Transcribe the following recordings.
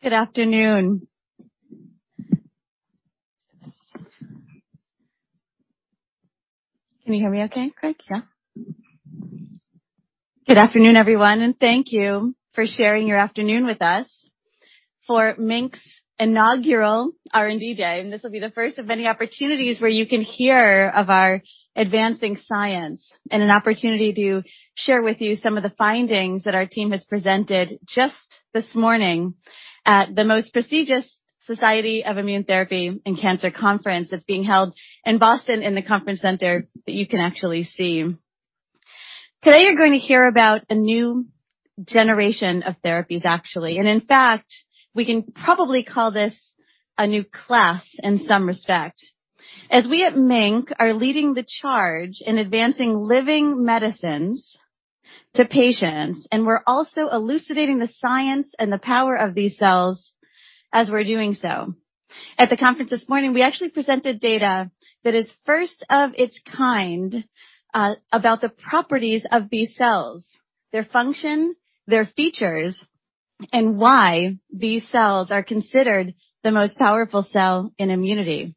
Good afternoon. Can you hear me okay? Yeah. Good afternoon, everyone, and thank you for sharing your afternoon with us for MiNK's inaugural R&D Day. This will be the first of many opportunities where you can hear of our advancing science and an opportunity to share with you some of the findings that our team has presented just this morning at the most prestigious Society for Immunotherapy of Cancer Conference that's being held in Boston in the conference center that you can actually see. Today, you're going to hear about a new generation of therapies, actually. In fact, we can probably call this a new class in some respects, as we at MiNK are leading the charge in advancing living medicines to patients. We're also elucidating the science and the power of these cells as we're doing so. At the conference this morning, we actually presented data that is first of its kind about the properties of B cells, their function, their features, and why B cells are considered the most powerful cell in immunity.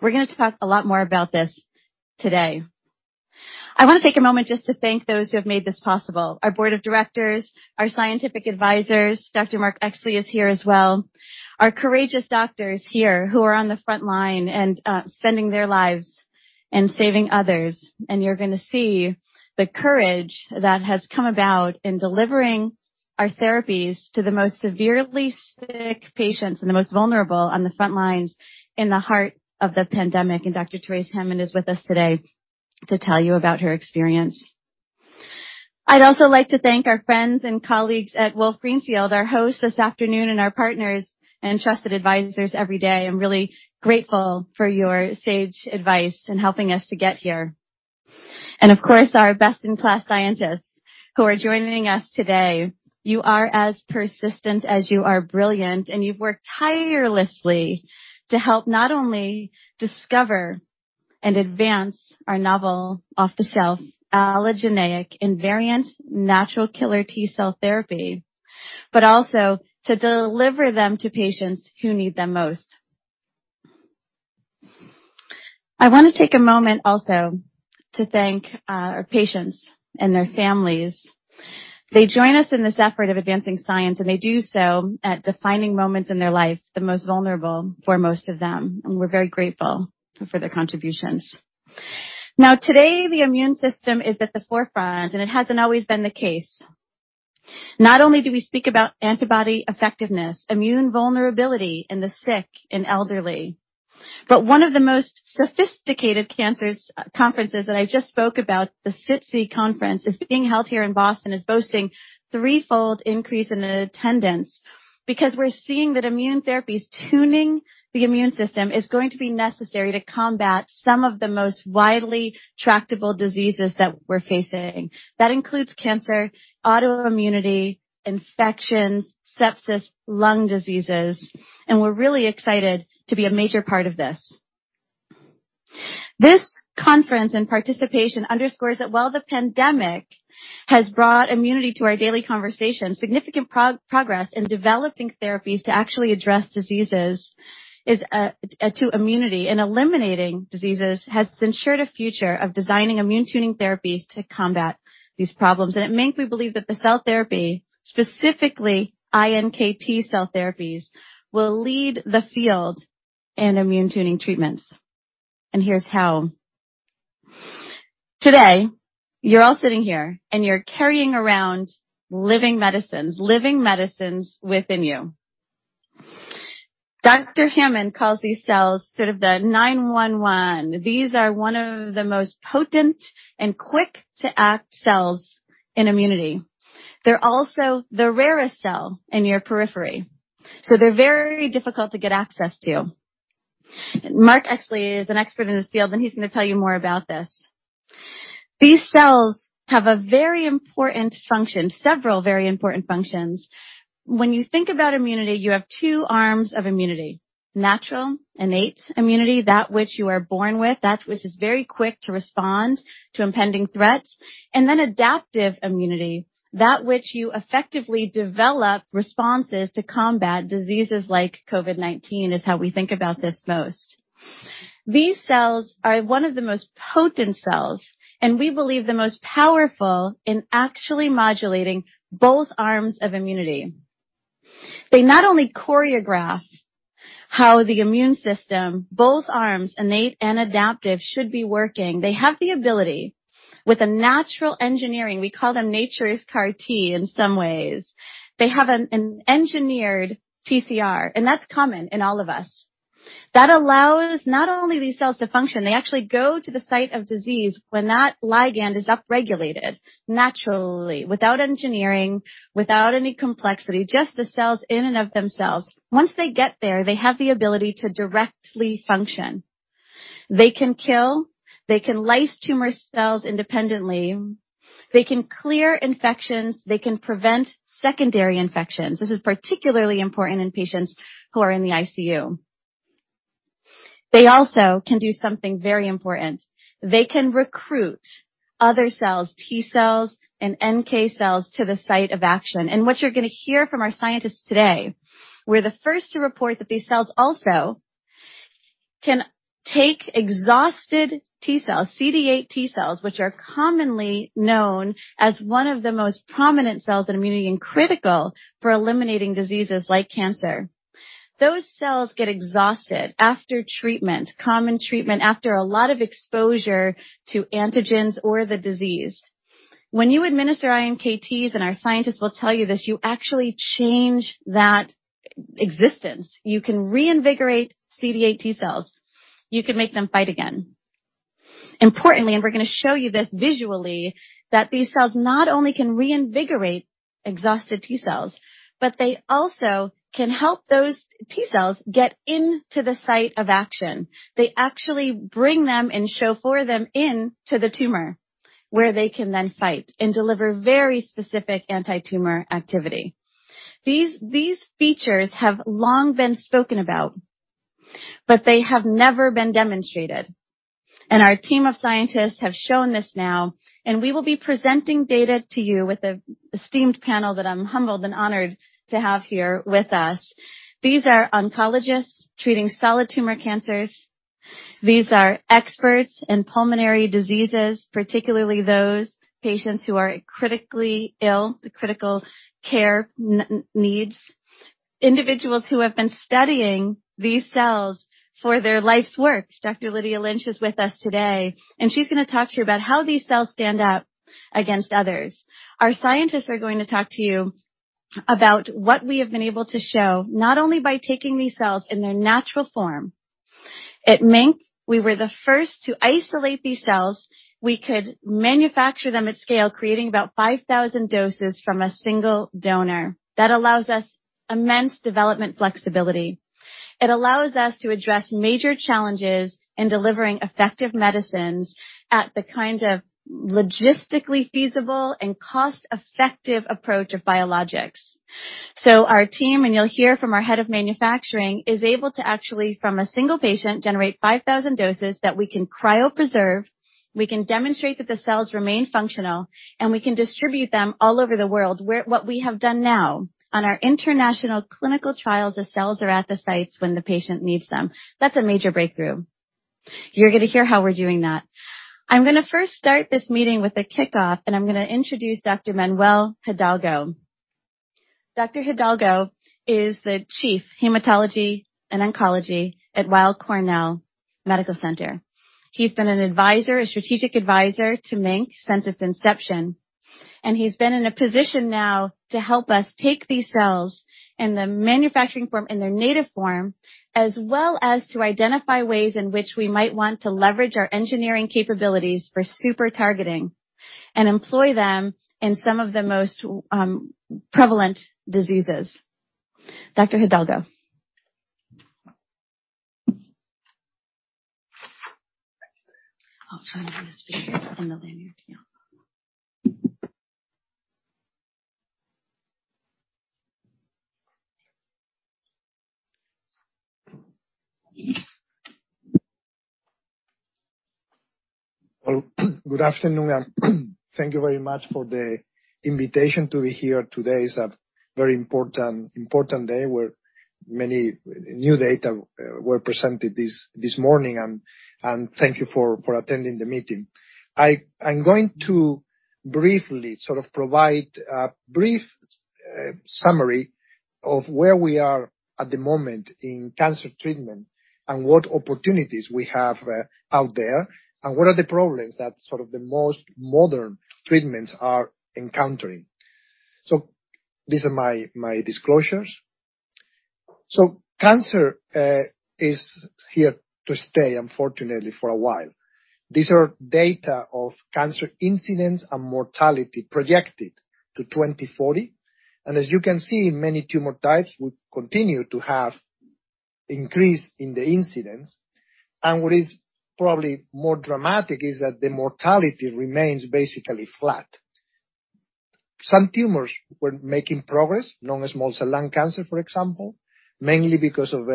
We're gonna talk a lot more about this today. I want to take a moment just to thank those who have made this possible. Our board of directors, our scientific advisors. Dr. Mark Exley is here as well. Our courageous doctors here who are on the front line and spending their lives and saving others. You're gonna see the courage that has come about in delivering our therapies to the most severely sick patients and the most vulnerable on the front lines in the heart of the pandemic. Dr. Terese Hammond is with us today to tell you about her experience. I'd also like to thank our friends and colleagues at Wolf Greenfield, our host this afternoon, and our partners and trusted advisors every day. I'm really grateful for your sage advice in helping us to get here. Of course, our best-in-class scientists who are joining us today. You are as persistent as you are brilliant, and you've worked tirelessly to help not only discover and advance our novel off-the-shelf allogeneic invariant natural killer T cell therapy, but also to deliver them to patients who need them most. I want to take a moment also to thank our patients and their families. They join us in this effort of advancing science, and they do so at defining moments in their lives, the most vulnerable for most of them, and we're very grateful for their contributions. Now, today, the immune system is at the forefront, and it hasn't always been the case. Not only do we speak about antibody effectiveness, immune vulnerability in the sick and elderly, but one of the most sophisticated cancer conferences that I just spoke about, the SITC Conference, is being held here in Boston, is boasting threefold increase in attendance because we're seeing that immune therapies tuning the immune system is going to be necessary to combat some of the most widely tractable diseases that we're facing. That includes cancer, autoimmunity, infections, sepsis, lung diseases, and we're really excited to be a major part of this. This conference and participation underscores that while the pandemic has brought immunity to our daily conversation, significant progress in developing therapies to actually address diseases is to immunity and eliminating diseases has ensured a future of designing immune tuning therapies to combat these problems. At MiNK, we believe that the cell therapy, specifically iNKT cell therapies, will lead the field in immune tuning treatments and here's how. Today, you're all sitting here, and you're carrying around living medicines within you. Dr. Hammond calls these cells sort of the 911. These are one of the most potent and quick-to-act cells in immunity. They're also the rarest cell in your periphery, so they're very difficult to get access to. Mark Exley is an expert in this field, and he's gonna tell you more about this. These cells have a very important function, several very important functions. When you think about immunity, you have two arms of immunity: natural, innate immunity, that which you are born with, that which is very quick to respond to impending threats, and then adaptive immunity, that which you effectively develop responses to combat diseases like COVID-19, is how we think about this most. These cells are one of the most potent cells, and we believe the most powerful in actually modulating both arms of immunity. They not only choreograph how the immune system, both arms, innate and adaptive, should be working. They have the ability, with a natural engineering, we call them nature's CAR T in some ways. They have an engineered TCR, and that's common in all of us. That allows not only these cells to function. They actually go to the site of disease when that ligand is upregulated naturally, without engineering, without any complexity, just the cells in and of themselves. Once they get there, they have the ability to directly function. They can kill, they can lyse tumor cells independently. They can clear infections, they can prevent secondary infections. This is particularly important in patients who are in the ICU. They also can do something very important. They can recruit other cells, T cells, and NK cells to the site of action. What you're gonna hear from our scientists today, we're the first to report that these cells also can take exhausted T cells, CD8 T cells, which are commonly known as one of the most prominent cells in immunity and critical for eliminating diseases like cancer. Those cells get exhausted after treatment, common treatment, after a lot of exposure to antigens or the disease. When you administer iNKT, and our scientists will tell you this, you actually change that exhaustion. You can reinvigorate CD8 T cells. You can make them fight again. Importantly, and we're gonna show you this visually, that these cells not only can reinvigorate exhausted T cells, but they also can help those T cells get into the site of action. They actually bring them and chauffeur them into the tumor, where they can then fight and deliver very specific antitumor activity. These features have long been spoken about, but they have never been demonstrated, and our team of scientists have shown this now, and we will be presenting data to you with the esteemed panel that I'm humbled and honored to have here with us. These are oncologists treating solid tumor cancers. These are experts in pulmonary diseases, particularly those patients who are critically ill, the critical care needs. Individuals who have been studying these cells for their life's work. Dr. Lydia Lynch is with us today, and she's gonna talk to you about how these cells stand out against others. Our scientists are going to talk to you about what we have been able to show, not only by taking these cells in their natural form. At MiNK, we were the first to isolate these cells. We could manufacture them at scale, creating about 5,000 doses from a single donor. That allows us immense development flexibility. It allows us to address major challenges in delivering effective medicines at the kind of logistically feasible and cost-effective approach of biologics. Our team, and you'll hear from our head of manufacturing, is able to actually, from a single patient, generate 5,000 doses that we can cryo-preserve, we can demonstrate that the cells remain functional, and we can distribute them all over the world. What we have done now on our international clinical trials, the cells are at the sites when the patient needs them. That's a major breakthrough. You're gonna hear how we're doing that. I'm gonna first start this meeting with a kickoff, and I'm gonna introduce Dr. Manuel Hidalgo. Dr. Hidalgo is the Chief Hematology and Oncology at Weill Cornell Medical Center. He's been an advisor, a strategic advisor to MiNK since its inception, and he's been in a position now to help us take these cells in the manufacturing form, in their native form, as well as to identify ways in which we might want to leverage our engineering capabilities for super targeting and employ them in some of the most prevalent diseases. Dr. Hidalgo? Oh, sorry. Let me just put it in the lanyard here. Yeah. Well, good afternoon, and thank you very much for the invitation to be here today. It's a very important day where many new data were presented this morning, and thank you for attending the meeting. I'm going to briefly sort of provide a brief summary of where we are at the moment in cancer treatment and what opportunities we have out there, and what are the problems that sort of the most modern treatments are encountering. These are my disclosures. Cancer is here to stay, unfortunately, for a while. These are data of cancer incidence and mortality projected to 2040. As you can see, many tumor types would continue to have increase in the incidence. What is probably more dramatic is that the mortality remains basically flat. Some tumors were making progress, non-small cell lung cancer, for example, mainly because of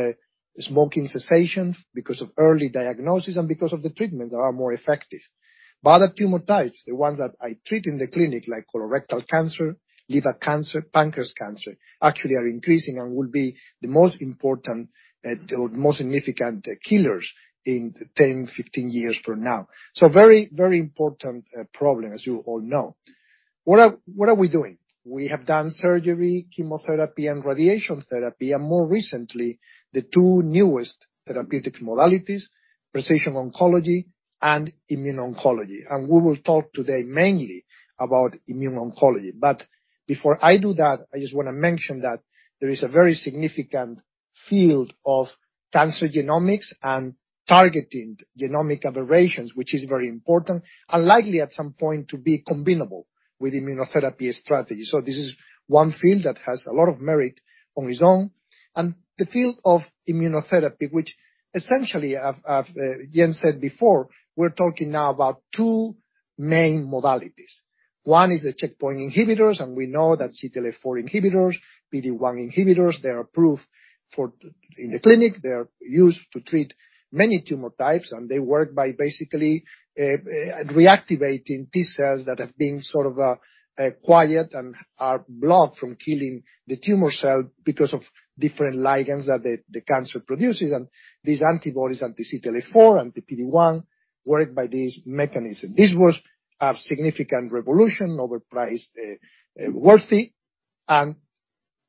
smoking cessation, because of early diagnosis, and because of the treatments that are more effective. But other tumor types, the ones that I treat in the clinic, like colorectal cancer, liver cancer, pancreatic cancer, actually are increasing and will be the most important or most significant killers in 10, 15 years from now. So very, very important problem, as you all know. What are we doing? We have done surgery, chemotherapy and radiation therapy, and more recently, the two newest therapeutic modalities, precision oncology and immune oncology. We will talk today mainly about immune oncology. Before I do that, I just wanna mention that there is a very significant field of cancer genomics and targeting genomic aberrations, which is very important and likely at some point to be combinable with immunotherapy strategies. This is one field that has a lot of merit on its own. The field of immunotherapy, which essentially, Jen said before, we're talking now about two main modalities. One is the checkpoint inhibitors, and we know that CTLA-4 inhibitors, PD-1 inhibitors, they are approved in the clinic. They are used to treat many tumor types, and they work by basically, reactivating T cells that have been sort of, quiet and are blocked from killing the tumor cell because of different ligands that the cancer produces. These antibodies, anti-CTLA-4 and the PD-1, work by this mechanism. This was a significant revolution, Nobel Prize worthy.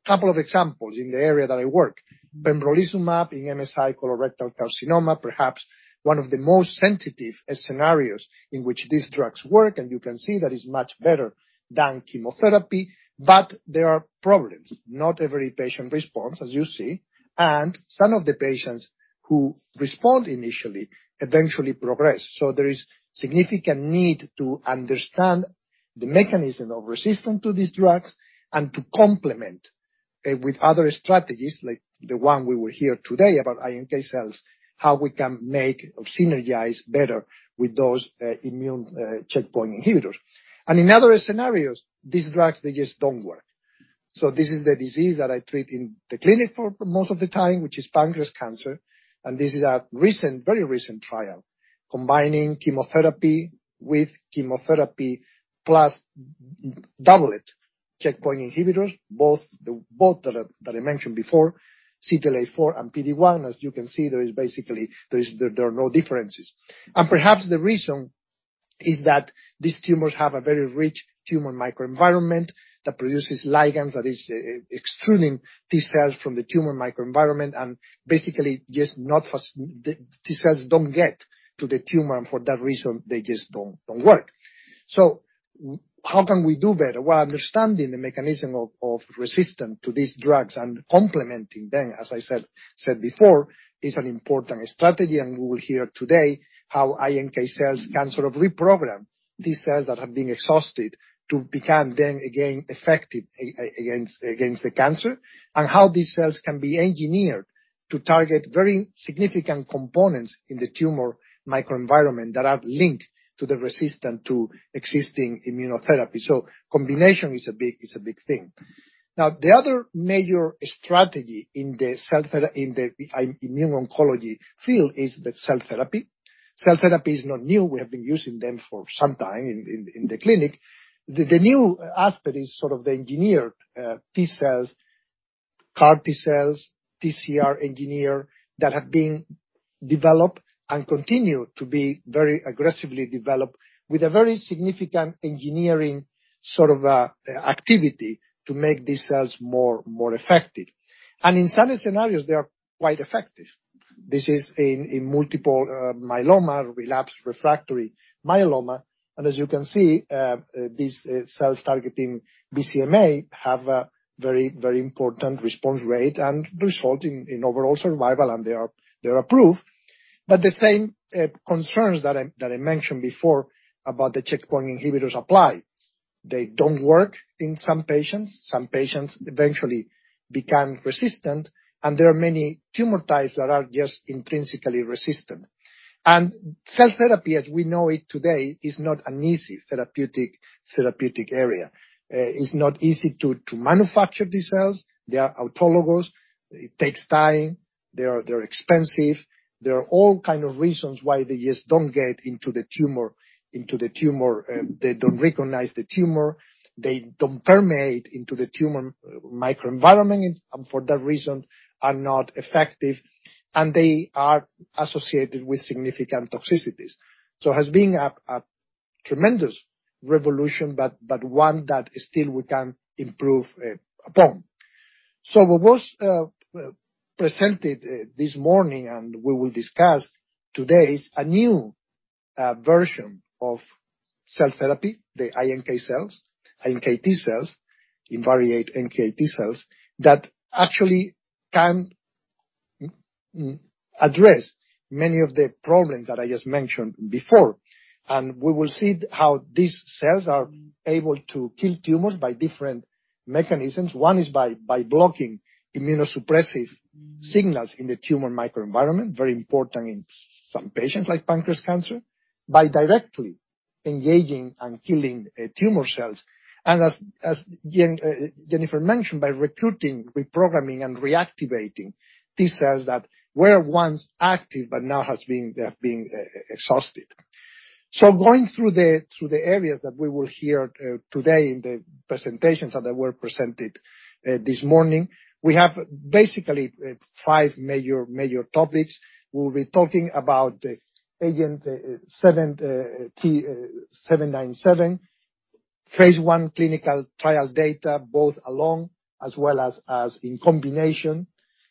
A couple of examples in the area that I work, pembrolizumab in MSI colorectal carcinoma, perhaps one of the most sensitive scenarios in which these drugs work. You can see that it is much better than chemotherapy. There are problems. Not every patient responds, as you see, and some of the patients who respond initially, eventually progress. There is significant need to understand the mechanism of resistance to these drugs and to complement with other strategies like the one we were here today about iNKT cells, how we can make or synergize better with those immune checkpoint inhibitors. In other scenarios, these drugs, they just don't work. This is the disease that I treat in the clinic for most of the time, which is pancreatic cancer. This is a recent, very recent trial combining chemotherapy with chemotherapy plus dual checkpoint inhibitors, both that I mentioned before, CTLA-4 and PD-1. As you can see, there are no differences. Perhaps the reason is that these tumors have a very rich tumor microenvironment that produces ligands that is excluding T cells from the tumor microenvironment. Basically, T cells don't get to the tumor, and for that reason, they just don't work. How can we do better? Well, understanding the mechanism of resistance to these drugs and complementing them, as I said before, is an important strategy. We will hear today how iNKT cells can sort of reprogram T cells that have been exhausted to become then again effective against the cancer, and how these cells can be engineered to target very significant components in the tumor microenvironment that are linked to the resistance to existing immunotherapy. Combination is a big thing. Now, the other major strategy in the immuno-oncology field is the cell therapy. Cell therapy is not new. We have been using them for some time in the clinic. The new aspect is sort of the engineered T cells, CAR T cells, TCR engineer that have been developed and continue to be very aggressively developed with a very significant engineering sort of activity to make these cells more effective. In some scenarios, they are quite effective. This is in multiple myeloma, relapsed refractory myeloma. As you can see, these cells targeting BCMA have a very important response rate and result in overall survival, and they are approved. The same concerns that I mentioned before about the checkpoint inhibitors apply. They don't work in some patients. Some patients eventually become resistant, and there are many tumor types that are just intrinsically resistant. Cell therapy, as we know it today, is not an easy therapeutic area. It's not easy to manufacture the cells. They are autologous. It takes time. They're expensive. There are all kind of reasons why they just don't get into the tumor, they don't recognize the tumor, they don't permeate into the tumor microenvironment, and for that reason, are not effective, and they are associated with significant toxicities. Has been a tremendous revolution, but one that still we can improve upon. What was presented this morning, and we will discuss today is a new version of cell therapy, the iNKT cells, iNKT cells, invariant NKT cells, that actually can address many of the problems that I just mentioned before. We will see how these cells are able to kill tumors by different mechanisms. One is by blocking immunosuppressive signals in the tumor microenvironment, very important in some patients like pancreatic cancer, by directly engaging and killing tumor cells. As Jen, Jennifer mentioned, by recruiting, reprogramming, and reactivating T cells that were once active but now they have been exhausted. Going through the areas that we will hear today in the presentations that were presented this morning, we have basically five major topics. We'll be talking about agenT-797 phase I clinical trial data, both alone as well as in combination.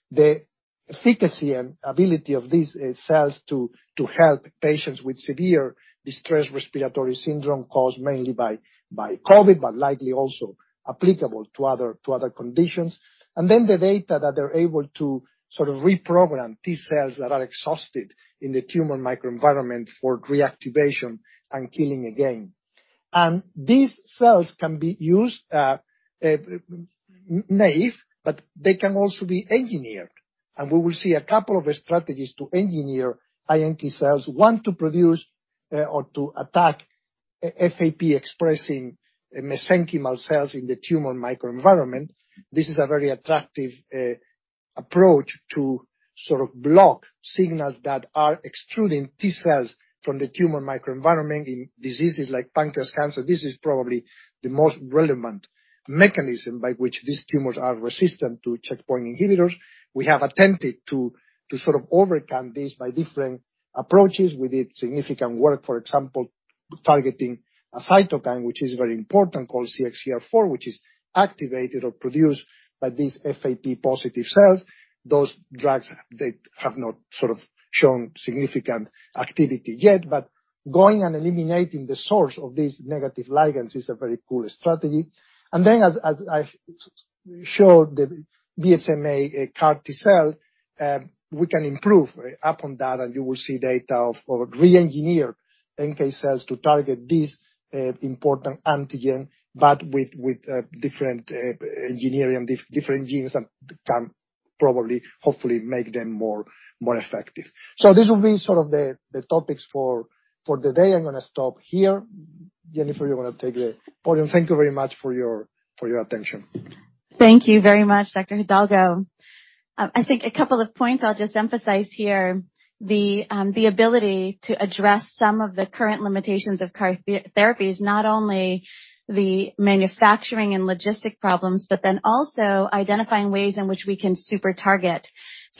The efficacy and ability of these cells to help patients with severe acute respiratory distress syndrome caused mainly by COVID, but likely also applicable to other conditions. Then the data that they're able to sort of reprogram T cells that are exhausted in the tumor microenvironment for reactivation and killing again. These cells can be used naive, but they can also be engineered. We will see a couple of strategies to engineer iNKT cells. One to produce or to attack FAP-expressing mesenchymal cells in the tumor microenvironment. This is a very attractive approach to sort of block signals that are extruding T cells from the tumor microenvironment in diseases like pancreatic cancer. This is probably the most relevant mechanism by which these tumors are resistant to checkpoint inhibitors. We have attempted to sort of overcome this by different approaches. We did significant work, for example, targeting a cytokine, which is very important, called CXCR4, which is activated or produced by these FAP-positive cells. Those drugs, they have not sort of shown significant activity yet, but going and eliminating the source of these negative ligands is a very cool strategy. As I showed the BCMA CAR T cell, we can improve upon that, and you will see data of our re-engineered NK cells to target this important antigen, but with different engineering, different genes that can probably, hopefully, make them more effective. This will be sort of the topics for today. I'm gonna stop here. Jennifer, you wanna take the podium. Thank you very much for your attention. Thank you very much, Dr. Hidalgo. I think a couple of points I'll just emphasize here, the ability to address some of the current limitations of CAR T therapies, not only the manufacturing and logistic problems, but then also identifying ways in which we can super target.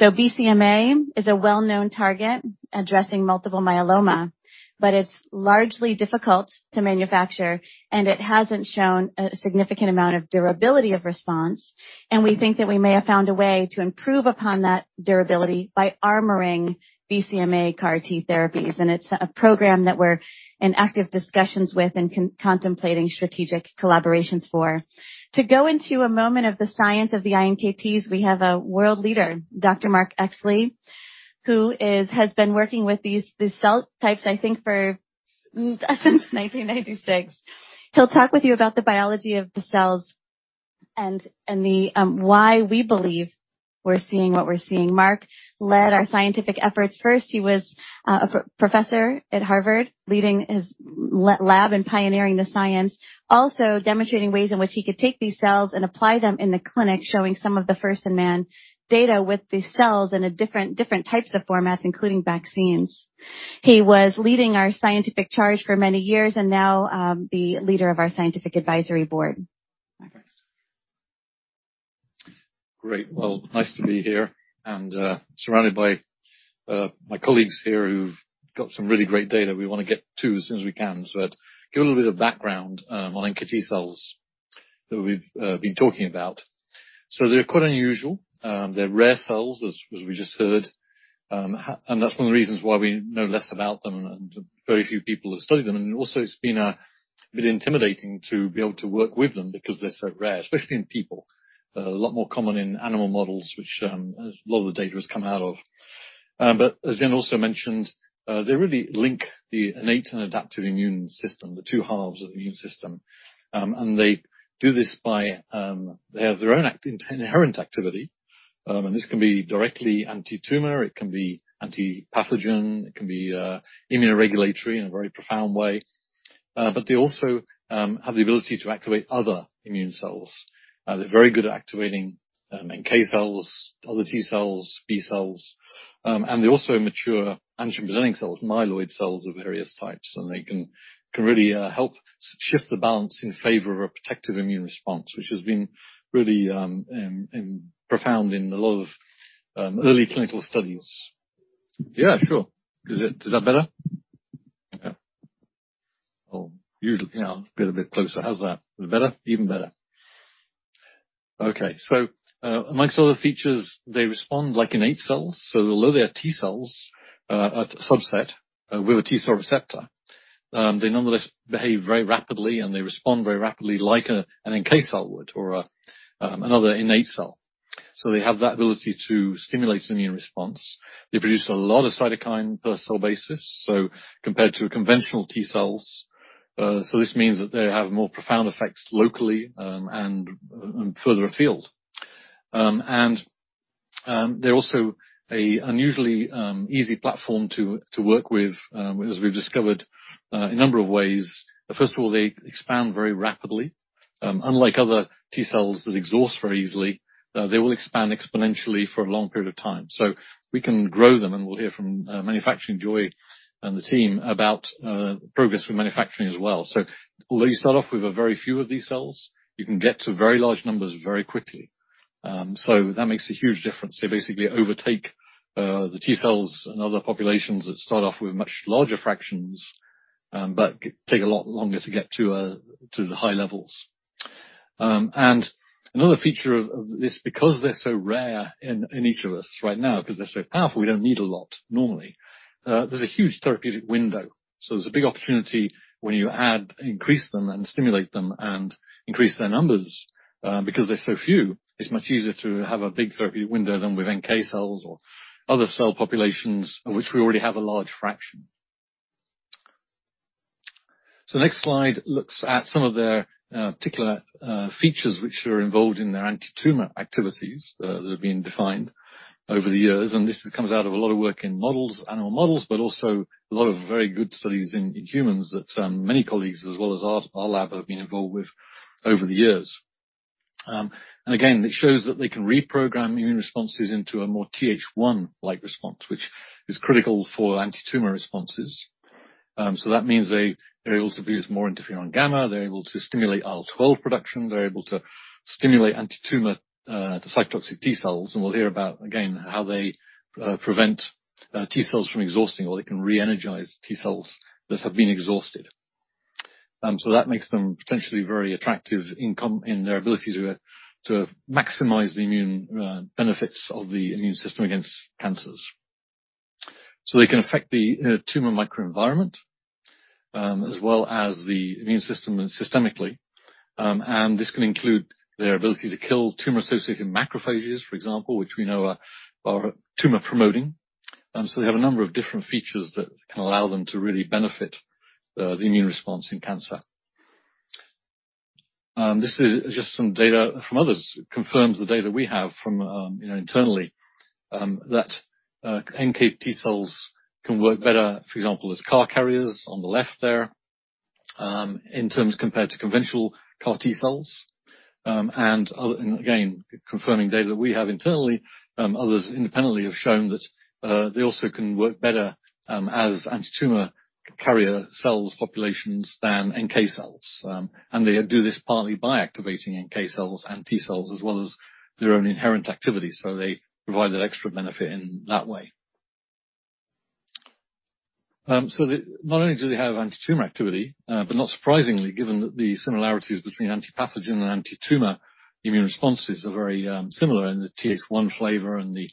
BCMA is a well-known target addressing multiple myeloma, but it's largely difficult to manufacture, and it hasn't shown a significant amount of durability of response. We think that we may have found a way to improve upon that durability by armoring BCMA CAR T therapies. It's a program that we're in active discussions with and contemplating strategic collaborations for. To go into a moment of the science of the iNKTs, we have a world leader, Dr. Mark Exley, who has been working with these cell types, I think since 1996. He'll talk with you about the biology of the cells and why we believe we're seeing what we're seeing. Mark led our scientific efforts. First, he was a professor at Harvard, leading his lab and pioneering the science. Also demonstrating ways in which he could take these cells and apply them in the clinic, showing some of the first in-man data with the cells in different types of formats, including vaccines. He was leading our scientific charge for many years, and now the leader of our scientific advisory board. Mark. Great. Well, nice to be here and surrounded by my colleagues here who've got some really great data we wanna get to as soon as we can. Give a little bit of background on iNKT cells that we've been talking about. They're quite unusual. They're rare cells, as we just heard, and that's one of the reasons why we know less about them and very few people have studied them. It's been a bit intimidating to be able to work with them because they're so rare, especially in people. They're a lot more common in animal models, which a lot of the data has come out of. As Jen also mentioned, they really link the innate and adaptive immune system, the two halves of the immune system. They do this by, they have their own inherent activity, and this can be directly anti-tumor, it can be anti-pathogen, it can be immunoregulatory in a very profound way. They also have the ability to activate other immune cells. They're very good at activating NK cells, other T cells, B cells, and they also mature antigen-presenting cells, myeloid cells of various types. They can really help shift the balance in favor of a protective immune response, which has been really profound in a lot of early clinical studies. Yeah, sure. Is it? Is that better? Yeah. Oh, usually. Yeah, I'll get a bit closer. How's that? Is it better? Even better. Okay. Amongst other features, they respond like innate cells. Although they are T cells, a subset with a T-cell receptor, they nonetheless behave very rapidly, and they respond very rapidly like an NK cell would or another innate cell. They have that ability to stimulate immune response. They produce a lot of cytokine per cell basis, so compared to conventional T cells, this means that they have more profound effects locally, and further afield. They're also an unusually easy platform to work with, as we've discovered, in a number of ways. First of all, they expand very rapidly. Unlike other T cells that exhaust very easily, they will expand exponentially for a long period of time. We can grow them, and we'll hear from manufacturing, Joy, and the team about progress with manufacturing as well. Although you start off with a very few of these cells, you can get to very large numbers very quickly. That makes a huge difference. They basically overtake the T cells and other populations that start off with much larger fractions, but take a lot longer to get to the high levels. Another feature of this, because they're so rare in each of us right now, because they're so powerful, we don't need a lot normally, there's a huge therapeutic window. There's a big opportunity when you add, increase them and stimulate them and increase their numbers, because they're so few, it's much easier to have a big therapeutic window than with NK cells or other cell populations of which we already have a large fraction. The next slide looks at some of their particular features which are involved in their antitumor activities that have been defined over the years. This comes out of a lot of work in models, animal models, but also a lot of very good studies in humans that many colleagues as well as our lab have been involved with over the years. It shows that they can reprogram immune responses into a more Th1-like response, which is critical for antitumor responses. That means they're able to produce more Interferon-gamma, they're able to stimulate IL-12 production, they're able to stimulate antitumor cytotoxic T cells, and we'll hear about, again, how they prevent T cells from exhausting, or they can re-energize T cells that have been exhausted. That makes them potentially very attractive in their ability to maximize the immune benefits of the immune system against cancers. They can affect the tumor microenvironment as well as the immune system and systemically. This can include their ability to kill tumor-associated macrophages, for example, which we know are tumor-promoting. They have a number of different features that can allow them to really benefit the immune response in cancer. This is just some data from others. It confirms the data we have from internally that iNKT cells can work better, for example, as CAR carriers on the left there, in terms compared to conventional CAR T cells. Again, confirming data that we have internally, others independently have shown that they also can work better as antitumor carrier cells populations than NK cells. They do this partly by activating NK cells and T cells as well as their own inherent activity. They provide that extra benefit in that way. Not only do they have antitumor activity, but not surprisingly, given that the similarities between anti-pathogen and antitumor immune responses are very similar in the Th1 flavor and the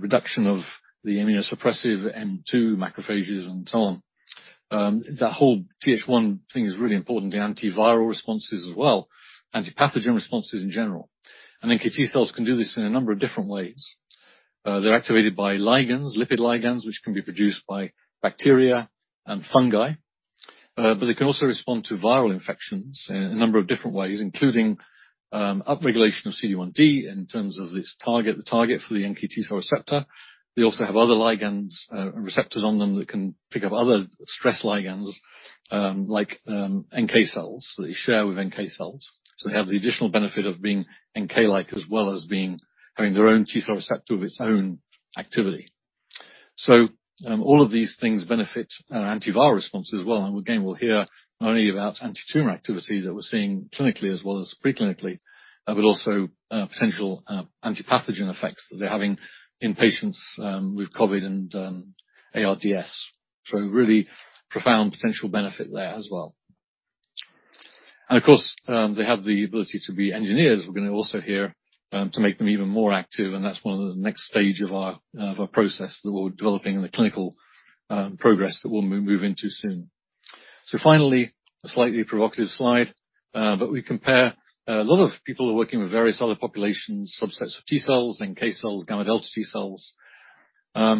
reduction of the immunosuppressive M2 macrophages and so on, that whole Th1 thing is really important, the antiviral responses as well, anti-pathogen responses in general. iNKT cells can do this in a number of different ways. They're activated by ligands, lipid ligands, which can be produced by bacteria and fungi. But they can also respond to viral infections in a number of different ways, including upregulation of CD1d in terms of its target, the target for the NKT cell receptor. They also have other ligands and receptors on them that can pick up other stress ligands, like NK cells, that they share with NK cells. They have the additional benefit of being NK-like as well as being, having their own T cell receptor with its own activity. All of these things benefit antiviral responses as well. We'll hear not only about antitumor activity that we're seeing clinically as well as pre-clinically, but also potential anti-pathogen effects that they're having in patients with COVID and ARDS. A really profound potential benefit there as well. Of course, they have the ability to be engineered. We're gonna also hear to make them even more active, and that's one of the next stage of our process that we're developing in the clinical progress that we'll move into soon. Finally, a slightly provocative slide, but we compare a lot of people are working with various other populations, subsets of T cells, NK cells, gamma delta T cells. All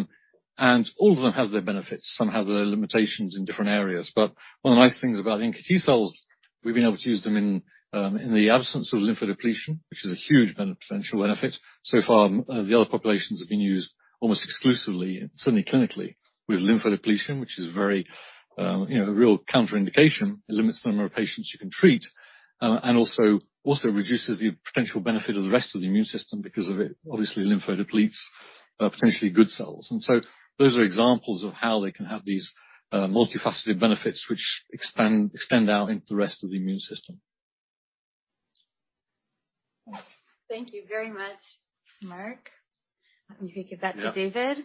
of them have their benefits. Some have their limitations in different areas. One of the nice things about NKT cells, we've been able to use them in the absence of lymphodepletion, which is a huge potential benefit. So far, the other populations have been used almost exclusively, certainly clinically, with lymphodepletion, which is very, you know, a real contraindication. It limits the number of patients you can treat, and also reduces the potential benefit of the rest of the immune system because of it. Obviously lymphodepletes potentially good cells. Those are examples of how they can have these multifaceted benefits which extend out into the rest of the immune system. Thank you very much, Mark. You can give that to David.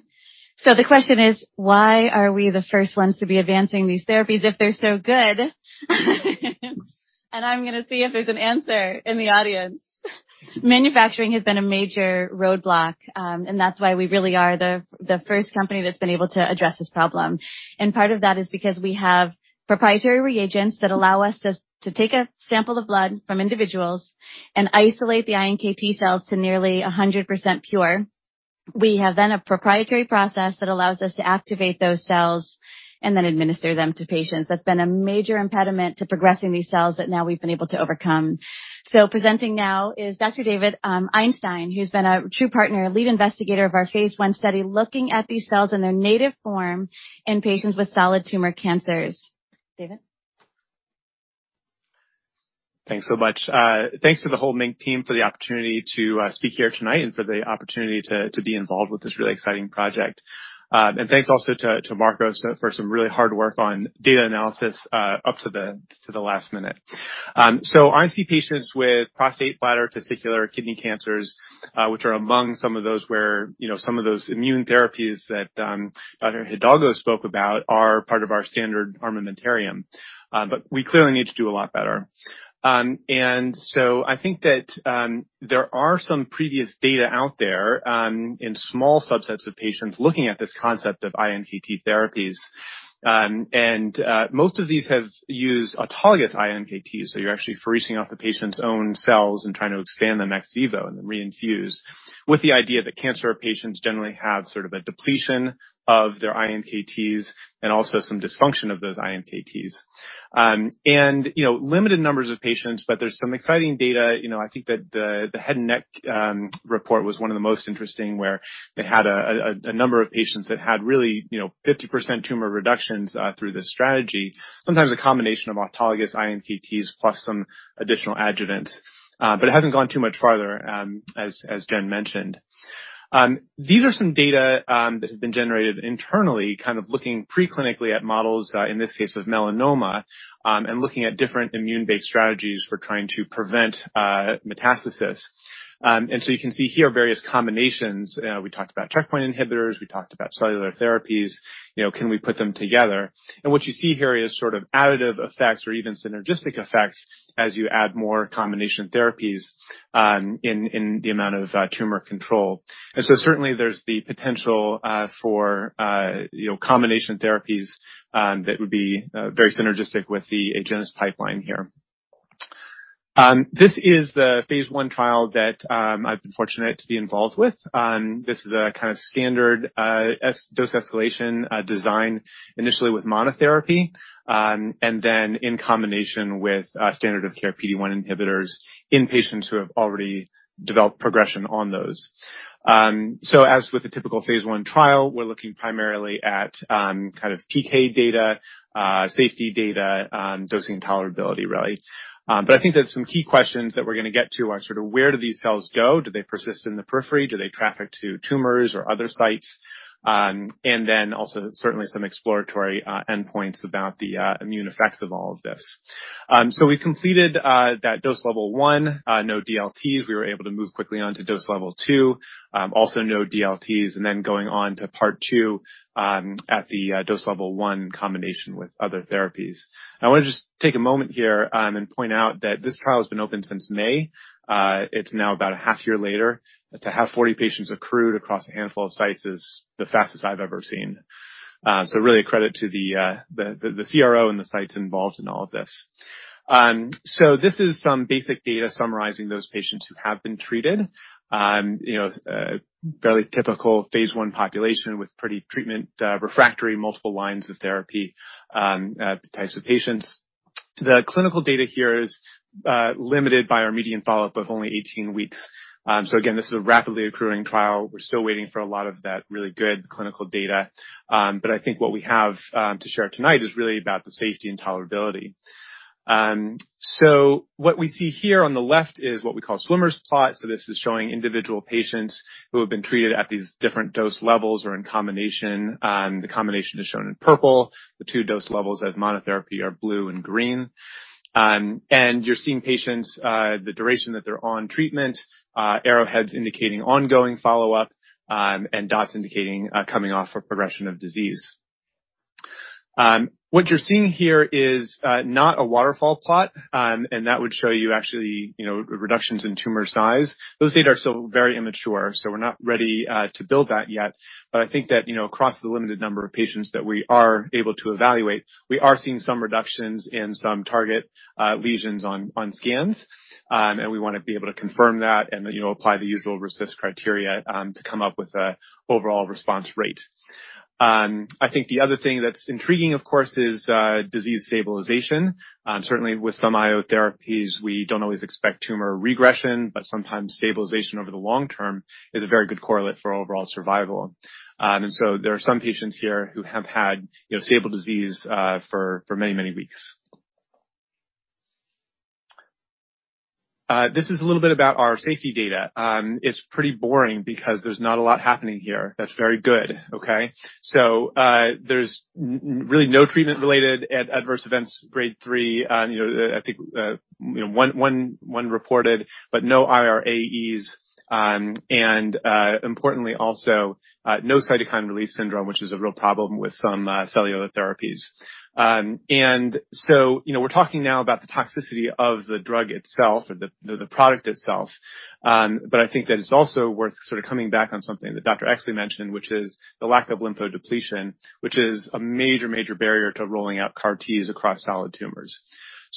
Yeah. The question is, why are we the first ones to be advancing these therapies if they're so good? I'm gonna see if there's an answer in the audience. Manufacturing has been a major roadblock, and that's why we really are the first company that's been able to address this problem. Part of that is because we have proprietary reagents that allow us to take a sample of blood from individuals and isolate the iNKT cells to nearly 100% pure. We have then a proprietary process that allows us to activate those cells and then administer them to patients. That's been a major impediment to progressing these cells that now we've been able to overcome. Presenting now is Dr. David Einstein, who's been a true partner, lead investigator of our phase I stud?, looking at these cells in their native form in patients with solid tumor cancers. David? Thanks so much. Thanks to the whole MiNK team for the opportunity to speak here tonight and for the opportunity to be involved with this really exciting project. Thanks also to Marc-O. So for some really hard work on data analysis up to the last minute. I see patients with prostate, bladder, testicular, kidney cancers, which are among some of those where, you know, some of those immune therapies that Dr. Hidalgo spoke about are part of our standard armamentarium, but we clearly need to do a lot better. I think that there are some previous data out there in small subsets of patients looking at this concept of iNKT therapies. Most of these have used autologous iNKT, so you're actually freezing off a patient's own cells and trying to expand them ex vivo and then reinfuse, with the idea that cancer patients generally have sort of a depletion of their iNKTs and also some dysfunction of those iNKTs. You know, limited numbers of patients, but there's some exciting data. You know, I think that the head and neck report was one of the most interesting, where they had a number of patients that had really, you know, 50% tumor reductions through this strategy. Sometimes a combination of autologous iNKTs plus some additional adjuvants. It hasn't gone too much farther, as Jen mentioned. These are some data that have been generated internally, kind of looking pre-clinically at models, in this case with melanoma, and looking at different immune-based strategies for trying to prevent metastasis. You can see here various combinations. We talked about checkpoint inhibitors. We talked about cellular therapies. You know, can we put them together? What you see here is sort of additive effects or even synergistic effects as you add more combination therapies, in the amount of tumor control. Certainly there's the potential for you know, combination therapies that would be very synergistic with the Agenus pipeline here. This is the phase I trial that I've been fortunate to be involved with. This is a kind of standard dose escalation design, initially with monotherapy, and then in combination with standard of care PD-1 inhibitors in patients who have already developed progression on those. As with a typical phase I trial, we're looking primarily at kind of PK data, safety data, dosing tolerability really. I think that some key questions that we're gonna get to are sort of where do these cells go? Do they persist in the periphery? Do they traffic to tumors or other sites? And then also certainly some exploratory endpoints about the immune effects of all of this. We've completed that dose level one, no DLTs. We were able to move quickly on to dose level two, also no DLTs. Going on to part two, at the dose level one combination with other therapies. I wanna just take a moment here and point out that this trial has been open since May. It's now about a half year later. To have 40 patients accrued across a handful of sites is the fastest I've ever seen. Really a credit to the CRO and the sites involved in all of this. This is some basic data summarizing those patients who have been treated. You know, a fairly typical phase I population with pretty treatment refractory, multiple lines of therapy, types of patients. The clinical data here is limited by our median follow-up of only 18 weeks. Again, this is a rapidly accruing trial. We're still waiting for a lot of that really good clinical data. I think what we have to share tonight is really about the safety and tolerability. What we see here on the left is what we call swimmer's plot. This is showing individual patients who have been treated at these different dose levels or in combination. The combination is shown in purple. The two dose levels as monotherapy are blue and green. You're seeing patients, the duration that they're on treatment, arrowheads indicating ongoing follow-up, and dots indicating coming off a progression of disease. What you're seeing here is not a waterfall plot, and that would show you actually, you know, reductions in tumor size. Those data are still very immature. We're not ready to build that yet. I think that, you know, across the limited number of patients that we are able to evaluate, we are seeing some reductions in some target lesions on scans. We wanna be able to confirm that and, you know, apply the usual RECIST criteria to come up with a overall response rate. I think the other thing that's intriguing, of course, is disease stabilization. Certainly with some IO therapies, we don't always expect tumor regression, but sometimes stabilization over the long term is a very good correlate for overall survival. There are some patients here who have had, you know, stable disease for many weeks. This is a little bit about our safety data. It's pretty boring because there's not a lot happening here. That's very good, okay. There's really no treatment-related adverse events grade three. You know, I think, you know, one reported, but no irAEs. Importantly also, no cytokine release syndrome, which is a real problem with some cellular therapies. You know, we're talking now about the toxicity of the drug itself or the product itself. But I think that it's also worth sort of coming back on something that Dr. Exley mentioned, which is the lack of lymphodepletion, which is a major barrier to rolling out CAR Ts across solid tumors.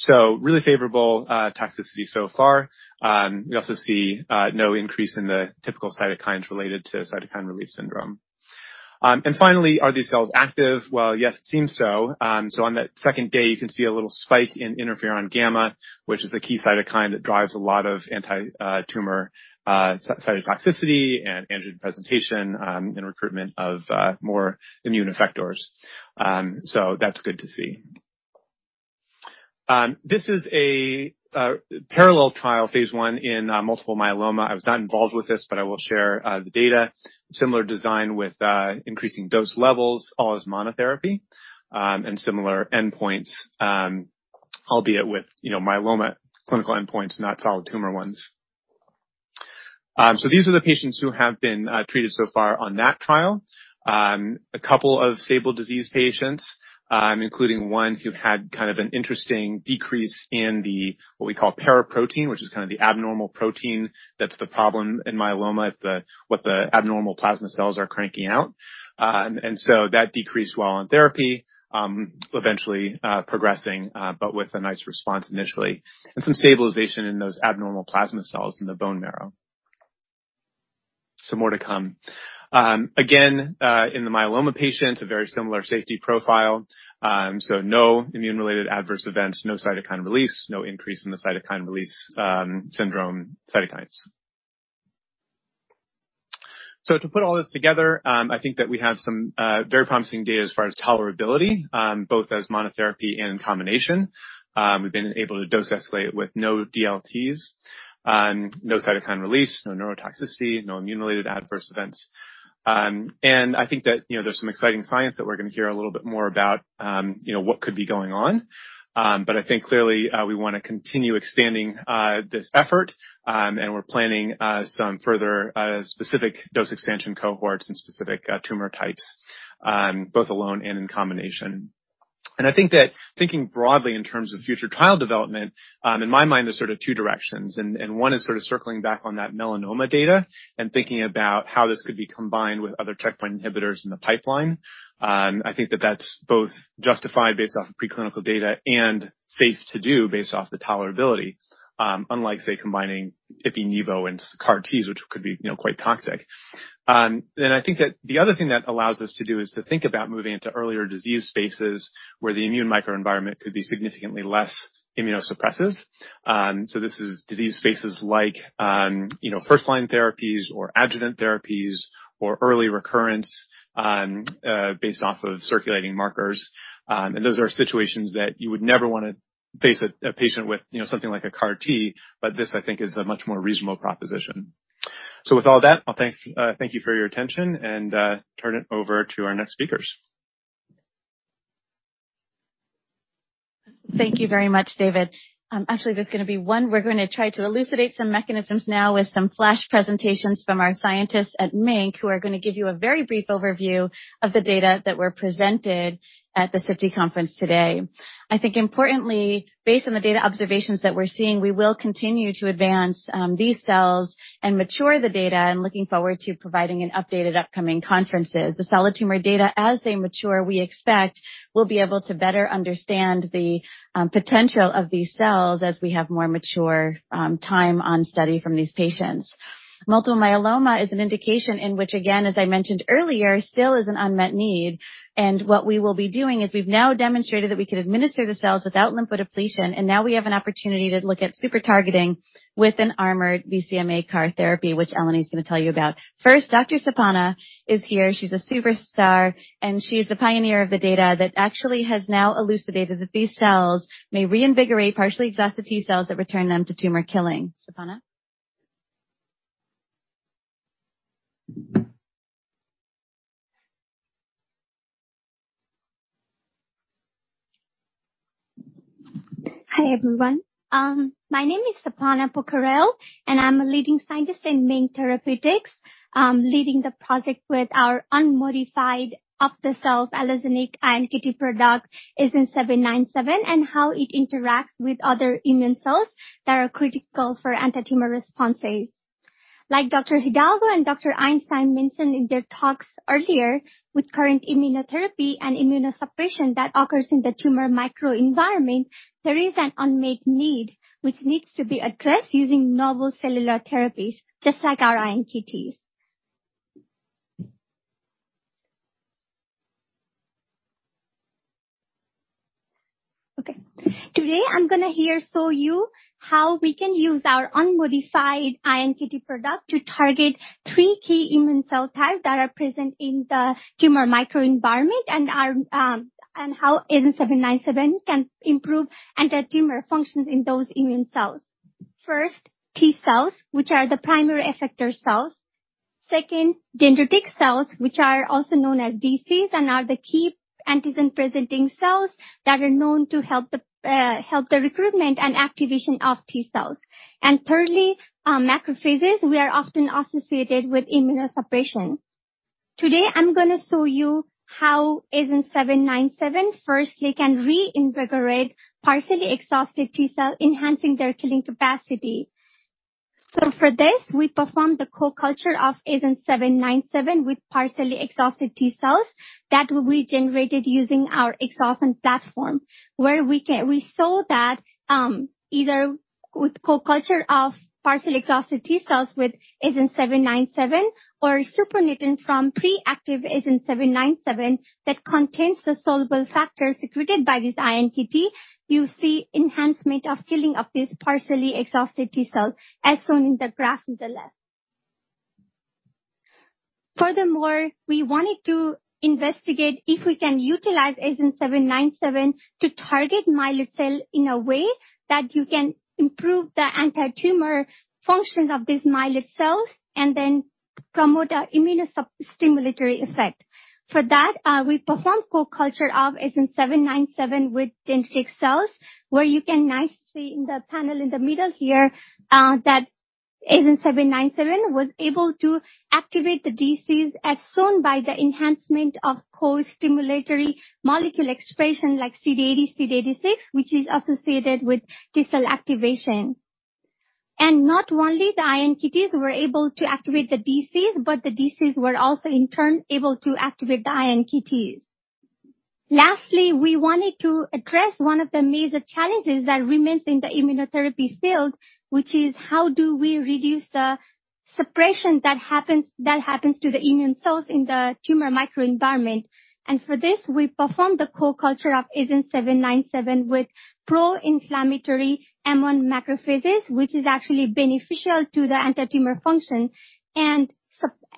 Really favorable toxicity so far. We also see no increase in the typical cytokines related to cytokine release syndrome. Finally, are these cells active? Well, yes, it seems so. On that second day, you can see a little spike in interferon-gamma, which is a key cytokine that drives a lot of anti-tumor cytotoxicity and antigen presentation, and recruitment of more immune effectors. That's good to see. This is a parallel trial phase I in multiple myeloma. I was not involved with this, but I will share the data. Similar design with increasing dose levels, all as monotherapy, and similar endpoints, albeit with, you know, myeloma clinical endpoints, not solid tumor ones. These are the patients who have been treated so far on that trial. A couple of stable disease patients, including one who had kind of an interesting decrease in the what we call paraprotein, which is kind of the abnormal protein that's the problem in myeloma. It's the what the abnormal plasma cells are cranking out. That decreased while on therapy, eventually progressing, but with a nice response initially and some stabilization in those abnormal plasma cells in the bone marrow. More to come. Again, in the myeloma patients, a very similar safety profile. No immune-related adverse events, no cytokine release, no increase in the cytokine release syndrome cytokines. To put all this together, I think that we have some very promising data as far as tolerability, both as monotherapy and in combination. We've been able to dose escalate with no DLTs, no cytokine release, no neurotoxicity, no immune-related adverse events. I think that, you know, there's some exciting science that we're gonna hear a little bit more about, you know, what could be going on. I think clearly, we wanna continue expanding this effort, and we're planning some further specific dose expansion cohorts and specific tumor types, both alone and in combination. I think that thinking broadly in terms of future trial development, in my mind there's sort of two directions. One is sort of circling back on that melanoma data and thinking about how this could be combined with other checkpoint inhibitors in the pipeline. I think that that's both justified based off of preclinical data and safe to do based off the tolerability, unlike, say, combining ipi/nivo and CAR Ts, which could be, you know, quite toxic. I think that the other thing that allows us to do is to think about moving into earlier disease spaces where the immune microenvironment could be significantly less immunosuppressive. This is disease spaces like, you know, first-line therapies or adjuvant therapies or early recurrence, based off of circulating markers. Those are situations that you would never wanna base a patient with, you know, something like a CAR T, but this, I think, is a much more reasonable proposition. With all that, I'll thank you for your attention and turn it over to our next speakers. Thank you very much, David. Actually, we're gonna try to elucidate some mechanisms now with some flash presentations from our scientists at MiNK, who are gonna give you a very brief overview of the data that were presented at the SITC Conference today. I think importantly, based on the data observations that we're seeing, we will continue to advance these cells and mature the data and looking forward to providing an update at upcoming conferences. The solid tumor data, as they mature, we expect we'll be able to better understand the potential of these cells as we have more mature time on study from these patients. Multiple myeloma is an indication in which, again, as I mentioned earlier, still is an unmet need. What we will be doing is we've now demonstrated that we could administer the cells without lymphodepletion, and now we have an opportunity to look at super targeting with an armored BCMA CAR therapy, which Eleni is gonna tell you about. First, Dr. Sapana is here. She's a superstar, and she's the pioneer of the data that actually has now elucidated that these cells may reinvigorate partially exhausted T-cells that return them to tumor killing. Sapana? Hi, everyone. My name is Sapana Pokharel, and I'm a leading scientist in MiNK Therapeutics, leading the project with our unmodified off-the-shelf allogeneic iNKT product, agenT-797, and how it interacts with other immune cells that are critical for antitumor responses. Like Dr. Hidalgo and Dr. Einstein mentioned in their talks earlier, with current immunotherapy and immunosuppression that occurs in the tumor microenvironment, there is an unmet need which needs to be addressed using novel cellular therapies such as our iNKTs. Today I'm gonna show you how we can use our unmodified iNKT product to target three key immune cell types that are present in the tumor microenvironment, and how agenT-797 can improve antitumor functions in those immune cells. First, T cells, which are the primary effector cells. Second, dendritic cells, which are also known as DCs and are the key antigen-presenting cells that are known to help the recruitment and activation of T cells. Third, macrophages, which are often associated with immunosuppression. Today I'm gonna show you how agenT-797 firstly can reinvigorate partially exhausted T cell, enhancing their killing capacity. For this, we perform the co-culture of agenT-797 with partially exhausted T cells that will be generated using our exhaustion platform. We saw that either with co-culture of partially exhausted T cells with agenT-797 or supernatant from pre-activated agenT-797 that contains the soluble factors secreted by this iNKT, you see enhancement of killing of this partially exhausted T cell, as shown in the graph on the left. Furthermore, we wanted to investigate if we can utilize agenT-797 to target myeloid cell in a way that you can improve the antitumor functions of these myeloid cells and then promote a immunostimulatory effect. For that, we performed co-culture of agenT-797 with dendritic cells, where you can nicely in the panel in the middle here, that agenT-797 was able to activate the DCs as shown by the enhancement of co-stimulatory molecule expression like CD80, CD86, which is associated with T cell activation. Not only the iNKTs were able to activate the DCs, but the DCs were also in turn able to activate the iNKTs. Lastly, we wanted to address one of the major challenges that remains in the immunotherapy field, which is how do we reduce the suppression that happens to the immune cells in the tumor microenvironment? For this, we performed the co-culture of agenT-797 with pro-inflammatory M1 macrophages, which is actually beneficial to the anti-tumor function and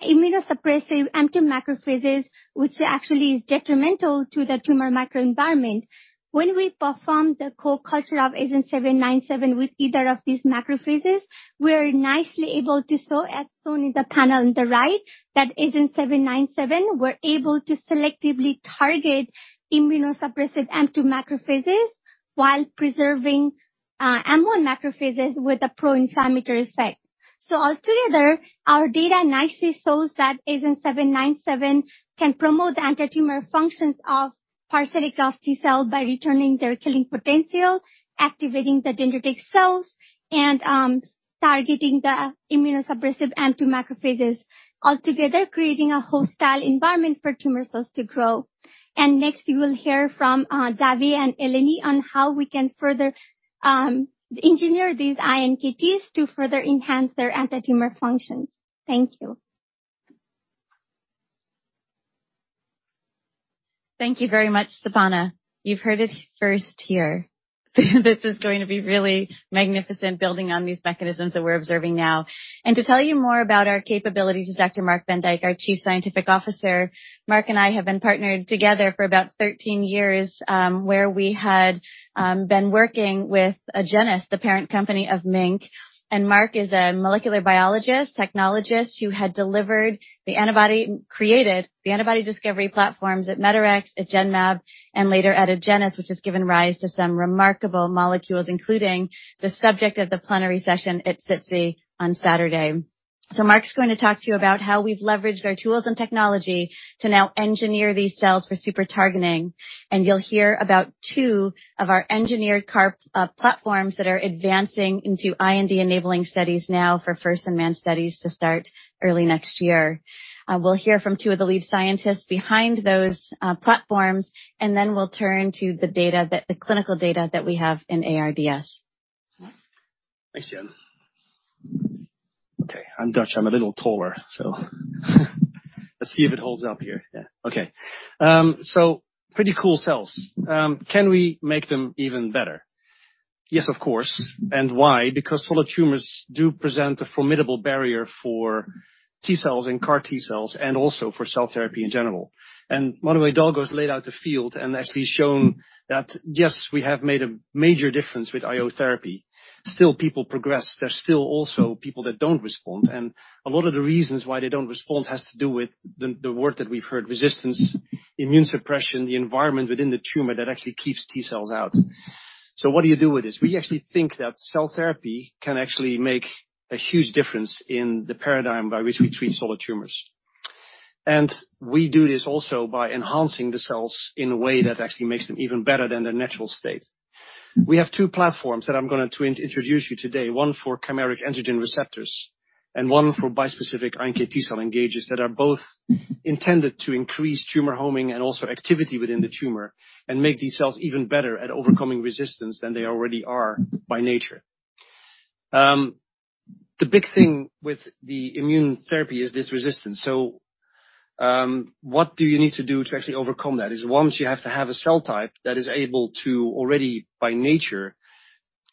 immunosuppressive M2 macrophages, which actually is detrimental to the tumor microenvironment. When we performed the co-culture of agenT-797 with either of these macrophages, we were nicely able to show, as shown in the panel on the right, that agenT-797 were able to selectively target immunosuppressive M2 macrophages while preserving M1 macrophages with a pro-inflammatory effect. Altogether, our data nicely shows that agenT-797 can promote the anti-tumor functions of partially exhausted T cells by restoring their killing potential, activating the dendritic cells and targeting the immunosuppressive M2 macrophages, altogether creating a hostile environment for tumor cells to grow. Next, you will hear from Xavier and Eleni on how we can further engineer these iNKTs to further enhance their anti-tumor functions. Thank you. Thank you very much, Sapana. You've heard it first here. This is going to be really magnificent, building on these mechanisms that we're observing now. To tell you more about our capabilities is Dr. Marc van Dijk, our Chief Scientific Officer. Marc and I have been partnered together for about 13 years, where we had been working with Agenus, the parent company of MiNK. Marc is a molecular biologist, technologist who had delivered the antibody, created the antibody discovery platforms at Medarex, at Genmab, and later at Agenus, which has given rise to some remarkable molecules, including the subject of the plenary session at SITC on Saturday. Marc's going to talk to you about how we've leveraged our tools and technology to now engineer these cells for super targeting. You'll hear about two of our engineered CAR platforms that are advancing into IND-enabling studies now for first-in-man studies to start early next year. We'll hear from two of the lead scientists behind those platforms, and then we'll turn to the clinical data that we have in ARDS. Thanks, Jen. Okay, I'm Dutch. I'm a little taller, so let's see if it holds up here. Yeah. Okay. So pretty cool cells. Can we make them even better? Yes, of course. Why? Because solid tumors do present a formidable barrier for T cells and CAR T cells, and also for cell therapy in general. Manuel Hidalgo has laid out the field and actually shown that, yes, we have made a major difference with IO therapy. Still people progress. There are still also people that don't respond, and a lot of the reasons why they don't respond has to do with the word that we've heard, resistance, immune suppression, the environment within the tumor that actually keeps T cells out. What do you do with this? We actually think that cell therapy can actually make a huge difference in the paradigm by which we treat solid tumors. We do this also by enhancing the cells in a way that actually makes them even better than their natural state. We have two platforms that I'm gonna introduce you today, one for chimeric antigen receptors and one for bispecific iNKT cell engagers that are both intended to increase tumor homing and also activity within the tumor and make these cells even better at overcoming resistance than they already are by nature. The big thing with the immune therapy is this resistance. What do you need to do to actually overcome that? Once you have to have a cell type that is able to already, by nature,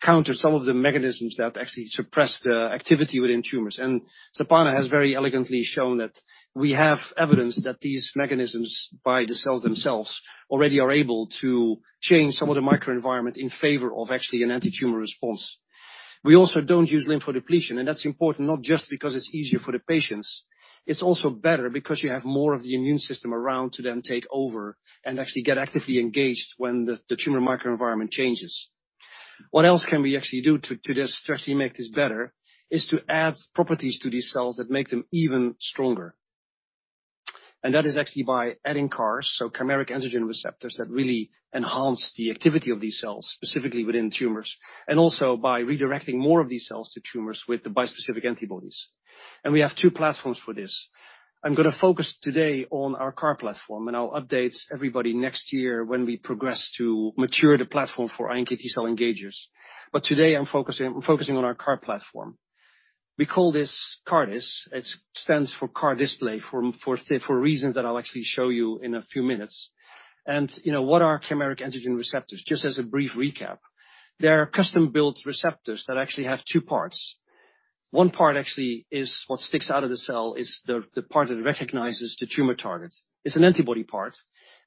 counter some of the mechanisms that actually suppress the activity within tumors. Sapana has very elegantly shown that we have evidence that these mechanisms by the cells themselves already are able to change some of the microenvironment in favor of actually an antitumor response. We also don't use lymphodepletion, and that's important not just because it's easier for the patients. It's also better because you have more of the immune system around to then take over and actually get actively engaged when the tumor microenvironment changes. What else can we actually do to just actually make this better is to add properties to these cells that make them even stronger. That is actually by adding CARs, so chimeric antigen receptors that really enhance the activity of these cells, specifically within tumors, and also by redirecting more of these cells to tumors with the bispecific antibodies. We have two platforms for this. I'm gonna focus today on our CAR platform, and I'll update everybody next year when we progress to mature the platform for iNKT cell engagers. Today I'm focusing on our CAR platform. We call this CARDIS. It stands for CAR display for reasons that I'll actually show you in a few minutes. You know, what are chimeric antigen receptors? Just as a brief recap. They're custom-built receptors that actually have two parts. One part actually is what sticks out of the cell, is the part that recognizes the tumor target. It's an antibody part,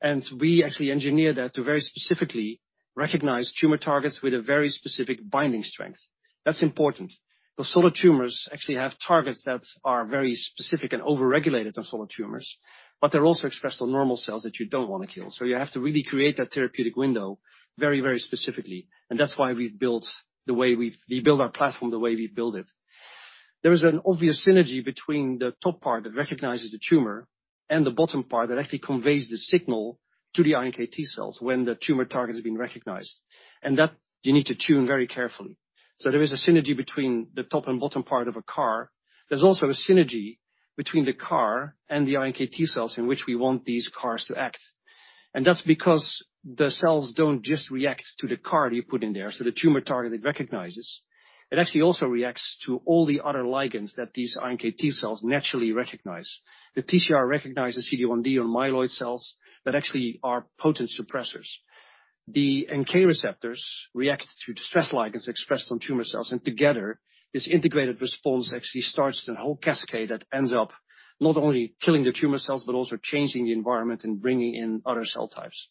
and we actually engineer that to very specifically recognize tumor targets with a very specific binding strength. That's important. The solid tumors actually have targets that are very specific and over-regulated on solid tumors, but they're also expressed on normal cells that you don't wanna kill. You have to really create that therapeutic window very, very specifically. That's why we build our platform the way we build it. There is an obvious synergy between the top part that recognizes the tumor and the bottom part that actually conveys the signal to the iNKT cells when the tumor target has been recognized, and that you need to tune very carefully. There is a synergy between the top and bottom part of a CAR. There's also a synergy between the CAR and the iNKT cells in which we want these CARs to act. That's because the cells don't just react to the CAR you put in there. The tumor target it recognizes. It actually also reacts to all the other ligands that these iNKT cells naturally recognize. The TCR recognizes CD1d on myeloid cells that actually are potent suppressors. The NK receptors react to distress ligands expressed on tumor cells, and together, this integrated response actually starts the whole cascade that ends up not only killing the tumor cells but also changing the environment and bringing in other cell types.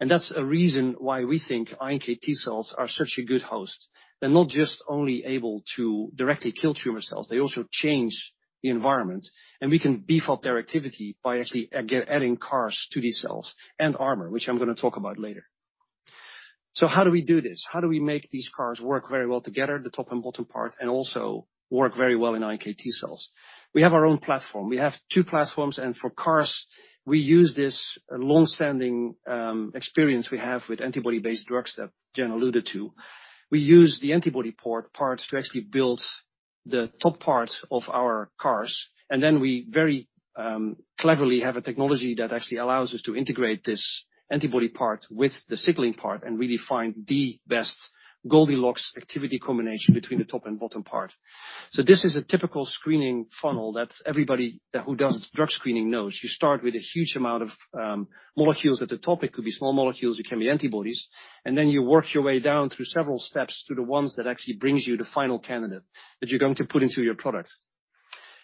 That's a reason why we think iNKT cells are such a good host. They're not just only able to directly kill tumor cells, they also change the environment, and we can beef up their activity by actually adding CARs to these cells and armor, which I'm gonna talk about later. How do we do this? How do we make these CARs work very well together, the top and bottom part, and also work very well in iNKT cells? We have our own platform. We have two platforms, and for CARs, we use this longstanding experience we have with antibody-based drugs that Jen alluded to. We use the antibody parts to actually build the top part of our CARs, and then we very cleverly have a technology that actually allows us to integrate this antibody part with the signaling part and really find the best Goldilocks activity combination between the top and bottom part. This is a typical screening funnel that everybody who does drug screening knows. You start with a huge amount of molecules at the top. It could be small molecules, it can be antibodies, and then you work your way down through several steps to the ones that actually brings you the final candidate that you're going to put into your product.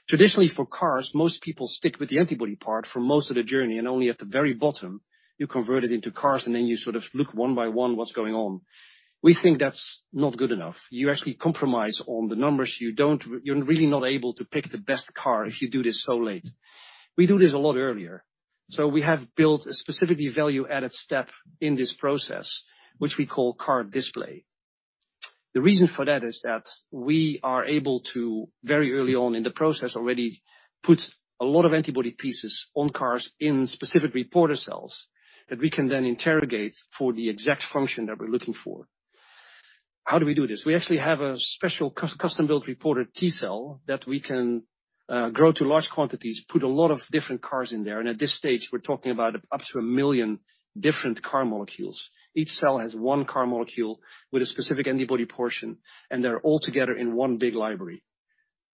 Traditionally, for CARs, most people stick with the antibody part for most of the journey, and only at the very bottom you convert it into CARs, and then you sort of look one by one what's going on. We think that's not good enough. You actually compromise on the numbers. You're really not able to pick the best CAR if you do this so late. We do this a lot earlier. We have built a specifically value-added step in this process, which we call CAR display. The reason for that is that we are able to, very early on in the process already, put a lot of antibody pieces on CARs in specific reporter cells that we can then interrogate for the exact function that we're looking for. How do we do this? We actually have a special custom-built reporter T-cell that we can grow to large quantities, put a lot of different CARs in there, and at this stage, we're talking about up to 1 million different CAR molecules. Each cell has one CAR molecule with a specific antibody portion, and they're all together in one big library.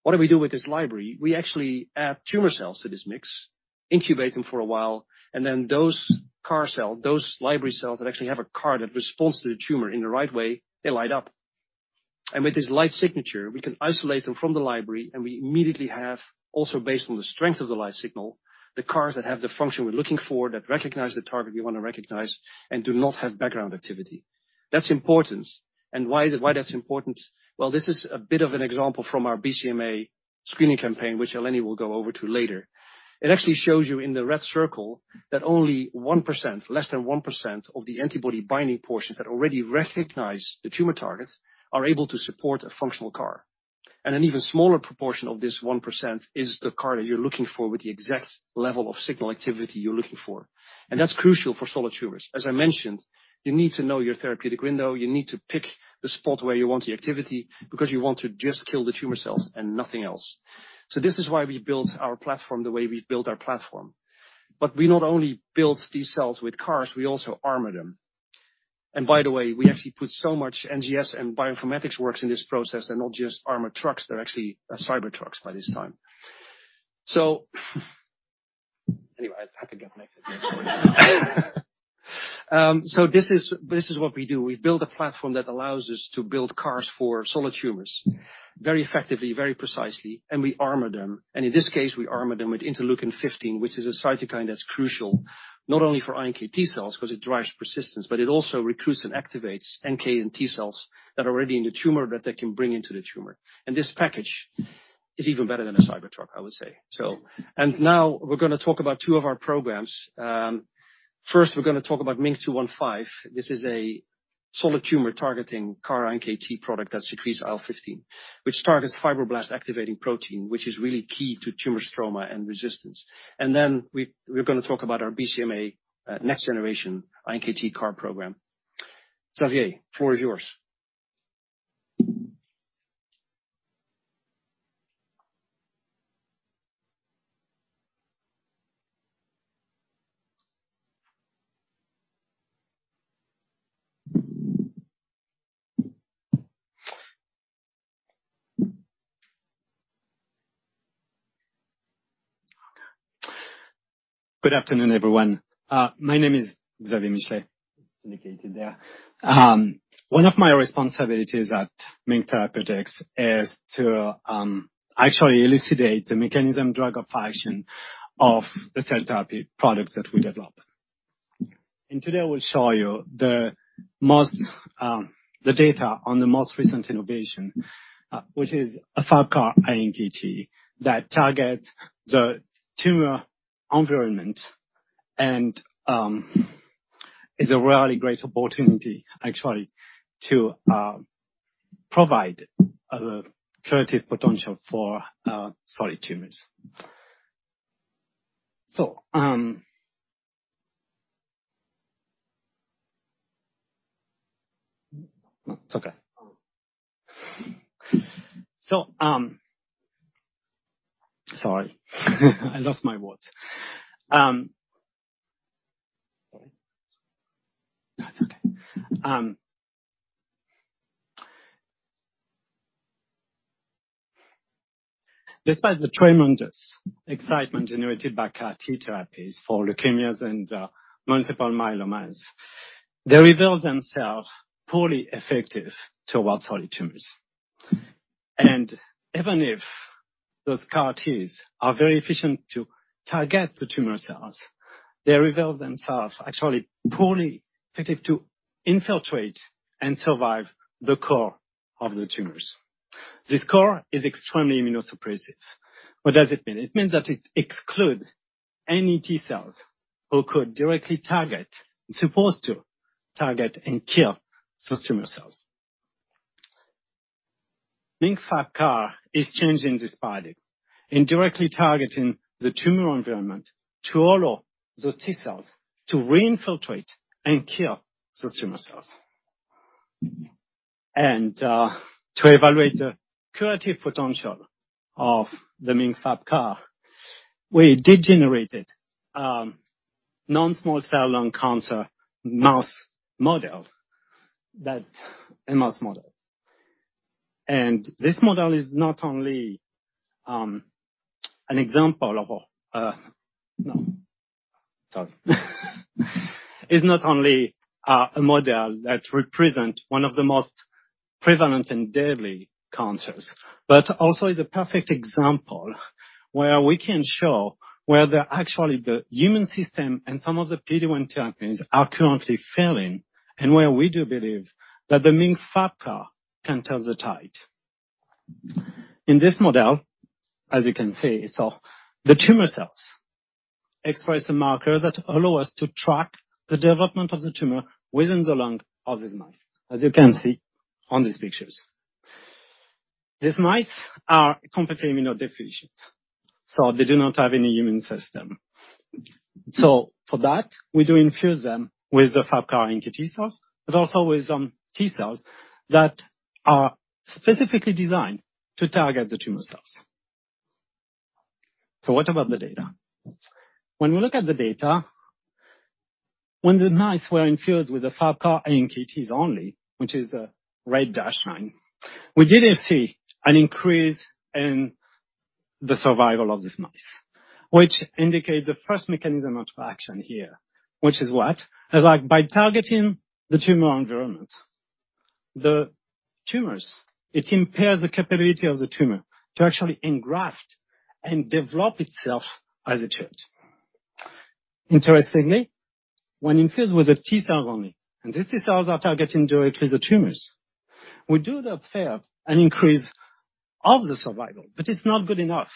What do we do with this library? We actually add tumor cells to this mix, incubate them for a while, and then those CAR cells, those library cells that actually have a CAR that responds to the tumor in the right way, they light up. With this light signature, we can isolate them from the library, and we immediately have, also based on the strength of the light signal, the CARs that have the function we're looking for, that recognize the target we want to recognize and do not have background activity. That's important. Why is it? Why that's important? Well, this is a bit of an example from our BCMA screening campaign, which Eleni will go over to later. It actually shows you in the red circle that only 1%, less than 1% of the antibody binding portions that already recognize the tumor targets are able to support a functional CAR. An even smaller proportion of this 1% is the CAR that you're looking for with the exact level of signal activity you're looking for. That's crucial for solid tumors. As I mentioned, you need to know your therapeutic window. You need to pick the spot where you want the activity because you want to just kill the tumor cells and nothing else. This is why we built our platform the way we built our platform. We not only built these cells with CARs, we also armor them. By the way, we actually put so much NGS and bioinformatics works in this process. They're not just armored trucks, they're actually cyber trucks by this time. Anyway, I could go on. This is what we do. We build a platform that allows us to build CARs for solid tumors very effectively, very precisely, and we armor them. In this case, we armor them with interleukin-15, which is a cytokine that's crucial not only for iNKT cells 'cause it drives persistence, but it also recruits and activates NK and T cells that are already in the tumor that they can bring into the tumor. This package is even better than a cyber truck, I would say. Now we're gonna talk about two of our programs. First, we're gonna talk about MiNK-215. This is a solid tumor targeting CAR-iNKT product that secretes IL-15, which targets fibroblast activating protein, which is really key to tumor stroma and resistance. Then we're gonna talk about our BCMA next generation iNKT CAR program. Xavier, floor is yours. Good afternoon, everyone. My name is Xavier Michelet, as indicated there. One of my responsibilities at MiNK Therapeutics is to actually elucidate the mechanism of action of the cell therapy products that we develop. Today I will show you the data on the most recent innovation, which is a CAR iNKT that targets the tumor environment and is a really great opportunity actually to provide curative potential for solid tumors. Despite the tremendous excitement generated by CAR T therapies for leukemias and multiple myelomas, they reveal themselves poorly effective towards solid tumors. Even if those CAR Ts are very efficient to target the tumor cells, they reveal themselves actually poorly fitted to infiltrate and survive the core of the tumors. This core is extremely immunosuppressive. What does it mean? It means that it excludes any T cells who could directly target, supposed to target and kill those tumor cells. MiNK FAP-CAR is changing this paradigm in directly targeting the tumor environment to allow those T cells to reinfiltrate and kill those tumor cells. To evaluate the curative potential of the MiNK FAP-CAR, we did generate it, non-small cell lung cancer mouse model. This model is not only a model that represent one of the most prevalent and deadly cancers, but also is a perfect example where we can show where the actually the human system and some of the PD-1 therapies are currently failing, and where we do believe that the MiNK FAP-CAR can turn the tide. In this model, as you can see, so the tumor cells express the markers that allow us to track the development of the tumor within the lung of this mouse, as you can see on these pictures. These mice are completely immunodeficient, so they do not have any immune system. For that, we do infuse them with the FAP-CAR iNKT cells, but also with some T cells that are specifically designed to target the tumor cells. What about the data? When we look at the data, when the mice were infused with the FAP-CAR iNKTs only, which is a red dashed line, we didn't see an increase in the survival of these mice. Which indicates the first mechanism of action here. Which is what? It's like by targeting the tumor environment, the tumors, it impairs the capability of the tumor to actually engraft and develop itself as a tumor. Interestingly, when infused with the T cells only, and these T cells are targeting directly the tumors, we do observe an increase of the survival, but it's not good enough.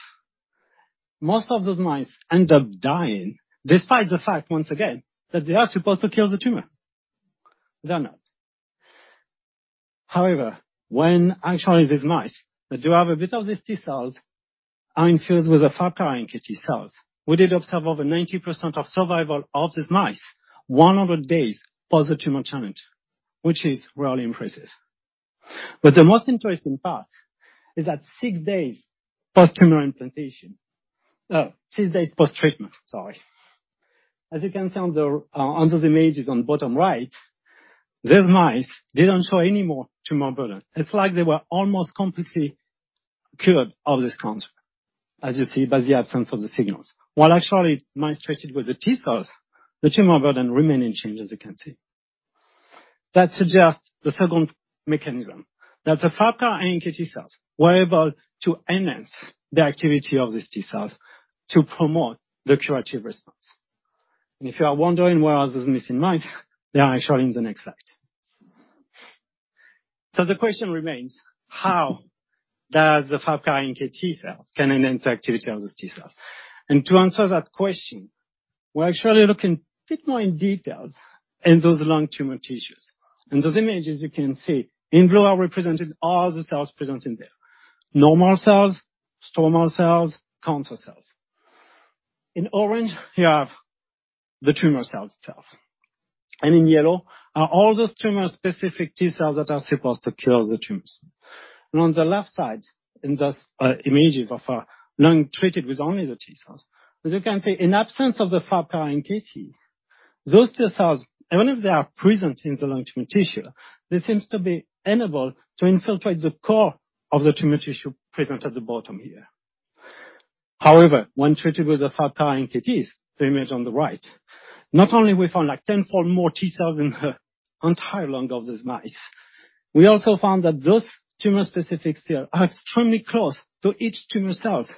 Most of those mice end up dying, despite the fact, once again, that they are supposed to kill the tumor. They're not. However, when actually these mice that do have a bit of these T cells are infused with FAP-CAR iNKT cells, we did observe over 90% of survival of these mice 100 days for the tumor challenge, which is really impressive. The most interesting part is that six days post-treatment, sorry. As you can see on the under the images on bottom right, those mice didn't show any more tumor burden. It's like they were almost completely cured of this cancer, as you see by the absence of the signals. While actually mice treated with the T cells, the tumor burden remain unchanged, as you can see. That suggests the second mechanism. That the FAP-CAR iNKT cells were able to enhance the activity of these T cells to promote the curative response. If you are wondering where are those missing mice, they are actually in the next slide. The question remains: How does the FAP-CAR iNKT cells can enhance activity of those T cells? To answer that question, we're actually looking bit more in details in those lung tumor tissues. In those images you can see, in blue are represented all the cells present in there. Normal cells, stromal cells, cancer cells. In orange, you have the tumor cells itself. In yellow are all those tumor-specific T cells that are supposed to kill the tumors. On the left side, in those images of a lung treated with only the T cells, as you can see, in absence of the FAP-CAR iNKT, those T cells, even if they are present in the lung tumor tissue, this seems to be unable to infiltrate the core of the tumor tissue present at the bottom here. However, when treated with the FAP-CAR iNKTs, the image on the right, not only we found like tenfold more T cells in the entire lung of these mice, we also found that those tumor-specific cells are extremely close to each tumor cells.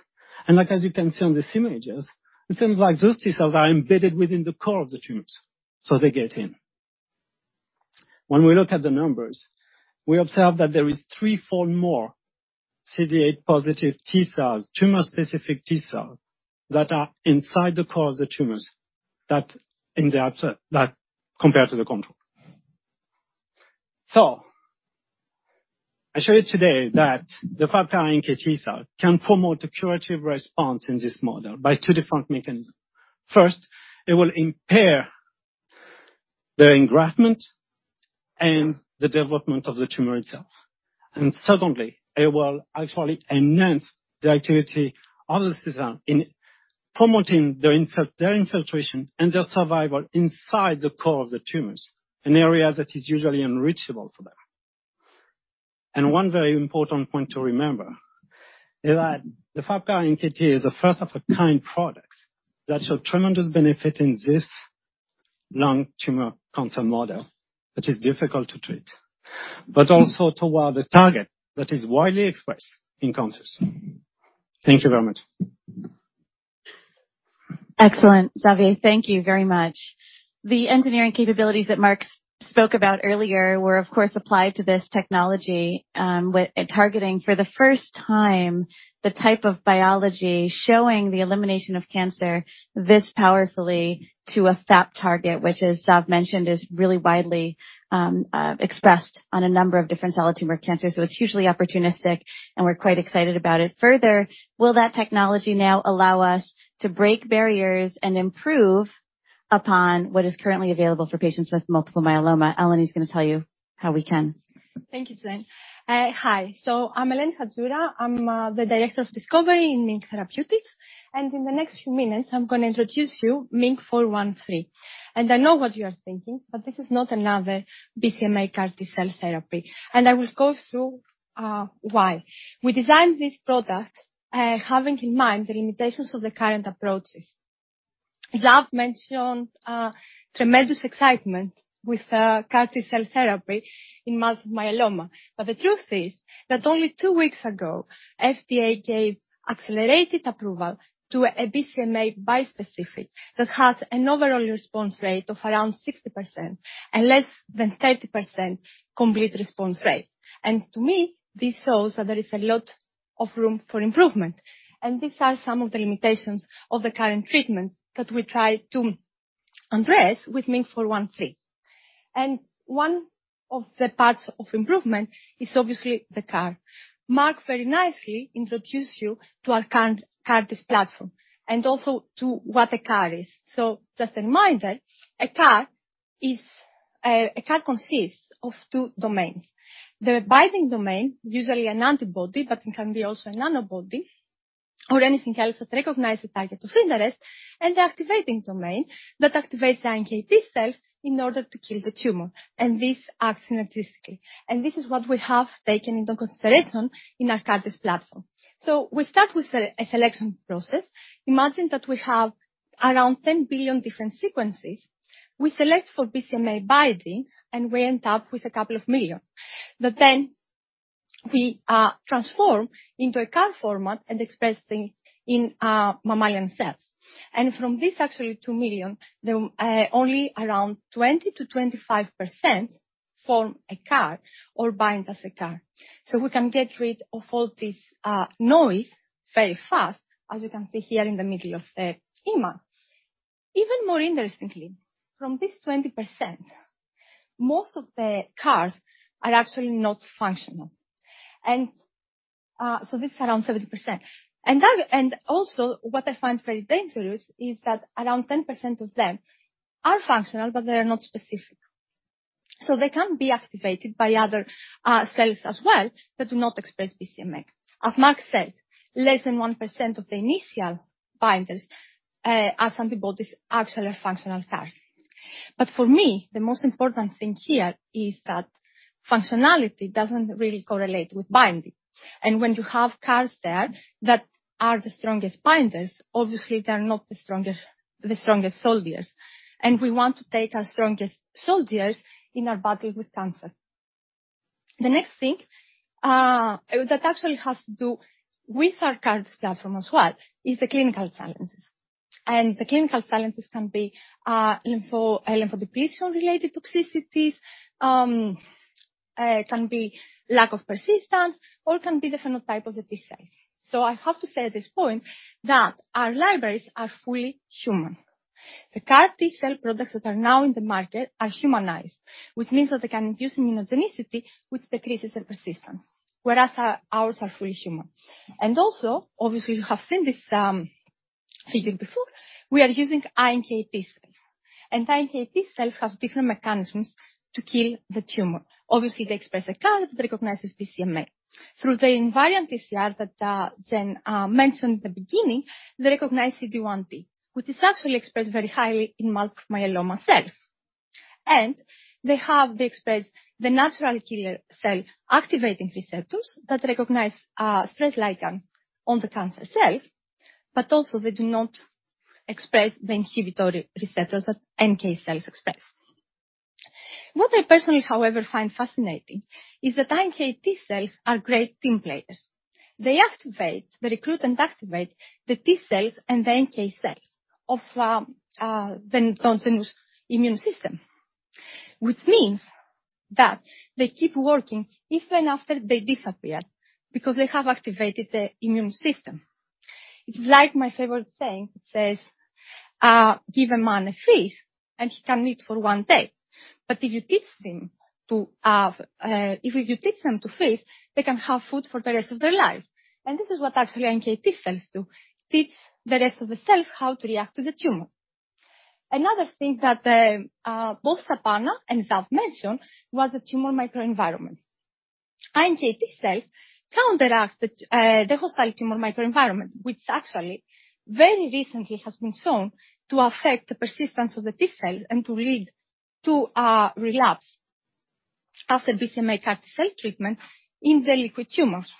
Like, as you can see on these images, it seems like those T cells are embedded within the core of the tumors, so they get in. When we look at the numbers, we observe that there is threefold more CD8+ T cells, tumor-specific T cells, that are inside the core of the tumors, that compared to the control. I showed you today that the FAP-CAR iNKT cell can promote a curative response in this model by two different mechanisms. First, it will impair the engraftment and the development of the tumor itself. Secondly, it will actually enhance the activity of the system in promoting their infiltration and their survival inside the core of the tumors, an area that is usually unreachable for them. One very important point to remember is that the FAP-CAR iNKT is a first-of-its-kind product that showed tremendous benefit in this lung tumor cancer model, which is difficult to treat, but also toward the target that is widely expressed in cancers. Thank you very much. Excellent, Xavier. Thank you very much. The engineering capabilities that Marc spoke about earlier were, of course, applied to this technology, targeting for the first time the type of biology showing the elimination of cancer this powerfully to a FAP target, which as Xavier mentioned, is really widely expressed on a number of different solid tumor cancers. It's hugely opportunistic, and we're quite excited about it. Further, will that technology now allow us to break barriers and improve upon what is currently available for patients with multiple myeloma? Eleni is gonna tell you how we can. Thank you, Jen. Hi. I'm Eleni Chantzoura. I'm the Director of Discovery in MiNK Therapeutics. In the next few minutes, I'm gonna introduce you MiNK-413. I know what you are thinking, but this is not another BCMA CAR T-cell therapy. I will go through why. We designed this product having in mind the limitations of the current approaches. Xavier mentioned tremendous excitement with CAR T-cell therapy in multiple myeloma. The truth is that only two weeks ago, FDA gave accelerated approval to a BCMA bispecific that has an overall response rate of around 60% and less than 30% complete response rate. To me, this shows that there is a lot of room for improvement. These are some of the limitations of the current treatment that we try to address with MiNK-413. One of the parts of improvement is obviously the CAR. Marc very nicely introduced you to our CAR-T platform and also to what a CAR is. Just a reminder, a CAR consists of two domains. The binding domain, usually an antibody, but it can be also a nanobody or anything else that recognize the target of interest, and the activating domain that activates the iNKT cells in order to kill the tumor. This acts synergistically. This is what we have taken into consideration in our CAR-T platform. We start with a selection process. Imagine that we have around 10 billion different sequences. We select for BCMA binding, and we end up with a couple of million. But then we transform into a CAR format and express it in mammalian cells. From this actually 2 million, the only around 20-25% form a CAR or bind as a CAR. We can get rid of all this noise very fast, as you can see here in the middle of the schema. Even more interestingly, from this 20%, most of the CARs are actually not functional. This is around 70%. What I find very dangerous is that around 10% of them are functional, but they are not specific. They can be activated by other cells as well that do not express BCMA. As Marc said, less than 1% of the initial binders are antibodies, actually functional CAR Ts. For me, the most important thing here is that functionality doesn't really correlate with binding. When you have CAR T cells there that are the strongest binders, obviously they are not the strongest soldiers. We want to take our strongest soldiers in our battle with cancer. The next thing that actually has to do with our CAR-T platform as well is the clinical challenges. The clinical challenges can be lymphodepletion related toxicities, can be lack of persistence or can be the phenotype of the T-cells. I have to say at this point that our libraries are fully human. The CAR T-cell products that are now in the market are humanized, which means that they can induce immunogenicity which decreases their persistence, whereas our, ours are fully human. Also, obviously, you have seen this figure before. We are using iNKT cells. iNKT cells have different mechanisms to kill the tumor. Obviously, they express a CAR that recognizes BCMA. Through the invariant TCR that Jen mentioned at the beginning, they recognize CD1d, which is actually expressed very highly in multiple myeloma cells. They have the natural killer cell activating receptors that recognize stress ligands on the cancer cell, but also they do not express the inhibitory receptors that NK cells express. What I personally, however, find fascinating is that iNKT cells are great team players. They activate, they recruit and activate the T cells and the NK cells of the conventional immune system, which means that they keep working even after they disappear because they have activated the immune system. It's like my favorite saying. It says, "Give a man a fish and he can eat for one day, but if you teach them to fish, they can have food for the rest of their lives. This is what actually iNKT cells do, teach the rest of the cells how to react to the tumor. Another thing that both Sapana and Xav mentioned was the tumor microenvironment. iNKT cells counteracted the hostile tumor microenvironment, which actually very recently has been shown to affect the persistence of the T cells and to lead to relapse as a BCMA CAR T cell treatment in the liquid tumors.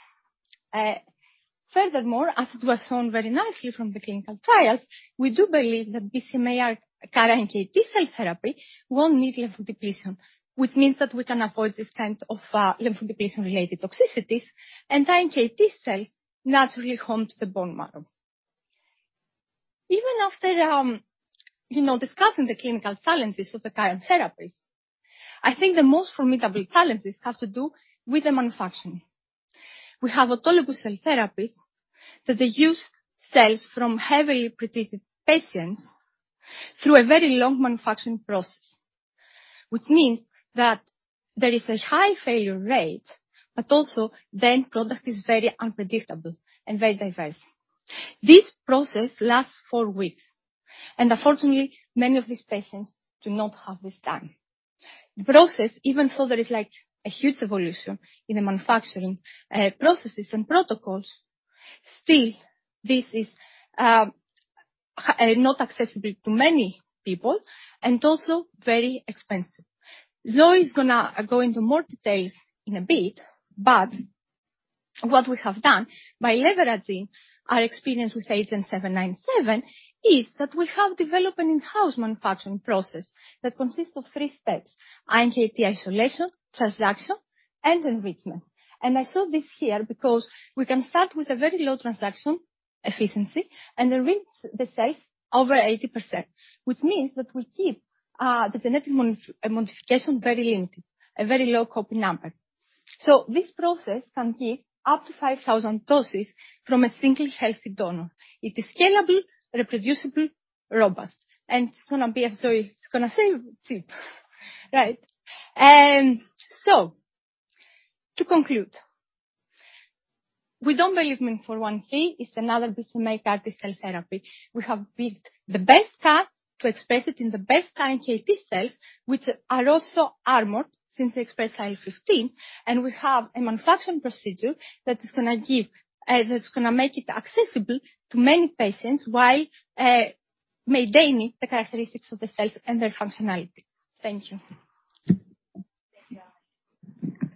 Furthermore, as it was shown very nicely from the clinical trials, we do believe that BCMA-CAR iNKT cell therapy won't need lymphodepletion, which means that we can avoid this kind of lymphodepletion-related toxicities, and iNKT cells naturally home to the bone marrow. Even after discussing the clinical challenges of the current therapies, I think the most formidable challenges have to do with the manufacturing. We have autologous cell therapies that they use cells from heavily pre-treated patients through a very long manufacturing process. Which means that there is a high failure rate, but also the end product is very unpredictable and very diverse. This process lasts four weeks, and unfortunately, many of these patients do not have this time. The process, even so there is like a huge evolution in the manufacturing, processes and protocols, still this is not accessible to many people and also very expensive. Joy is gonna go into more details in a bit, but what we have done by leveraging our experience with agenT-797, is that we have developed an in-house manufacturing process that consists of three steps, iNKT isolation, transduction, and enrichment. I show this here because we can start with a very low transduction efficiency and enrich the cells over 80%, which means that we keep the genetic modification very limited, a very low copy number. This process can give up to 5,000 doses from a single healthy donor. It is scalable, reproducible, robust, and it's gonna be, as Joy is gonna say, cheap. Right. To conclude, we don't believe MiNK-413 is another BCMA CAR T cell therapy. We have built the best CAR to express it in the best iNKT cells, which are also armored since they express IL-15, and we have a manufacturing procedure that's gonna make it accessible to many patients while maintaining the characteristics of the cells and their functionality. Thank you. Thank you.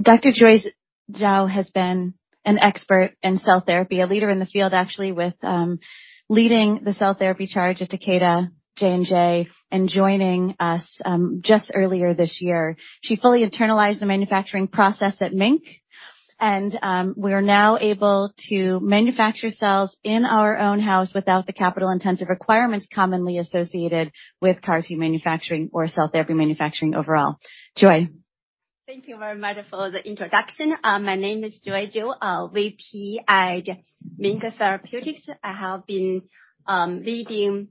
Dr. Joy Zhou has been an expert in cell therapy. A leader in the field, actually, with leading the cell therapy charge at Takeda, J&J, and joining us just earlier this year. She fully internalized the manufacturing process at MiNK, and we are now able to manufacture cells in our own house without the capital-intensive requirements commonly associated with CAR T manufacturing or cell therapy manufacturing overall. Joy? Thank you very much for the introduction. My name is Joy Zhou, VP at MiNK Therapeutics. I have been leading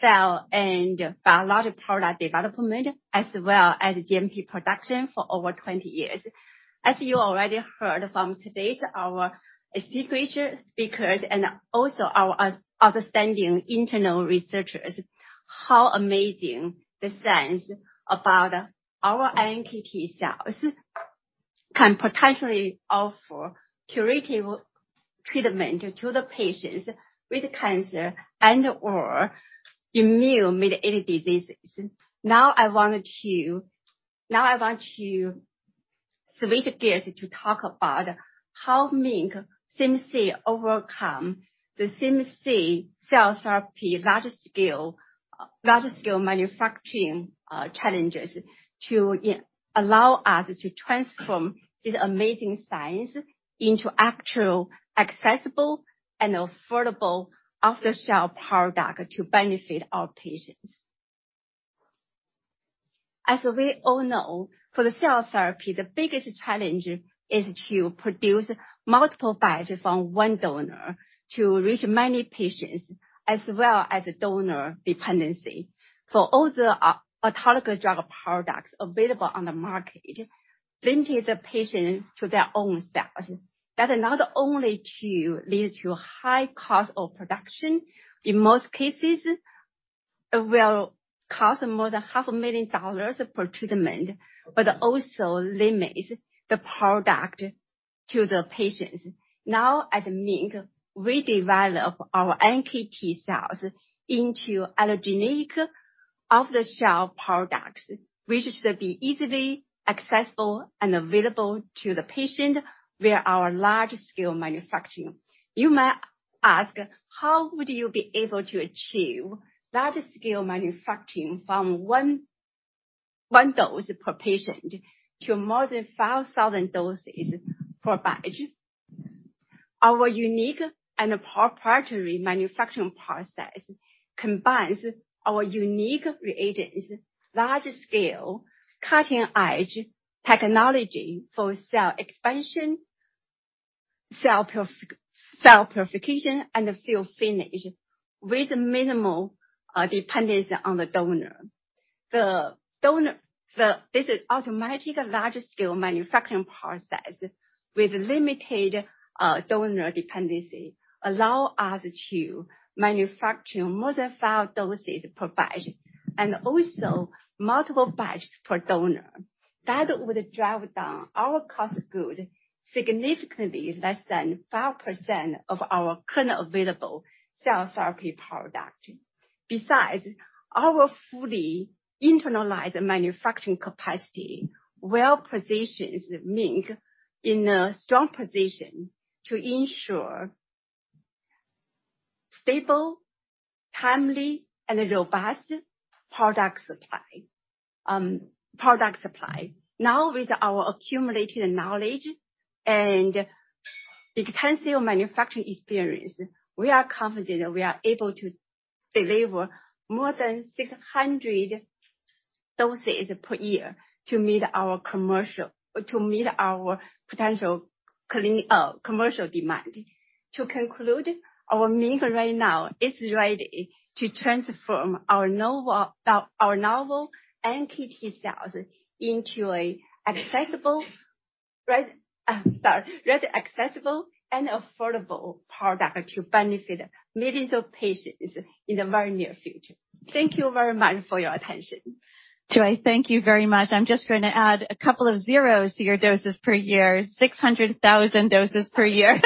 cell and biologic product development as well as GMP production for over 20 years. As you already heard from today's speakers and also our outstanding internal researchers, how amazing the science about our iNKT cells can potentially offer curative treatment to the patients with cancer and/or immune-mediated diseases. Now, I want to switch gears to talk about how MiNK CMC overcome the CMC cell therapy large scale manufacturing challenges to allow us to transform this amazing science into actual accessible and affordable off-the-shelf product to benefit our patients. As we all know, for the cell therapy, the biggest challenge is to produce multiple batches from one donor to reach many patients, as well as donor dependency. For all the autologous drug products available on the market, linking the patient to their own cells. That allow the only to lead to high cost of production. In most cases, it will cost more than $500,000 per treatment, but also limits the product to the patients. Now, at MiNK, we develop our iNKT cells into allogeneic off-the-shelf products, which should be easily accessible and available to the patient via our large scale manufacturing. You might ask, how would you be able to achieve large scale manufacturing from one dose per patient to more than 5,000 doses per batch? Our unique and proprietary manufacturing process combines our unique reagents, large-scale, cutting-edge technology for cell expansion, cell purification and the fill finish with minimal dependence on the donor. This is automatic large-scale manufacturing process with limited donor dependency, allow us to manufacture more than five doses per batch, and also multiple batches per donor. That would drive down our cost of goods significantly less than 5% of our current available cell therapy product. Besides, our fully internalized manufacturing capacity well-positions MiNK in a strong position to ensure stable, timely and a robust product supply. Now, with our accumulated knowledge and extensive manufacturing experience, we are confident that we are able to deliver more than 600 doses per year to meet our potential clinical commercial demand. To conclude, our MiNK right now is ready to transform our novel iNKT cells into a ready, accessible and affordable product to benefit millions of patients in the very near future. Thank you very much for your attention. Joy, thank you very much. I'm just going to add a couple of zeros to your doses per year, 600,000 doses per year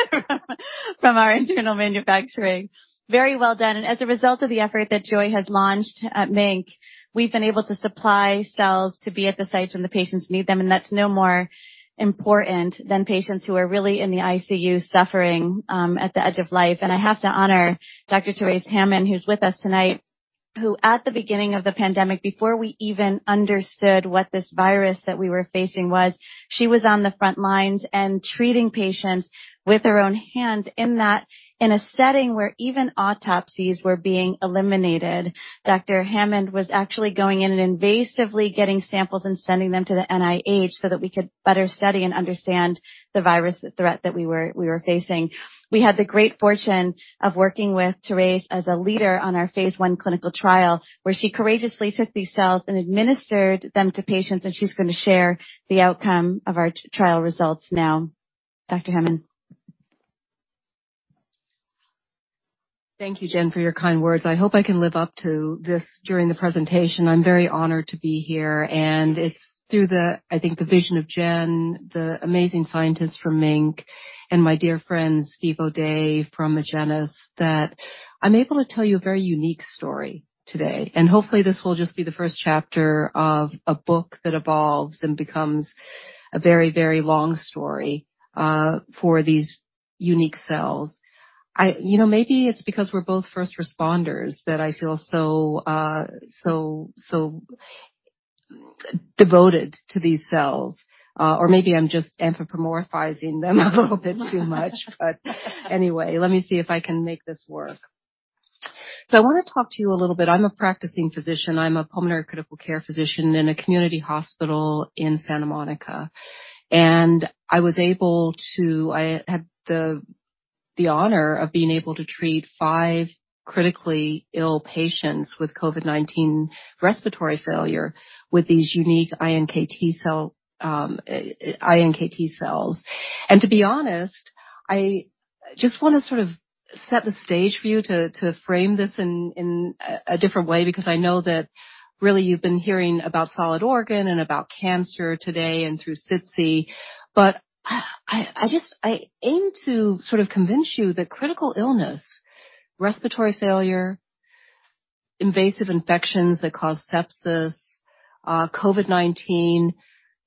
from our internal manufacturing. Very well done. As a result of the effort that Joy has launched at MiNK, we've been able to supply cells to be at the sites when the patients need them, and that's no more important than patients who are really in the ICU suffering at the edge of life. I have to honor Dr. Terese Hammond, who's with us tonight, who at the beginning of the pandemic, before we even understood what this virus that we were facing was, she was on the front lines and treating patients with her own hands. In a setting where even autopsies were being eliminated, Dr. Hammond was actually going in and invasively getting samples and sending them to the NIH so that we could better study and understand the virus threat that we were facing. We had the great fortune of working with Terese as a leader on our phase I clinical trial, where she courageously took these cells and administered them to patients, and she's going to share the outcome of our trial results now. Dr. Hammond. Thank you, Jen, for your kind words. I hope I can live up to this during the presentation. I'm very honored to be here, and it's through the, I think, the vision of Jen, the amazing scientists from MiNK, and my dear friend Steven O'Day from Agenus, that I'm able to tell you a very unique story today. Hopefully, this will just be the first chapter of a book that evolves and becomes a very, very long story for these unique cells. You know, maybe it's because we're both first responders that I feel so devoted to these cells. Or maybe I'm just anthropomorphizing them a little bit too much. But anyway, let me see if I can make this work. I wanna talk to you a little bit. I'm a practicing physician. I'm a pulmonary critical care physician in a community hospital in Santa Monica. I had the honor of being able to treat five critically ill patients with COVID-19 respiratory failure with these unique iNKT cell iNKT cells. To be honest, I just wanna sort of set the stage for you to frame this in a different way, because I know that really you've been hearing about solid organ and about cancer today and through SITC. I aim to sort of convince you that critical illness, respiratory failure, invasive infections that cause sepsis, COVID-19,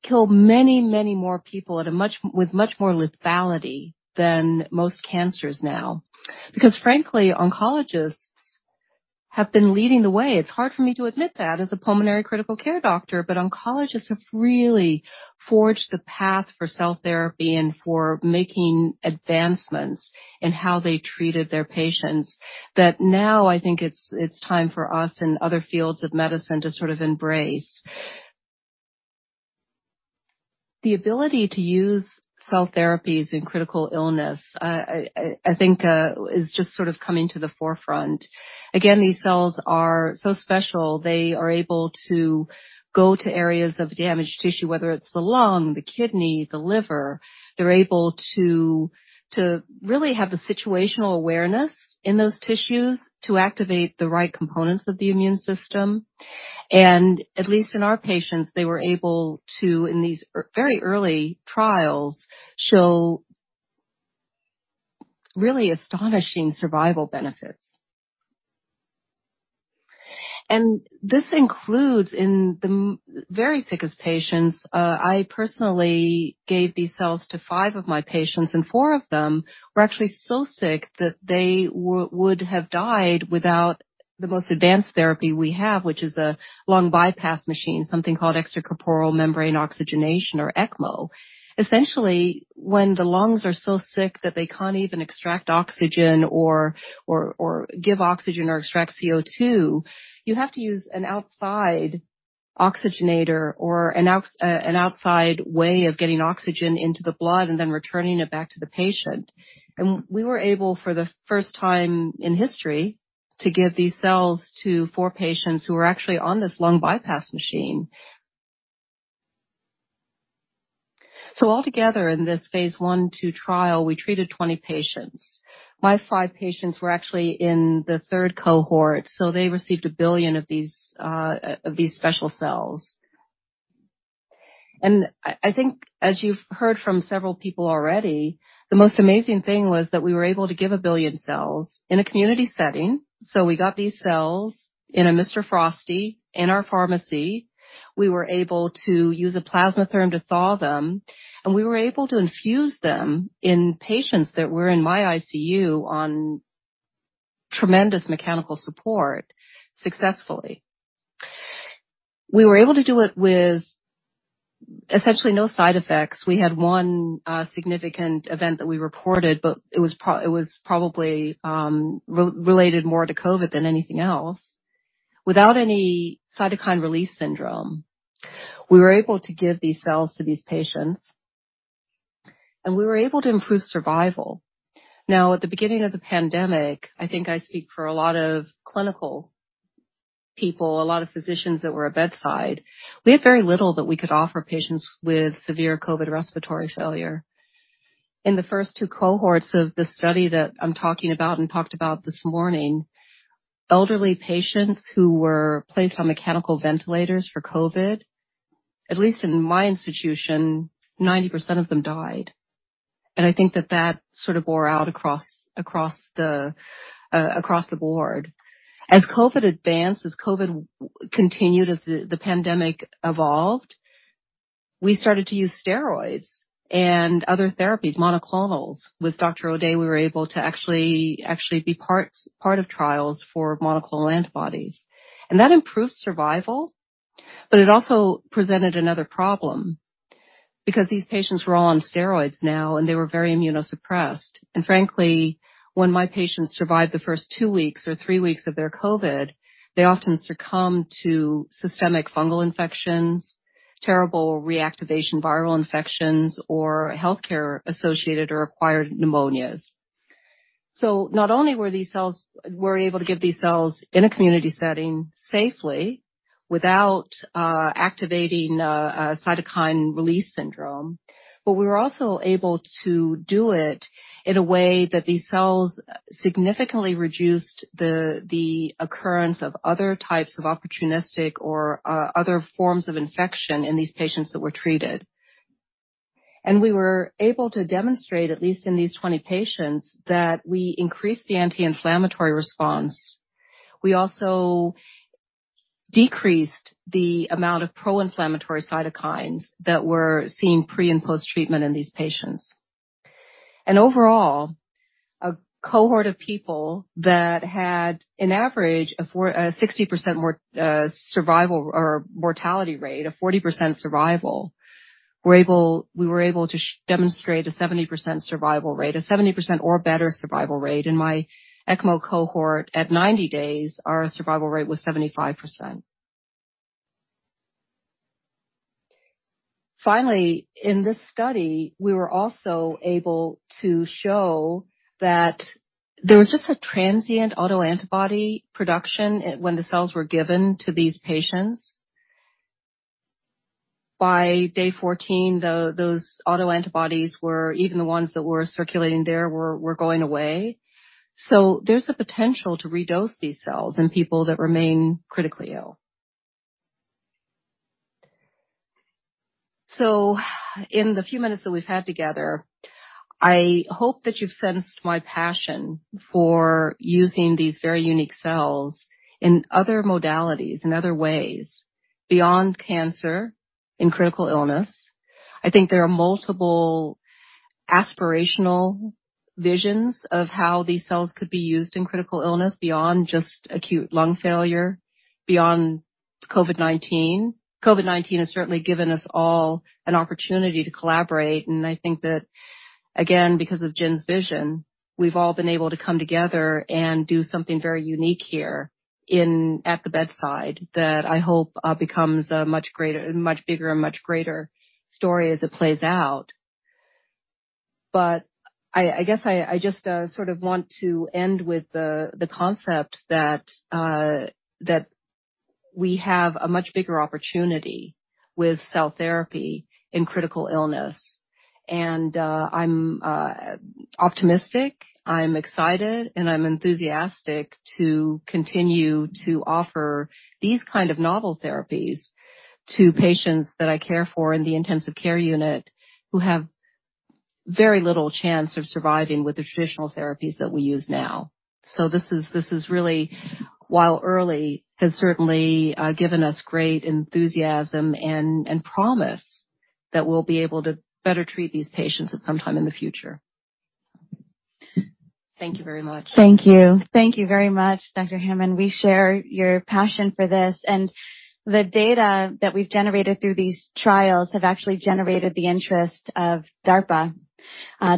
kill many, many more people with much more lethality than most cancers now. Because frankly, oncologists have been leading the way. It's hard for me to admit that as a pulmonary critical care doctor. Oncologists have really forged the path for cell therapy and for making advancements in how they treated their patients, that now I think it's time for us and other fields of medicine to sort of embrace. The ability to use cell therapies in critical illness I think is just sort of coming to the forefront. Again, these cells are so special. They are able to go to areas of damaged tissue, whether it's the lung, the kidney, the liver. They're able to really have the situational awareness in those tissues to activate the right components of the immune system. At least in our patients, they were able to, in these very early trials, show really astonishing survival benefits. This includes in the very sickest patients. I personally gave these cells to five of my patients, and four of them were actually so sick that they would have died without the most advanced therapy we have, which is a lung bypass machine, something called extracorporeal membrane oxygenation or ECMO. Essentially, when the lungs are so sick that they can't even extract oxygen or give oxygen or extract CO2, you have to use an outside oxygenator or an outside way of getting oxygen into the blood and then returning it back to the patient. We were able, for the first time in history, to give these cells to four patients who were actually on this lung bypass machine. Altogether, in this phase I trial, we treated 20 patients. My five patients were actually in the third cohort, so they received 1 billion of these special cells. I think as you've heard from several people already, the most amazing thing was that we were able to give 1 billion cells in a community setting. We got these cells in a Mr. Frosty in our pharmacy. We were able to use a Plasmatherm to thaw them, and we were able to infuse them in patients that were in my ICU on tremendous mechanical support successfully. We were able to do it with essentially no side effects. We had one significant event that we reported, but it was probably related more to COVID-19 than anything else. Without any cytokine release syndrome, we were able to give these cells to these patients, and we were able to improve survival. Now, at the beginning of the pandemic, I think I speak for a lot of clinical people, a lot of physicians that were at bedside, we had very little that we could offer patients with severe COVID respiratory failure. In the first two cohorts of the study that I'm talking about and talked about this morning, elderly patients who were placed on mechanical ventilators for COVID, at least in my institution, 90% of them died. I think that sort of bore out across the board. As COVID advanced, as COVID continued, as the pandemic evolved, we started to use steroids and other therapies, monoclonals. With Dr. O'Day, we were able to actually be part of trials for monoclonal antibodies. That improved survival, but it also presented another problem, because these patients were all on steroids now, and they were very immunosuppressed. Frankly, when my patients survived the first two weeks or three weeks of their COVID, they often succumb to systemic fungal infections, terrible reactivation viral infections, or healthcare-associated or acquired pneumonias. Not only were we able to give these cells in a community setting safely without activating cytokine release syndrome, but we were also able to do it in a way that these cells significantly reduced the occurrence of other types of opportunistic or other forms of infection in these patients that were treated. We were able to demonstrate, at least in these 20 patients, that we increased the anti-inflammatory response. We also decreased the amount of pro-inflammatory cytokines that were seen pre and post-treatment in these patients. Overall, a cohort of people that had an average of 60% mortality rate, a 40% survival, we were able to demonstrate a 70% survival rate, a 70% or better survival rate. In my ECMO cohort at 90 days, our survival rate was 75%. Finally, in this study, we were also able to show that there was just a transient autoantibody production when the cells were given to these patients. By day 14, those autoantibodies were, even the ones that were circulating there, going away. There's the potential to redose these cells in people that remain critically ill. In the few minutes that we've had together, I hope that you've sensed my passion for using these very unique cells in other modalities, in other ways, beyond cancer in critical illness. I think there are multiple aspirational visions of how these cells could be used in critical illness beyond just acute lung failure, beyond COVID-19. COVID-19 has certainly given us all an opportunity to collaborate, and I think that, again, because of Jen's vision, we've all been able to come together and do something very unique here at the bedside that I hope becomes a much greater, much bigger and much greater story as it plays out. I guess I just sort of want to end with the concept that we have a much bigger opportunity with cell therapy in critical illness. I'm optimistic, I'm excited, and I'm enthusiastic to continue to offer these kind of novel therapies to patients that I care for in the intensive care unit who have very little chance of surviving with the traditional therapies that we use now. This is really, while early, has certainly given us great enthusiasm and promise that we'll be able to better treat these patients at some time in the future. Thank you very much. Thank you. Thank you very much, Dr. Hammond. We share your passion for this. The data that we've generated through these trials have actually generated the interest of DARPA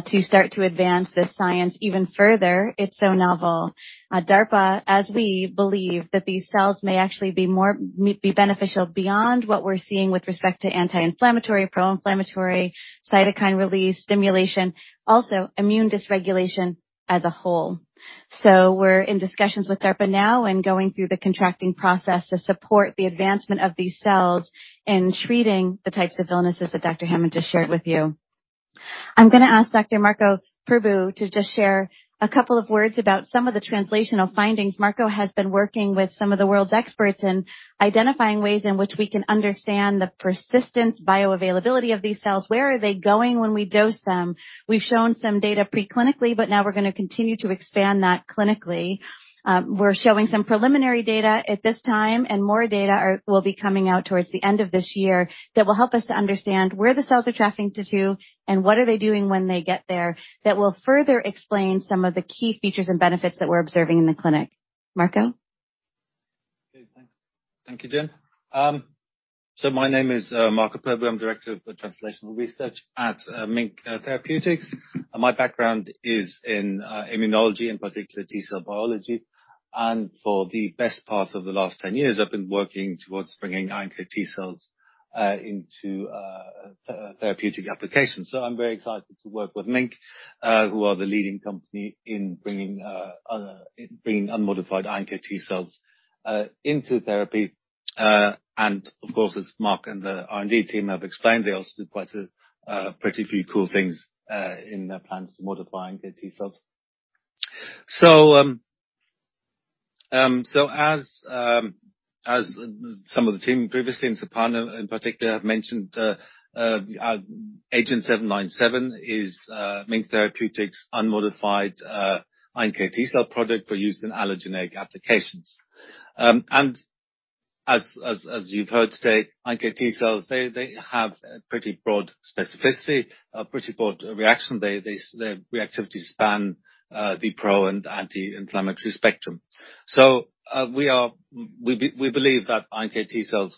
to start to advance this science even further. It's so novel. DARPA, as we believe that these cells may actually be more beneficial beyond what we're seeing with respect to anti-inflammatory, pro-inflammatory, cytokine release, stimulation, also immune dysregulation as a whole. We're in discussions with DARPA now and going through the contracting process to support the advancement of these cells in treating the types of illnesses that Dr. Hammond just shared with you. I'm gonna ask Dr. Marco Purbhoo to just share a couple of words about some of the translational findings. Marco Purbhoo has been working with some of the world's experts in identifying ways in which we can understand the persistence bioavailability of these cells. Where are they going when we dose them? We've shown some data pre-clinically, but now we're gonna continue to expand that clinically. We're showing some preliminary data at this time, and more data will be coming out towards the end of this year that will help us to understand where the cells are trafficking to, and what are they doing when they get there. That will further explain some of the key features and benefits that we're observing in the clinic. Marco. Okay, thanks. Thank you, Jen. My name is Marco Purbhoo. I'm Director of Translational Research at MiNK Therapeutics. My background is in immunology, in particular T cell biology. For the best part of the last 10 years, I've been working towards bringing iNKT cells into therapeutic applications. I'm very excited to work with MiNK, who are the leading company in bringing unmodified iNKT cells into therapy. Of course, as Mark and the R&D team have explained, they also do quite a few pretty cool things in their plans to modify iNKT cells. As some of the team previously, and Sapana in particular, have mentioned, agenT-797 is MiNK Therapeutics' unmodified iNKT cell product for use in allogeneic applications. As you've heard today, iNKT cells, their reactivity span the pro and anti-inflammatory spectrum. We believe that iNKT cells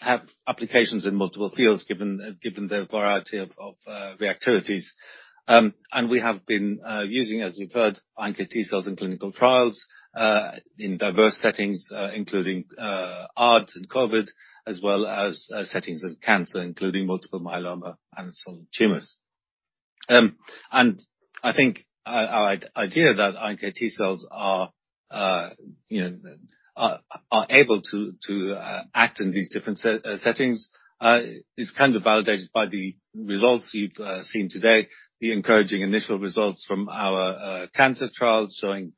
have applications in multiple fields given their variety of reactivities. We have been using, as you've heard, iNKT cells in clinical trials in diverse settings, including ARDS and COVID, as well as settings of cancer, including multiple myeloma and solid tumors. I think our idea that iNKT cells are, you know, able to act in these different settings is kind of validated by the results you've seen today, the encouraging initial results from our cancer trials showing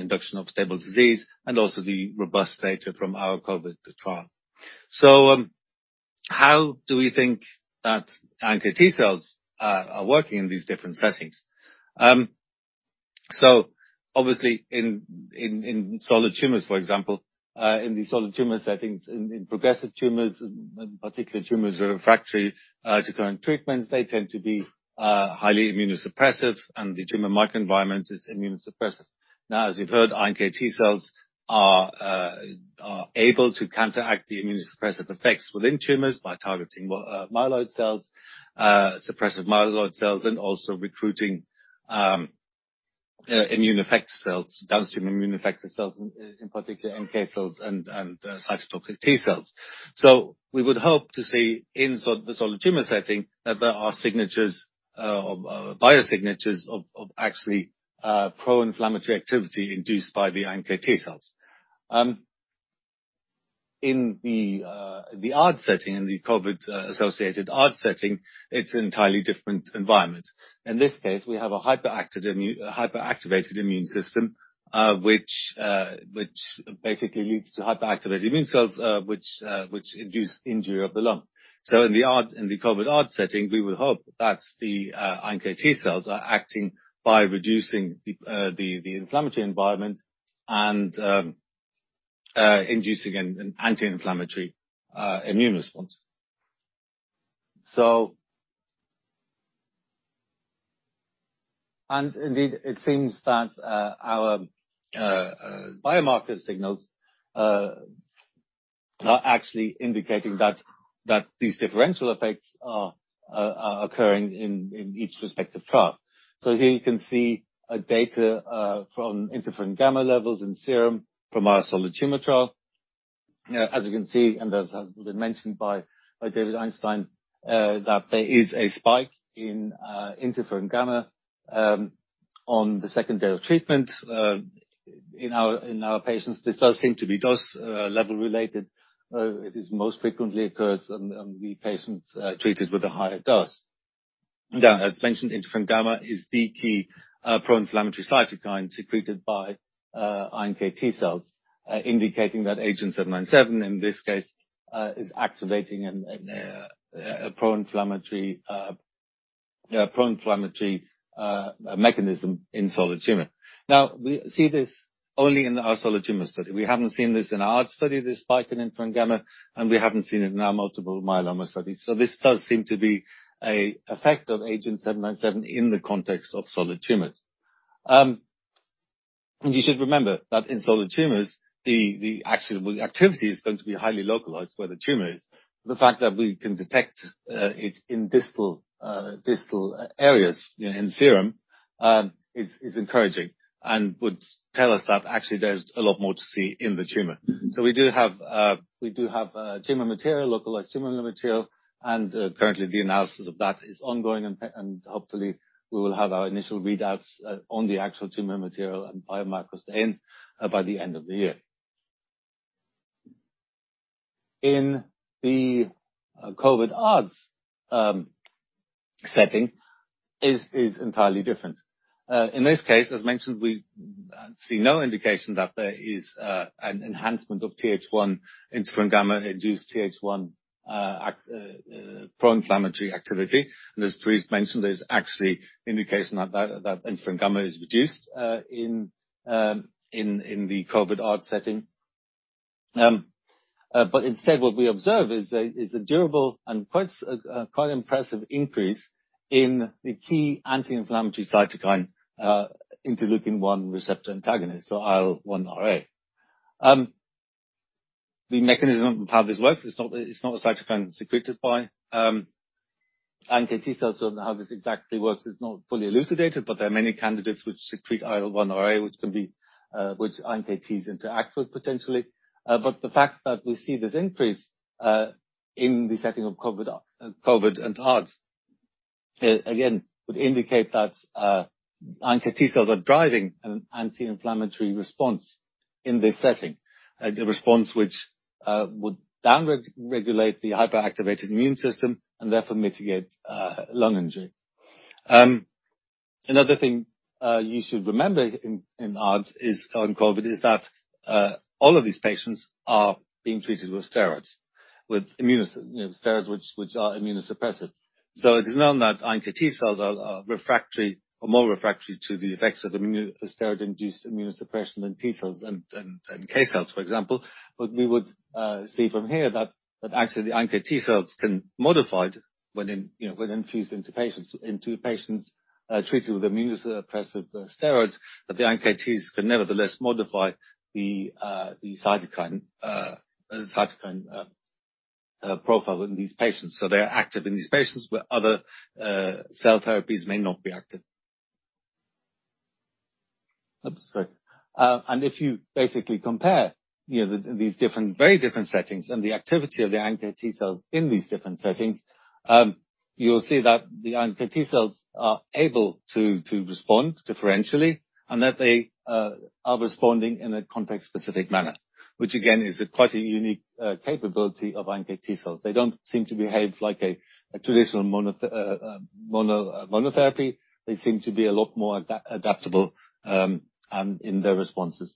induction of stable disease, and also the robust data from our COVID trial. How do we think that iNKT cells are working in these different settings? Obviously in solid tumors, for example, in the solid tumor settings, in progressive tumors, particular tumors that are refractory to current treatments, they tend to be highly immunosuppressive, and the tumor microenvironment is immunosuppressive. Now, as you've heard, iNKT cells are able to counteract the immunosuppressive effects within tumors by targeting suppressive myeloid cells and also recruiting downstream immune effector cells, in particular NK cells and cytotoxic T cells. We would hope to see in the solid tumor setting that there are signatures of biosignatures of actually pro-inflammatory activity induced by the iNKT cells. In the ARDS setting, in the COVID associated ARDS setting, it's an entirely different environment. In this case, we have a hyperactivated immune system, which basically leads to hyperactivated immune cells, which induce injury of the lung. In the ARDS, in the COVID ARDS setting, we would hope that the iNKT cells are acting by reducing the inflammatory environment and inducing an anti-inflammatory immune response. It seems that our biomarker signals are actually indicating that these differential effects are occurring in each respective trial. Here you can see data from interferon gamma levels in serum from our solid tumor trial. As you can see, and as has been mentioned by David Einstein, that there is a spike in interferon gamma on the second day of treatment in our patients. This does seem to be dose level related. It most frequently occurs on the patients treated with a higher dose. As mentioned, Interferon-gamma is the key pro-inflammatory cytokine secreted by iNKT cells, indicating that agenT-797 in this case is activating a pro-inflammatory mechanism in solid tumor. Now we see this only in our solid tumor study. We haven't seen this in our ARDS study, this spike in interferon-gamma, and we haven't seen it in our multiple myeloma studies. This does seem to be an effect of agenT-797 in the context of solid tumors. You should remember that in solid tumors, the actionable activity is going to be highly localized where the tumor is. The fact that we can detect it in distal areas in serum is encouraging and would tell us that actually there's a lot more to see in the tumor. We do have tumor material, localized tumor material, and currently, the analysis of that is ongoing. Hopefully we will have our initial readouts on the actual tumor material and biomarkers, then by the end of the year. In the COVID ARDS setting is entirely different. In this case, as mentioned, we see no indication that there is an enhancement of Th1 interferon-gamma-induced Th1 pro-inflammatory activity. As Terese mentioned, there's actually indication that interferon-gamma is reduced in the COVID ARDS setting. Instead what we observe is a durable and quite impressive increase in the key anti-inflammatory cytokine, interleukin-1 receptor antagonist, so IL-1RA. The mechanism of how this works, it's not a cytokine secreted by iNKT cells. Don't know how this exactly works. It's not fully elucidated, but there are many candidates which secrete IL-1RA, which iNKTs interact with potentially. The fact that we see this increase in the setting of COVID and ARDS again would indicate that iNKT cells are driving an anti-inflammatory response in this setting. A response which would downregulate the hyperactivated immune system and therefore mitigate lung injury. Another thing you should remember in ARDS, on COVID, is that all of these patients are being treated with steroids. You know, steroids which are immunosuppressive. It is known that iNKT cells are refractory or more refractory to the effects of steroid-induced immunosuppression than T cells and NK cells, for example. What we would see from here that actually the iNKT cells can modify it when, you know, when infused into patients treated with immunosuppressive steroids, that the iNKTs could nevertheless modify the cytokine profile in these patients. They are active in these patients, where other cell therapies may not be active. If you basically compare, you know, these different, very different settings and the activity of the iNKT cells in these different settings, you'll see that the iNKT cells are able to respond differentially and that they are responding in a context-specific manner, which again is quite a unique capability of iNKT cells. They don't seem to behave like a traditional monotherapy. They seem to be a lot more adaptable in their responses.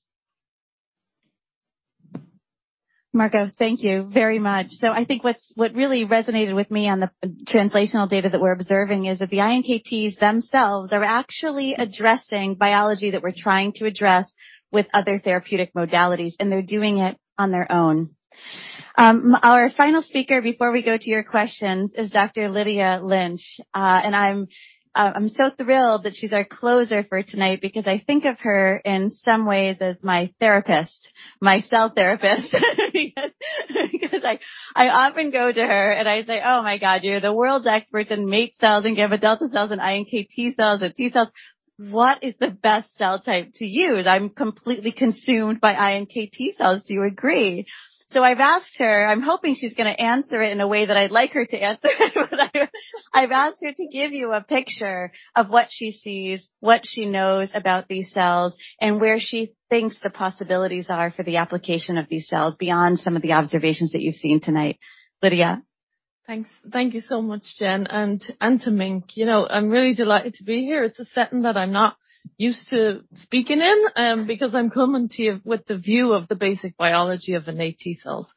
Marco, thank you very much. I think what really resonated with me on the translational data that we're observing is that the iNKTs themselves are actually addressing biology that we're trying to address with other therapeutic modalities, and they're doing it on their own. Our final speaker before we go to your questions is Dr. Lydia Lynch. I'm so thrilled that she's our closer for tonight because I think of her in some ways as my therapist, my cell therapist. I often go to her and I say, "Oh, my God, you're the world's expert in MAIT cells and gamma delta T cells and iNKT cells and T cells. What is the best cell type to use? I'm completely consumed by iNKT cells. Do you agree?" I've asked her, I'm hoping she's gonna answer it in a way that I'd like her to answer it, but I've asked her to give you a picture of what she sees, what she knows about these cells, and where she thinks the possibilities are for the application of these cells beyond some of the observations that you've seen tonight. Lydia? Thanks. Thank you so much, Jen, and to MiNK. You know, I'm really delighted to be here. It's a setting that I'm not used to speaking in because I'm coming to you with the view of the basic biology of innate T cells.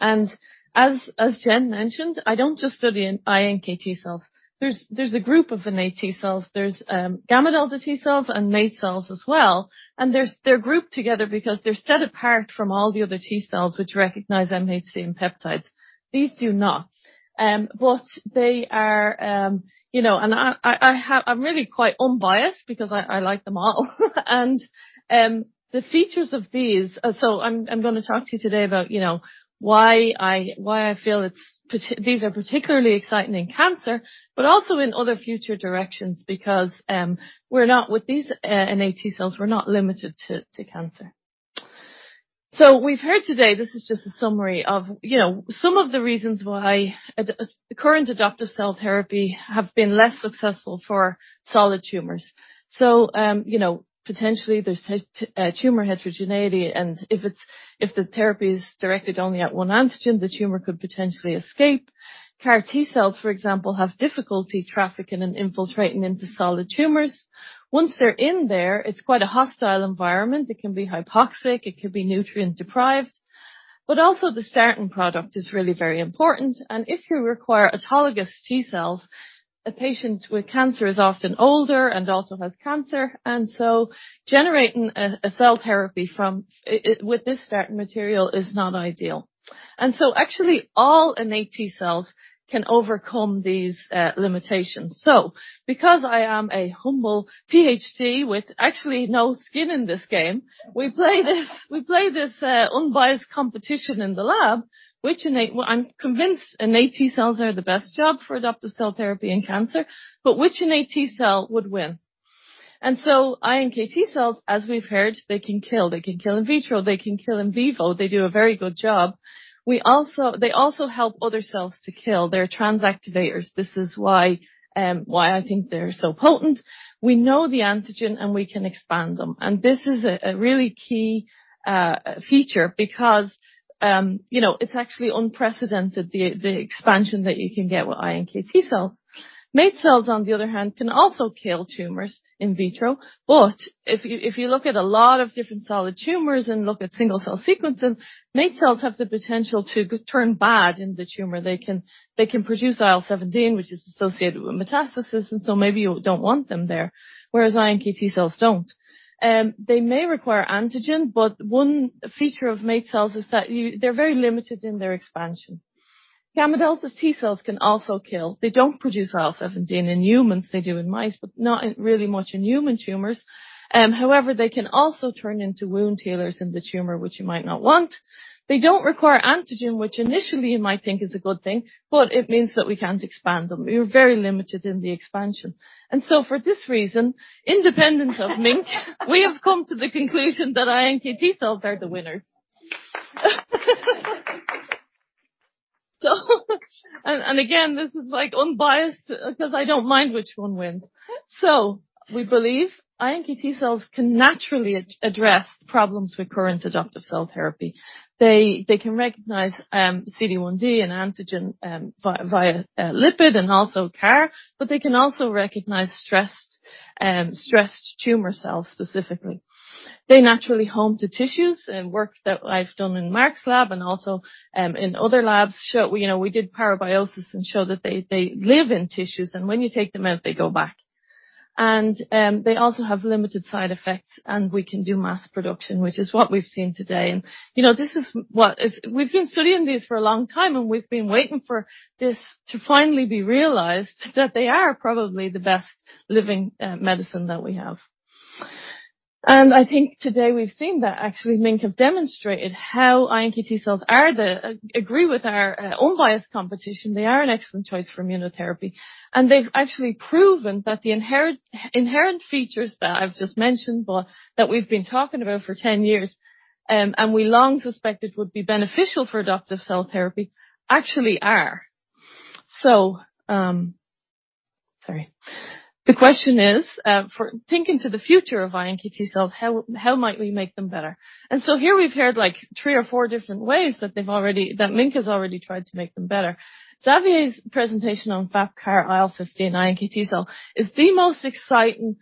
As Jen mentioned, I don't just study iNKT cells. There's a group of innate T cells. There's gamma delta T cells and MAIT cells as well. They're grouped together because they're set apart from all the other T cells which recognize MHC and peptides. These do not. But they are, you know, I'm really quite unbiased because I like them all. I'm gonna talk to you today about, you know, why I feel these are particularly exciting in cancer, but also in other future directions because we're not with these innate T cells, we're not limited to cancer. We've heard today, this is just a summary of, you know, some of the reasons why the current adoptive cell therapy have been less successful for solid tumors. Potentially there's tumor heterogeneity. If the therapy is directed only at one antigen, the tumor could potentially escape. CAR T cells, for example, have difficulty trafficking and infiltrating into solid tumors. Once they're in there, it's quite a hostile environment. It can be hypoxic, it can be nutrient deprived. Also the starting product is really very important. If you require autologous T cells, a patient with cancer is often older and also has cancer, so generating a cell therapy from this starting material is not ideal. Actually all innate T cells can overcome these limitations. Because I am a humble PhD with actually no skin in this game, we play this unbiased competition in the lab. Well, I'm convinced innate T cells are the best job for adoptive cell therapy in cancer, but which innate T cell would win? iNKT cells, as we've heard, they can kill. They can kill in vitro, they can kill in vivo. They do a very good job. They also help other cells to kill. They're transactivators. This is why I think they're so potent. We know the antigen, and we can expand them. This is a really key feature because, you know, it's actually unprecedented, the expansion that you can get with iNKT cells. MAIT cells, on the other hand, can also kill tumors in vitro. If you look at a lot of different solid tumors and look at single-cell sequencing, MAIT cells have the potential to turn bad in the tumor. They can produce IL-17, which is associated with metastasis, so maybe you don't want them there, whereas iNKT cells don't. They may require antigen, but one feature of MAIT cells is that they're very limited in their expansion. Gamma delta T cells can also kill. They don't produce IL-17 in humans. They do in mice, but not really much in human tumors. However, they can also turn into wound healers in the tumor, which you might not want. They don't require antigen, which initially you might think is a good thing, but it means that we can't expand them. We're very limited in the expansion. For this reason, independent of MiNK, we have come to the conclusion that iNKT cells are the winners. Again, this is like unbiased because I don't mind which one wins. We believe iNKT cells can naturally address problems with current adoptive cell therapy. They can recognize CD1d and antigen via lipid and also CAR, but they can also recognize stressed tumor cells specifically. They naturally home to tissues. In work that I've done in Mark's lab and also in other labs show, you know, we did parabiosis and show that they live in tissues, and when you take them out, they go back. They also have limited side effects, and we can do mass production, which is what we've seen today. You know, this is what is. We've been studying these for a long time, and we've been waiting for this to finally be realized that they are probably the best living medicine that we have. I think today we've seen that. Actually, MiNK have demonstrated how iNKT cells agree with our unbiased competition. They are an excellent choice for immunotherapy. They've actually proven that the inherent features that I've just mentioned, but that we've been talking about for 10 years, and we long suspected would be beneficial for adoptive cell therapy, actually are. The question is, for thinking to the future of iNKT cells, how might we make them better? Here we've heard like three or four different ways that they've already that MiNK has already tried to make them better. Xavier's presentation on FAP-CAR IL-15 iNKT cell is the most exciting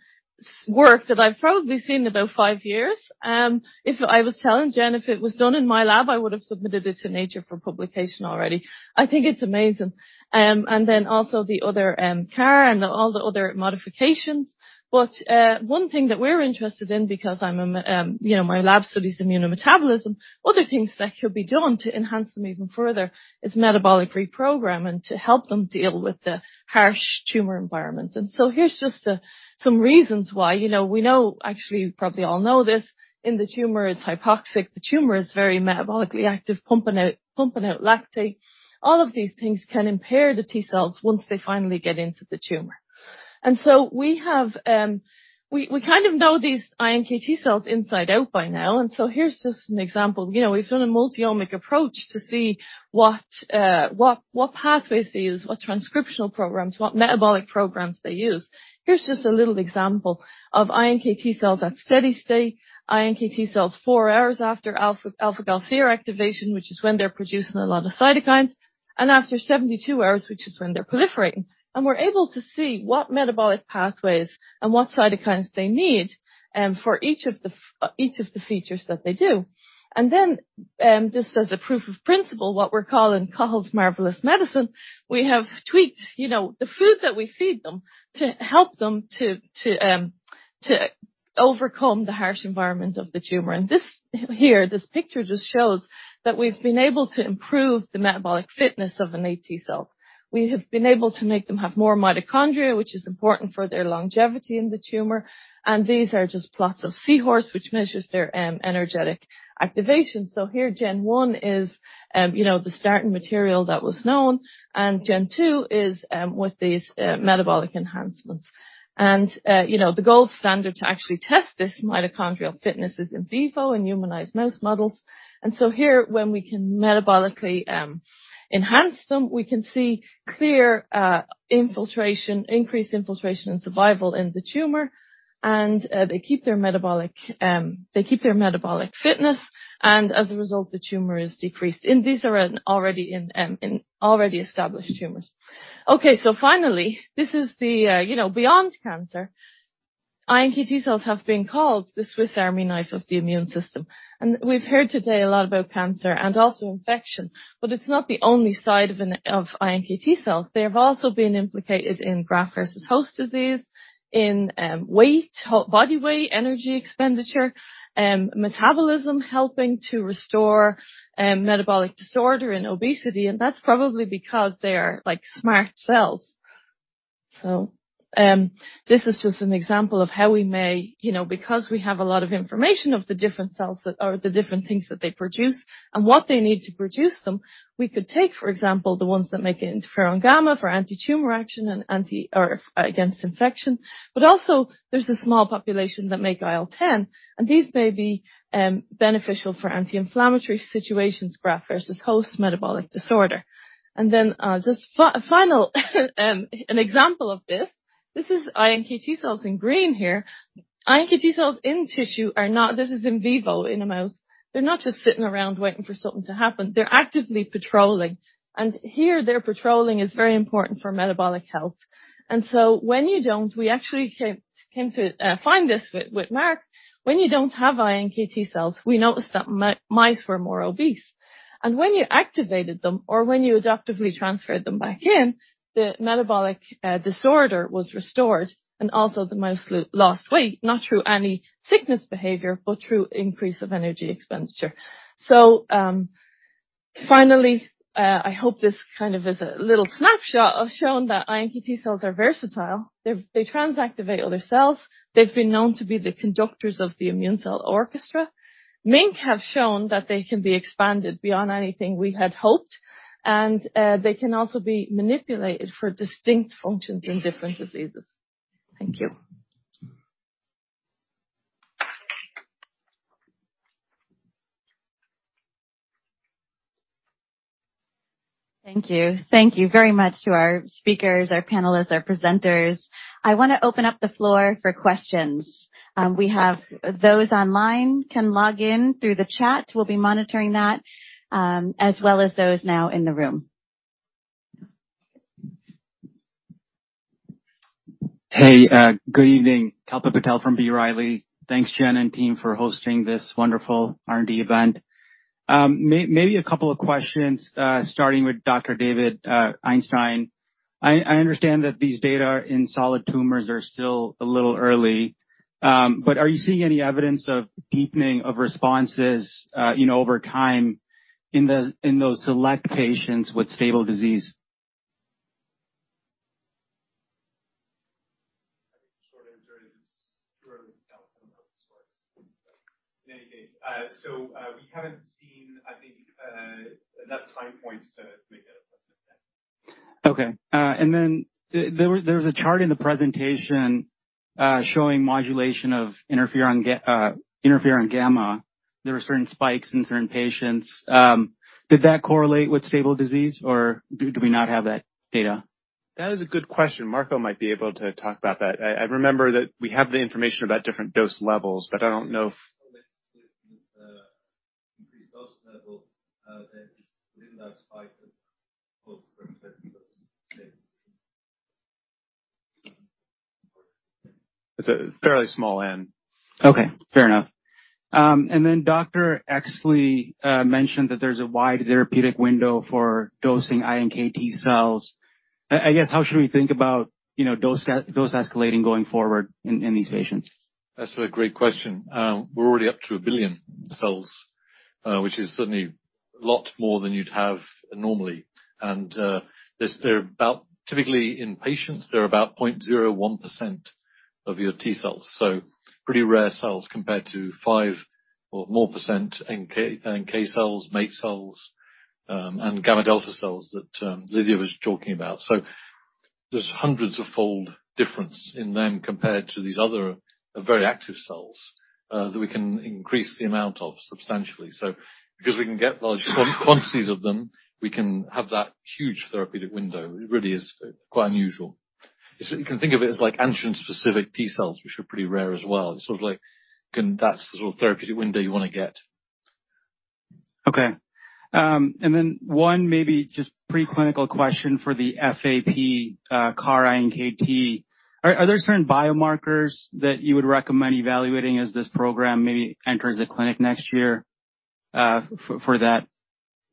work that I've probably seen in about 5 years. I was telling Jen, if it was done in my lab, I would have submitted it to Nature for publication already. I think it's amazing. Then also the other CAR and all the other modifications. One thing that we're interested in, because you know, my lab studies immunometabolism, other things that could be done to enhance them even further is metabolic reprogramming to help them deal with the harsh tumor environment. Here's just some reasons why. You know, we know, actually, you probably all know this, in the tumor it's hypoxic. The tumor is very metabolically active, pumping out lactate. All of these things can impair the T cells once they finally get into the tumor. We kind of know these iNKT cells inside out by now, and here's just an example. You know, we've done a multi-omic approach to see what pathways they use, what transcriptional programs, what metabolic programs they use. Here's just a little example of iNKT cells at steady state, iNKT cells four hours after alpha-galactosylceramide activation, which is when they're producing a lot of cytokines, and after 72 hours, which is when they're proliferating. We're able to see what metabolic pathways and what cytokines they need for each of the features that they do. Then, just as a proof of principle, what we're calling George's Marvellous Medicine, we have tweaked, you know, the food that we feed them to help them to overcome the harsh environment of the tumor. This here, this picture just shows that we've been able to improve the metabolic fitness of an iNKT cell. We have been able to make them have more mitochondria, which is important for their longevity in the tumor, and these are just plots of seahorse, which measures their energetic activation. Here, Gen 1 is, you know, the starting material that was known, and Gen 2 is with these metabolic enhancements. You know, the gold standard to actually test this mitochondrial fitness is in vivo in humanized mouse models. Here, when we can metabolically enhance them, we can see clear infiltration, increased infiltration and survival in the tumor, and they keep their metabolic fitness, and as a result, the tumor is decreased. These are in already established tumors. Okay, finally, this is, you know, beyond cancer. iNKT cells have been called the Swiss-Army knife of the immune system. We've heard today a lot about cancer and also infection, but it's not the only side of of iNKT cells. They have also been implicated in graft versus host disease, in weight, body weight, energy expenditure, metabolism, helping to restore metabolic disorder and obesity. That's probably because they are like smart cells. This is just an example of how we may, you know, because we have a lot of information of the different cells that are the different things that they produce and what they need to produce them, we could take, for example, the ones that make interferon-gamma for antitumor action and anti or against infection. There's a small population that make IL-10, and these may be beneficial for anti-inflammatory situations, graft versus host metabolic disorder. Then just final, an example of this. This is iNKT cells in green here. iNKT cells in tissue. This is in vivo in a mouse. They're not just sitting around waiting for something to happen. They're actively patrolling. Here their patrolling is very important for metabolic health. When you don't, we actually came to find this with Mark. When you don't have iNKT cells, we noticed that mice were more obese. When you activated them or when you adaptively transferred them back in, the metabolic disorder was restored. The mouse lost weight, not through any sickness behavior, but through increase of energy expenditure. Finally, I hope this kind of is a little snapshot of showing that iNKT cells are versatile. They're, they transactivate other cells. They've been known to be the conductors of the immune cell orchestra. MiNK have shown that they can be expanded beyond anything we had hoped, and they can also be manipulated for distinct functions in different diseases. Thank you. Thank you. Thank you very much to our speakers, our panelists, our presenters. I want to open up the floor for questions. We have those online can log in through the chat. We'll be monitoring that, as well as those now in the room. Hey, good evening. Kalpit Patel from B. Riley. Thanks, Jen and team, for hosting this wonderful R&D event. Maybe a couple of questions, starting with Dr. David Einstein. I understand that these data in solid tumors are still a little early, but are you seeing any evidence of deepening of responses, you know, over time in those select patients with stable disease? I think the short answer is it's too early to tell. I don't know if this works. In any case. We haven't seen, I think, enough time points to make that assessment yet. Okay. There was a chart in the presentation showing modulation of interferon-gamma. There were certain spikes in certain patients. Did that correlate with stable disease or do we not have that data? That is a good question. Marco might be able to talk about that. I remember that we have the information about different dose levels, but I don't know if Increased dose level, that is within that spike of certain dose levels. It's a fairly small end. Okay, fair enough. Then Dr. Exley mentioned that there's a wide therapeutic window for dosing iNKT cells. I guess how should we think about, you know, dose escalating going forward in these patients? That's a great question. We're already up to 1 billion cells, which is certainly a lot more than you'd have normally. Typically in patients, they're about 0.01% of your T cells, so pretty rare cells compared to 5% or more NK cells, MAIT cells, and gamma delta cells that Lydia was talking about. There's hundreds-fold difference in them compared to these other very active cells that we can increase the amount of substantially. Because we can get large quantities of them, we can have that huge therapeutic window. It really is quite unusual. You can think of it as like antigen-specific T cells, which are pretty rare as well. It's sort of like that's the sort of therapeutic window you want to get. Okay. One maybe just preclinical question for the FAP CAR iNKT. Are there certain biomarkers that you would recommend evaluating as this program maybe enters the clinic next year for that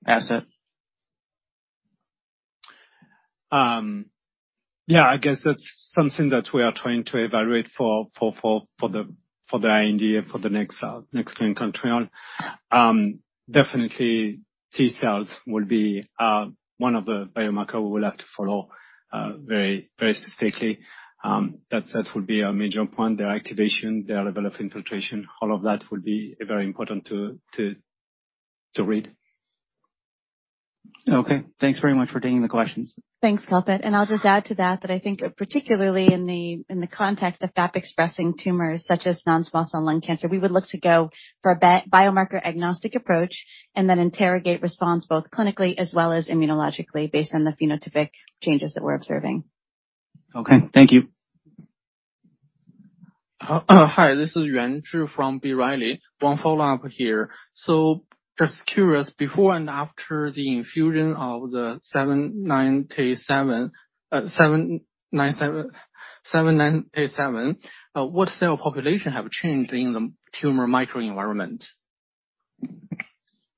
asset? Yeah, I guess that's something that we are trying to evaluate for the IND for the next clinical trial. Definitely T cells will be one of the biomarker we will have to follow very, very specifically. That would be a major point. Their activation, their level of infiltration, all of that will be very important to read. Okay, thanks very much for taking the questions. Thanks, Kalpit. I'll just add to that I think particularly in the context of FAP expressing tumors such as non-small cell lung cancer, we would look to go for a biomarker agnostic approach and then interrogate response both clinically as well as immunologically based on the phenotypic changes that we're observing. Okay, thank you. Hi, this is Yuan Zhi from B. Riley. One follow-up here. Just curious, before and after the infusion of the agenT-797, what cell population have changed in the tumor microenvironment?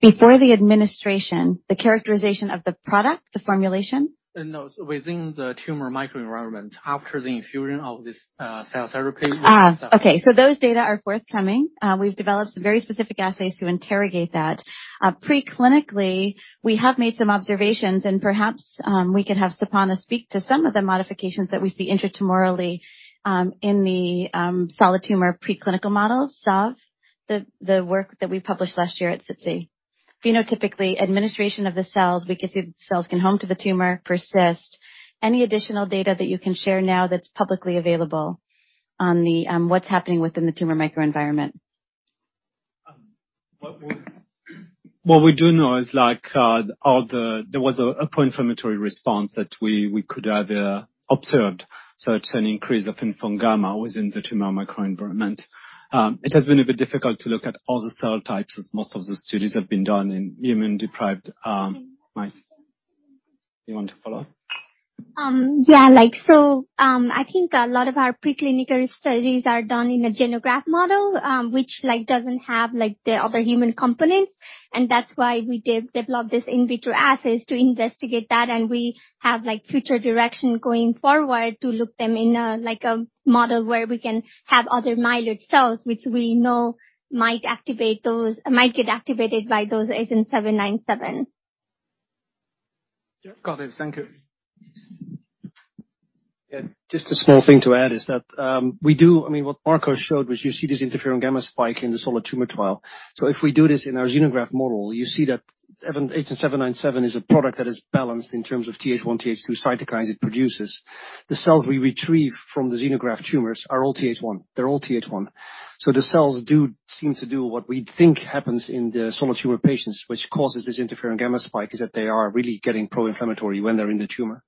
Before the administration, the characterization of the product, the formulation? No. Within the tumor microenvironment after the infusion of this cell therapy. Okay. Those data are forthcoming. We've developed some very specific assays to interrogate that. Pre-clinically, we have made some observations, and perhaps we could have Sapana speak to some of the modifications that we see intra-tumorally, in the solid tumor preclinical models of the work that we published last year at SITC. Phenotypically, administration of the cells, we can see cells can home to the tumor, persist. Any additional data that you can share now that's publicly available on what's happening within the tumor microenvironment? What we do know is there was a pro-inflammatory response that we could have observed, so it's an increase of interferon-gamma within the tumor microenvironment. It has been a bit difficult to look at all the cell types, as most of the studies have been done in immune-deprived mice. You want to follow up? Yeah. Like, I think a lot of our preclinical studies are done in a xenograft model, which, like, doesn't have, like, the other human components, and that's why we developed these in vitro assays to investigate that, and we have, like, future direction going forward to look them in a, like, a model where we can have other myeloid cells, which we know might get activated by those agenT-797. Yeah. Got it. Thank you. Yeah. Just a small thing to add is that, I mean, what Marco showed was you see this interferon-gamma spike in the solid tumor trial. If we do this in our xenograft model, you see that agenT-797 is a product that is balanced in terms of Th1/Th2 cytokines it produces. The cells we retrieve from the xenograft tumors are all Th1. They're all Th1. The cells do seem to do what we think happens in the solid tumor patients, which causes this interferon-gamma spike, is that they are really getting pro-inflammatory when they're in the tumor.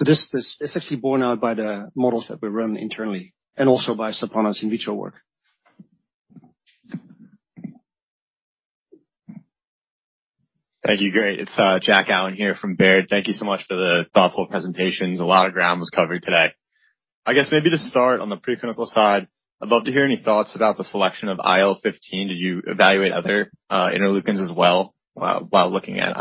This is actually borne out by the models that we run internally and also by Sapana's in vitro work. Thank you. Great. It's Jack Allen here from Baird. Thank you so much for the thoughtful presentations. A lot of ground was covered today. I guess maybe to start on the preclinical side, I'd love to hear any thoughts about the selection of IL-15. Did you evaluate other interleukins as well while looking at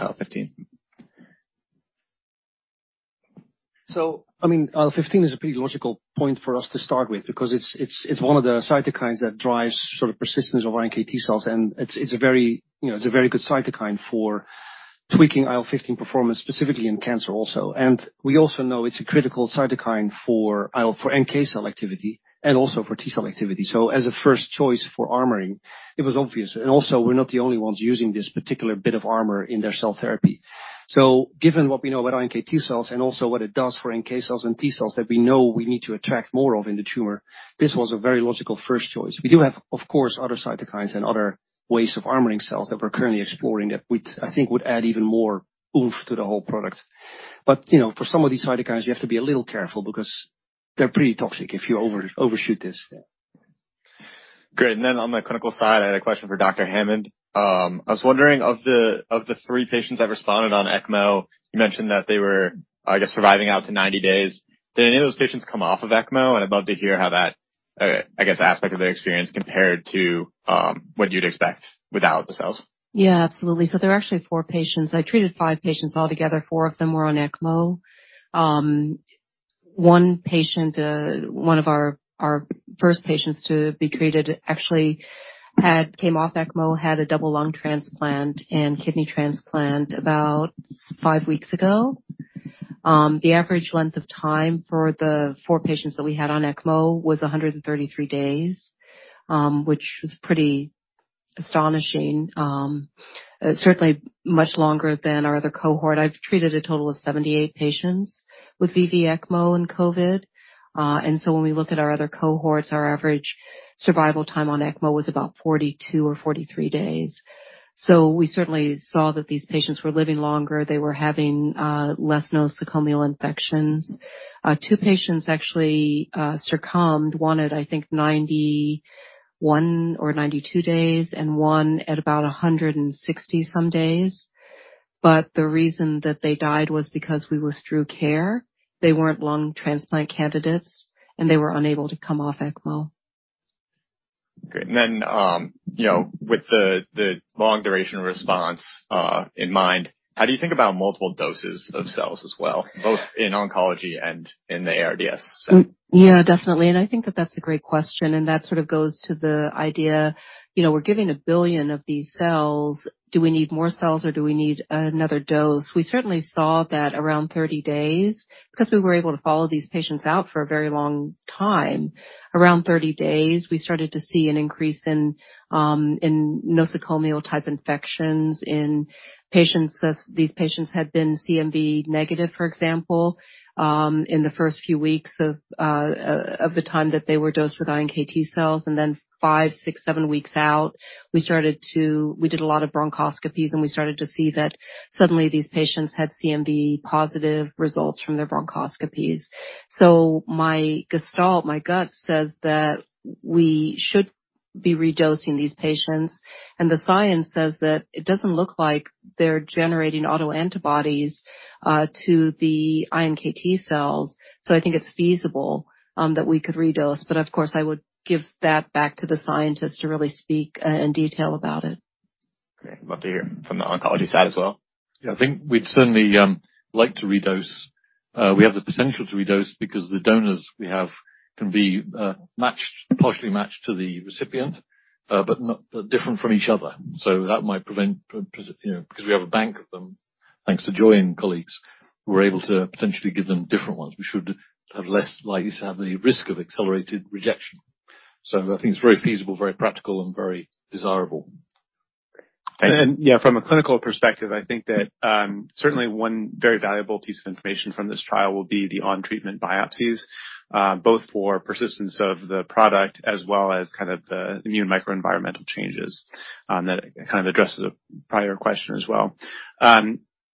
IL-15? I mean, IL-15 is a pretty logical point for us to start with because it's one of the cytokines that drives sort of persistence of iNKT cells, and it's a very good cytokine, you know, for tweaking IL-15 performance, specifically in cancer also. We also know it's a critical cytokine for NK cell activity and also for T-cell activity. As a first choice for armoring, it was obvious. Also, we're not the only ones using this particular bit of armor in their cell therapy. Given what we know about iNKT cells and also what it does for NK cells and T cells that we know we need to attract more of in the tumor, this was a very logical first choice. We do have, of course, other cytokines and other ways of armoring cells that we're currently exploring, that which I think would add even more oomph to the whole product. You know, for some of these cytokines, you have to be a little careful because they're pretty toxic if you overshoot this. Great. On the clinical side, I had a question for Dr. Hammond. I was wondering, of the three patients that responded on ECMO, you mentioned that they were, I guess, surviving out to 90 days. Did any of those patients come off of ECMO? I'd love to hear how that, I guess, aspect of their experience compared to what you'd expect without the cells. Yeah. Absolutely. There are actually four patients. I treated five patients altogether. Four of them were on ECMO. One patient, one of our first patients to be treated actually had came off ECMO, had a double lung transplant and kidney transplant about five weeks ago. The average length of time for the four patients that we had on ECMO was 133 days, which was pretty astonishing. Certainly much longer than our other cohort. I've treated a total of 78 patients with VV- ECMO and COVID. When we look at our other cohorts, our average survival time on ECMO was about 42 or 43 days. We certainly saw that these patients were living longer. They were having less nosocomial infections. Two patients actually succumbed, one at, I think, 91 or 92 days, and one at about 160-some days. The reason that they died was because we withdrew care. They weren't lung transplant candidates, and they were unable to come off ECMO. Great. You know, with the long duration response in mind, how do you think about multiple doses of cells as well, both in oncology and in the ARDS setting? Yeah, definitely. I think that that's a great question, and that sort of goes to the idea, you know, we're giving 1 billion of these cells. Do we need more cells, or do we need another dose? We certainly saw that around 30 days, because we were able to follow these patients out for a very long time. Around 30 days, we started to see an increase in nosocomial-type infections in patients that these patients had been CMV negative, for example, in the first few weeks of the time that they were dosed with iNKT cells. five, six, seven weeks out, we did a lot of bronchoscopies, and we started to see that suddenly these patients had CMV positive results from their bronchoscopies. My gestalt, my gut says that we should be redosing these patients, and the science says that it doesn't look like they're generating autoantibodies to the iNKT cells, so I think it's feasible that we could redose. Of course, I would give that back to the scientists to really speak in detail about it. Great. Love to hear from the oncology side as well. Yeah, I think we'd certainly like to redose. We have the potential to redose because the donors we have can be matched, partially matched to the recipient, but different from each other. That might prevent, you know, because we have a bank of them, thanks to Joy and colleagues, we're able to potentially give them different ones. We should have less likely to have the risk of accelerated rejection. I think it's very feasible, very practical, and very desirable. Yeah, from a clinical perspective, I think that certainly one very valuable piece of information from this trial will be the on-treatment biopsies, both for persistence of the product as well as kind of the immune microenvironmental changes, that kind of addresses a prior question as well.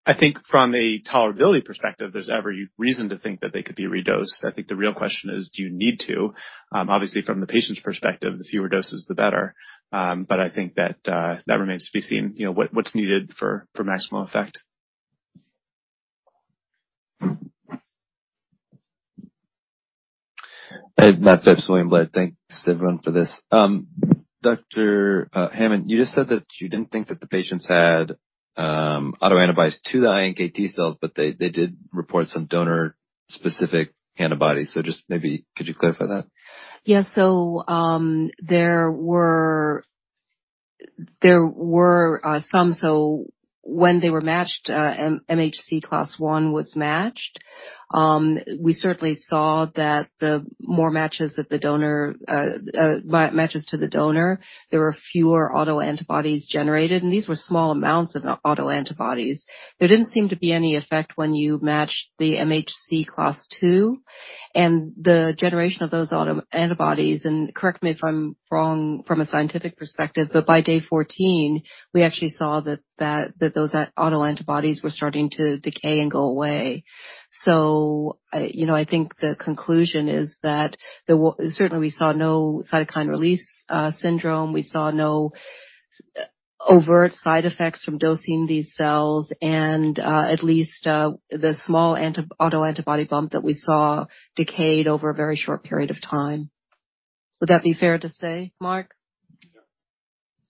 I think from a tolerability perspective, there's every reason to think that they could be redosed. I think the real question is, do you need to? Obviously from the patient's perspective, the fewer doses, the better. I think that remains to be seen. You know, what's needed for maximum effect. Hey, Matt Phipps, William Blair. Thanks everyone for this. Dr. Hammond, you just said that you didn't think that the patients had autoantibodies to the iNKT cells, but they did report some donor-specific antibodies. Just maybe could you clarify that? There were some, so when they were matched, MHC class I was matched. We certainly saw that the more matches that the donor matches to the donor, there were fewer autoantibodies generated, and these were small amounts of autoantibodies. There didn't seem to be any effect when you matched the MHC class II and the generation of those autoantibodies, and correct me if I'm wrong from a scientific perspective, but by day 14, we actually saw that those autoantibodies were starting to decay and go away. You know, I think the conclusion is that there certainly we saw no cytokine release syndrome. We saw no overt side effects from dosing these cells and at least the small autoantibody bump that we saw decayed over a very short period of time. Would that be fair to say, Mark? Yeah.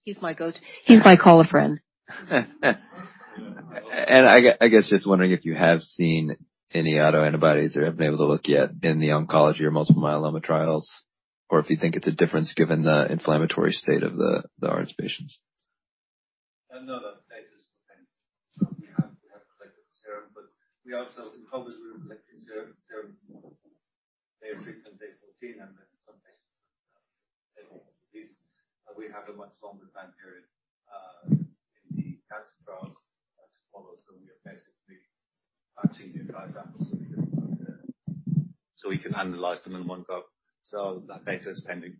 He's my call a friend. I guess just wondering if you have seen any autoantibodies or haven't been able to look yet in the oncology or multiple myeloma trials, or if you think it's a difference given the inflammatory state of the ARDS patients? No, no. Data's pending. We have collected serum, but we also in COVID, we were collecting serum day three and day 14, and then some patients Mm-hmm. At least we have a much longer time period in the cancer trials to follow. We are basically batching the entire sample, so we can analyze them in one go. That data is pending.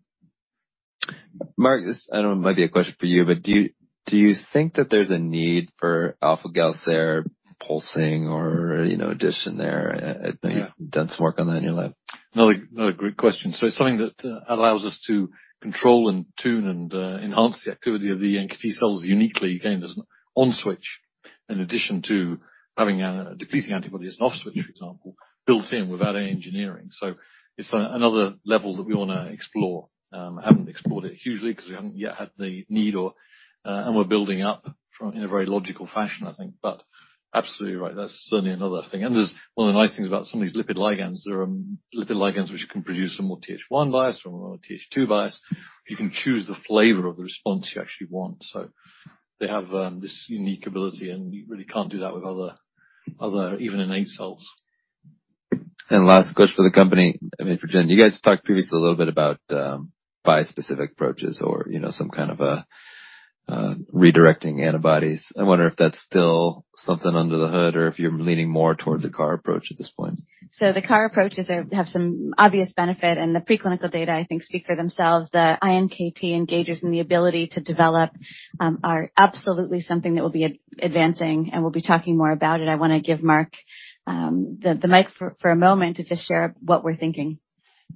Mark, this I know might be a question for you, but do you think that there's a need for alpha-GalCer pulsing or, you know, addition there? Yeah. I know you've done some work on that in your lab. Another great question. It's something that allows us to control and tune and enhance the activity of the iNKT cells uniquely. Again, there's an on switch in addition to having a depleting antibody as an off switch, for example, built in without any engineering. It's another level that we wanna explore. I haven't explored it hugely because we haven't yet had the need or and we're building up from, you know, a very logical fashion, I think. But absolutely right. That's certainly another thing. There's one of the nice things about some of these lipid ligands. There are lipid ligands which can produce a more Th1 bias from a Th2 bias. You can choose the flavor of the response you actually want. They have this unique ability, and you really can't do that with other even innate cells. Last question for the company, I mean, for Jen, you guys talked previously a little bit about bispecific approaches or, you know, some kind of a redirecting antibodies. I wonder if that's still something under the hood or if you're leaning more towards a CAR approach at this point. The CAR approaches have some obvious benefit, and the preclinical data, I think, speak for themselves. The iNKT engagers and the ability to develop are absolutely something that we'll be advancing, and we'll be talking more about it. I wanna give Marc the mic for a moment to just share what we're thinking.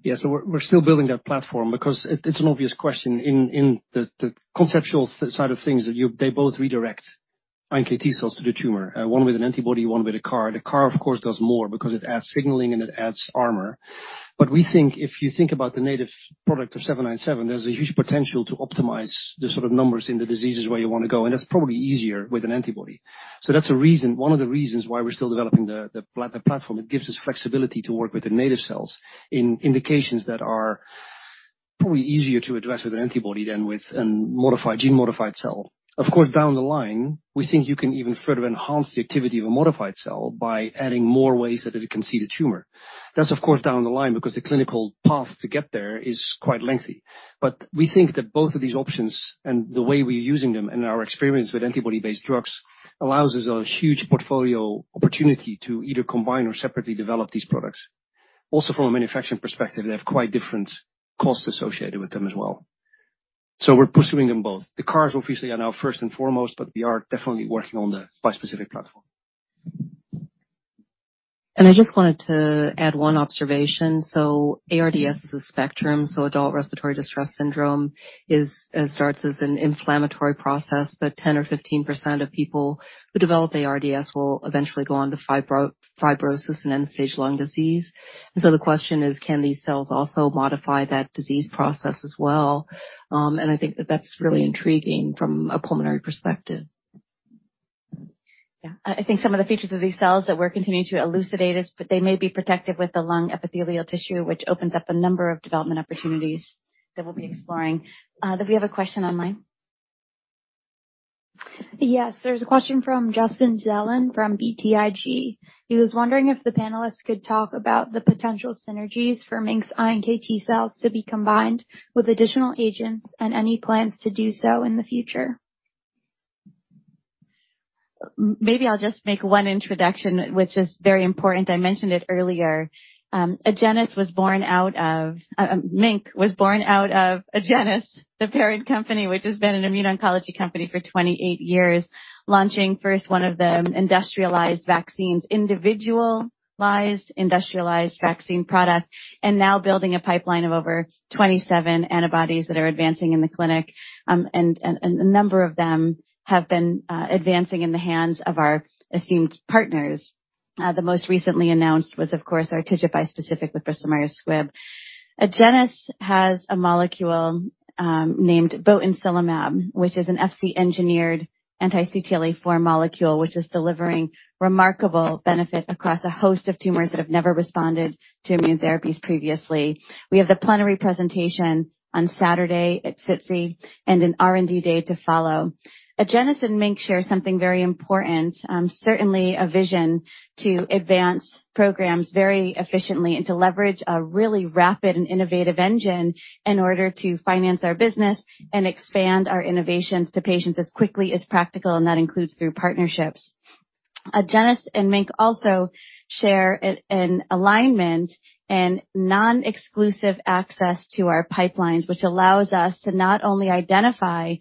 Yeah. We're still building that platform because it's an obvious question. In the conceptual side of things. They both redirect iNKT cells to the tumor, one with an antibody, one with a CAR. The CAR, of course, does more because it adds signaling and it adds armor. We think if you think about the native product of agenT-797, there's a huge potential to optimize the sort of numbers in the diseases where you wanna go, and that's probably easier with an antibody. That's a reason, one of the reasons why we're still developing the platform. It gives us flexibility to work with the native cells in indications that are probably easier to address with an antibody than with a gene-modified cell. Of course, down the line, we think you can even further enhance the activity of a modified cell by adding more ways that it can see the tumor. That's of course, down the line because the clinical path to get there is quite lengthy. We think that both of these options and the way we're using them and our experience with antibody-based drugs allows us a huge portfolio opportunity to either combine or separately develop these products. Also, from a manufacturing perspective, they have quite different costs associated with them as well. We're pursuing them both. The CARs obviously are now first and foremost, but we are definitely working on the bispecific platform. I just wanted to add one observation. ARDS is a spectrum. Adult respiratory distress syndrome is starts as an inflammatory process, but 10% or 15% of people who develop ARDS will eventually go on to fibrosis and end-stage lung disease. The question is: Can these cells also modify that disease process as well? I think that that's really intriguing from a pulmonary perspective. Yeah. I think some of the features of these cells that we're continuing to elucidate is, but they may be protective with the lung epithelial tissue, which opens up a number of development opportunities that we'll be exploring. Do we have a question online? Yes. There's a question from Justin Zelin from BTIG. He was wondering if the panelists could talk about the potential synergies for MiNK's iNKT cells to be combined with additional agents and any plans to do so in the future. Maybe I'll just make one introduction, which is very important. I mentioned it earlier. MiNK was born out of Agenus, the parent company, which has been an immuno-oncology company for 28 years, launching first one of the industrialized vaccines, individualized industrialized vaccine products, and now building a pipeline of over 27 antibodies that are advancing in the clinic. A number of them have been advancing in the hands of our esteemed partners. The most recently announced was, of course, our TIGIT bispecific with Bristol Myers Squibb. Agenus has a molecule named botensilimab, which is an Fc-engineered anti-CTLA-4 molecule, which is delivering remarkable benefit across a host of tumors that have never responded to immune therapies previously. We have the plenary presentation on Saturday at SITC and an R&D Day to follow. Agenus and MiNK share something very important, certainly a vision to advance programs very efficiently and to leverage a really rapid and innovative engine in order to finance our business and expand our innovations to patients as quickly as practical, and that includes through partnerships. Agenus and MiNK also share an alignment and non-exclusive access to our pipelines, which allows us to not only identify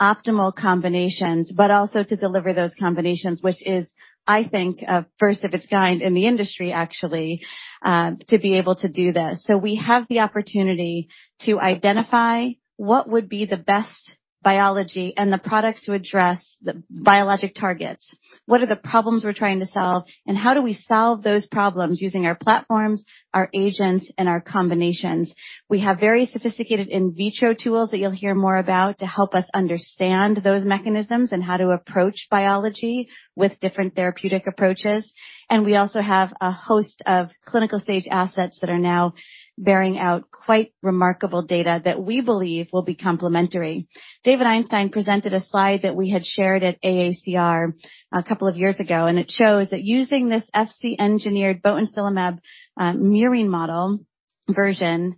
optimal combinations, but also to deliver those combinations, which is, I think, first of its kind in the industry, actually, to be able to do this. We have the opportunity to identify what would be the best biology and the products to address the biologic targets. What are the problems we're trying to solve, and how do we solve those problems using our platforms, our agents, and our combinations? We have very sophisticated in vitro tools that you'll hear more about to help us understand those mechanisms and how to approach biology with different therapeutic approaches. We also have a host of clinical stage assets that are now bearing out quite remarkable data that we believe will be complementary. David Einstein presented a slide that we had shared at AACR a couple of years ago, and it shows that using this Fc-engineered botensilimab, murine model version,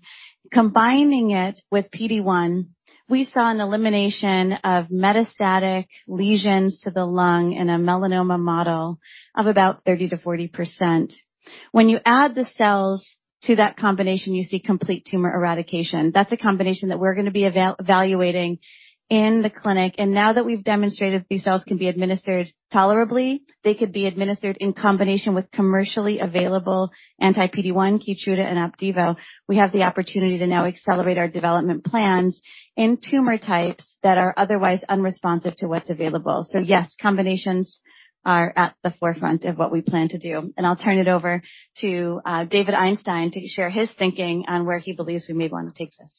combining it with PD-1, we saw an elimination of metastatic lesions to the lung in a melanoma model of about 30%-40%. When you add the cells to that combination, you see complete tumor eradication. That's a combination that we're gonna be evaluating in the clinic. Now that we've demonstrated these cells can be administered tolerably, they could be administered in combination with commercially available anti-PD-1 Keytruda and Opdivo. We have the opportunity to now accelerate our development plans in tumor types that are otherwise unresponsive to what's available. Yes, combinations are at the forefront of what we plan to do. I'll turn it over to David Einstein to share his thinking on where he believes we may wanna take this.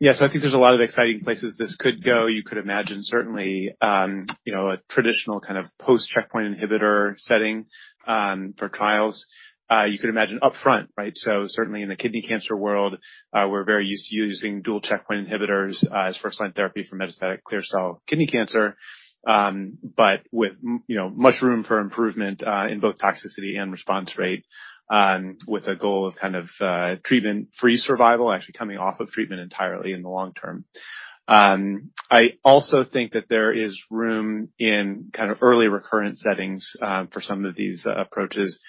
Yeah. I think there's a lot of exciting places this could go. You could imagine certainly, you know, a traditional kind of post-checkpoint inhibitor setting, for trials. You could imagine up front, right? Certainly in the kidney cancer world, we're very used to using dual checkpoint inhibitors, as first-line therapy for metastatic clear cell kidney cancer, but with, you know, much room for improvement, in both toxicity and response rate, with a goal of kind of, treatment-free survival, actually coming off of treatment entirely in the long term. I also think that there is room in kind of early recurrent settings, for some of these approaches,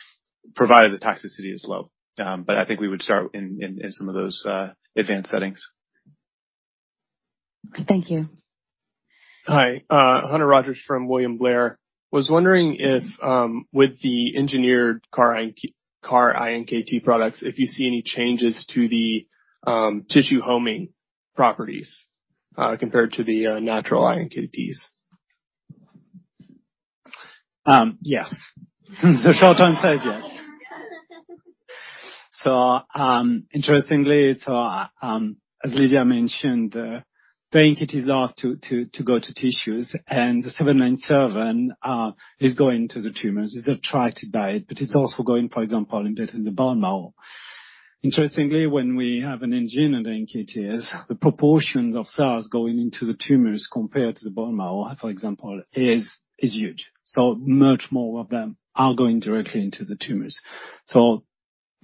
provided the toxicity is low. I think we would start in some of those advanced settings. Thank you. Hi, Hunter Rogers from William Blair. Was wondering if, with the engineered CAR-iNKT products, if you see any changes to the tissue homing properties, compared to the natural iNKTs. Yes. The short term says yes. Interestingly, as Lydia mentioned, the iNKTs are to go to tissues, and the agenT-797 is going to the tumors. It's attracted by it, but it's also going, for example, in the bone marrow. Interestingly, when we have an engineered iNKTs, the proportions of cells going into the tumors compared to the bone marrow, for example, is huge. So much more of them are going directly into the tumors.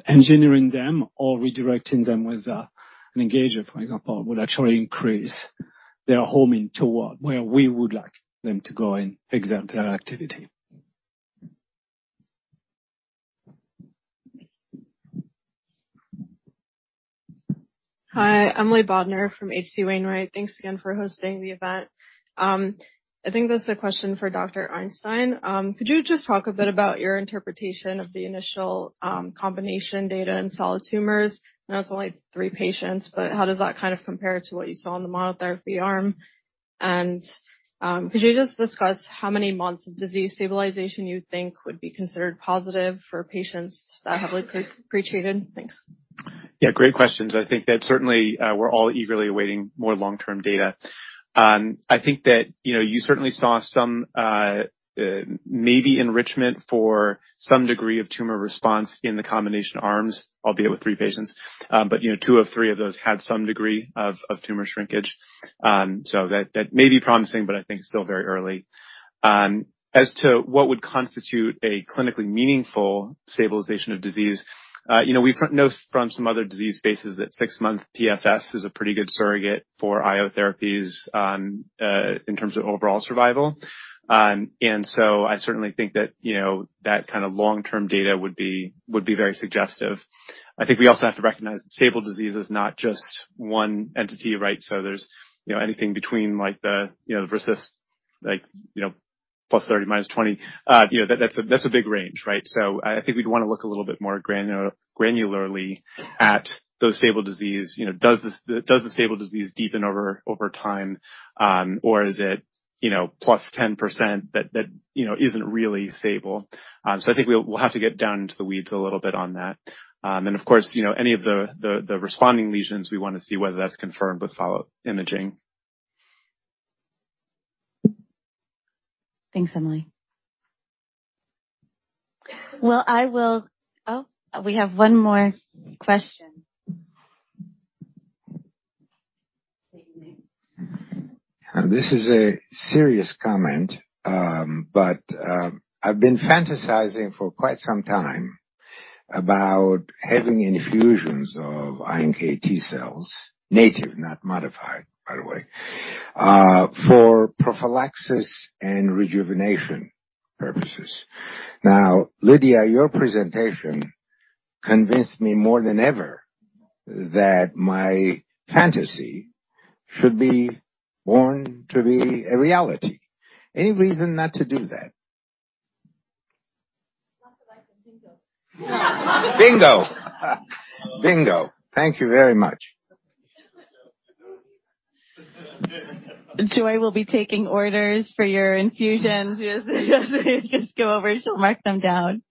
Engineering them or redirecting them with an engager, for example, would actually increase their homing toward where we would like them to go and exert their activity. Hi, Emily Bodnar from H.C. Wainwright & Co. Thanks again for hosting the event. I think this is a question for Dr. Einstein. Could you just talk a bit about your interpretation of the initial combination data in solid tumors? I know it's only three patients, but how does that kind of compare to what you saw in the monotherapy arm? Could you just discuss how many months of disease stabilization you think would be considered positive for patients that have pretreated? Thanks. Yeah, great questions. I think that certainly, we're all eagerly awaiting more long-term data. I think that, you know, you certainly saw some, maybe enrichment for some degree of tumor response in the combination arms, albeit with three patients. You know, two of three of those had some degree of tumor shrinkage. That may be promising, but I think it's still very early. As to what would constitute a clinically meaningful stabilization of disease, you know, we know from some other disease spaces that six-month PFS is a pretty good surrogate for IO therapies, in terms of overall survival. I certainly think that, you know, that kind of long-term data would be very suggestive. I think we also have to recognize that stable disease is not just one entity, right? There's, you know, anything between +30% to -20%. You know, that's a big range, right? I think we'd want to look a little bit more granularly at those stable disease. You know, does the stable disease deepen over time, or is it, you know, +10% that isn't really stable? I think we'll have to get down into the weeds a little bit on that. Of course, you know, any of the responding lesions, we want to see whether that's confirmed with follow-up imaging. Thanks, Emily. Oh, we have one more question. This is a serious comment, but, I've been fantasizing for quite some time about having infusions of iNKT cells, native, not modified, by the way, for prophylaxis and rejuvenation purposes. Now, Lydia, your presentation convinced me more than ever that my fantasy should be born to be a reality. Any reason not to do that? Not that I can think of. Bingo. Thank you very much. Joy will be taking orders for your infusions. Just go over it, she'll mark them down.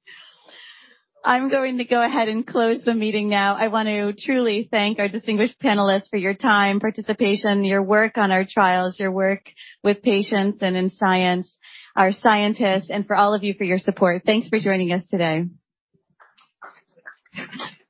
I'm going to go ahead and close the meeting now. I want to truly thank our distinguished panelists for your time, participation, your work on our trials, your work with patients and in science, our scientists, and for all of you for your support. Thanks for joining us today.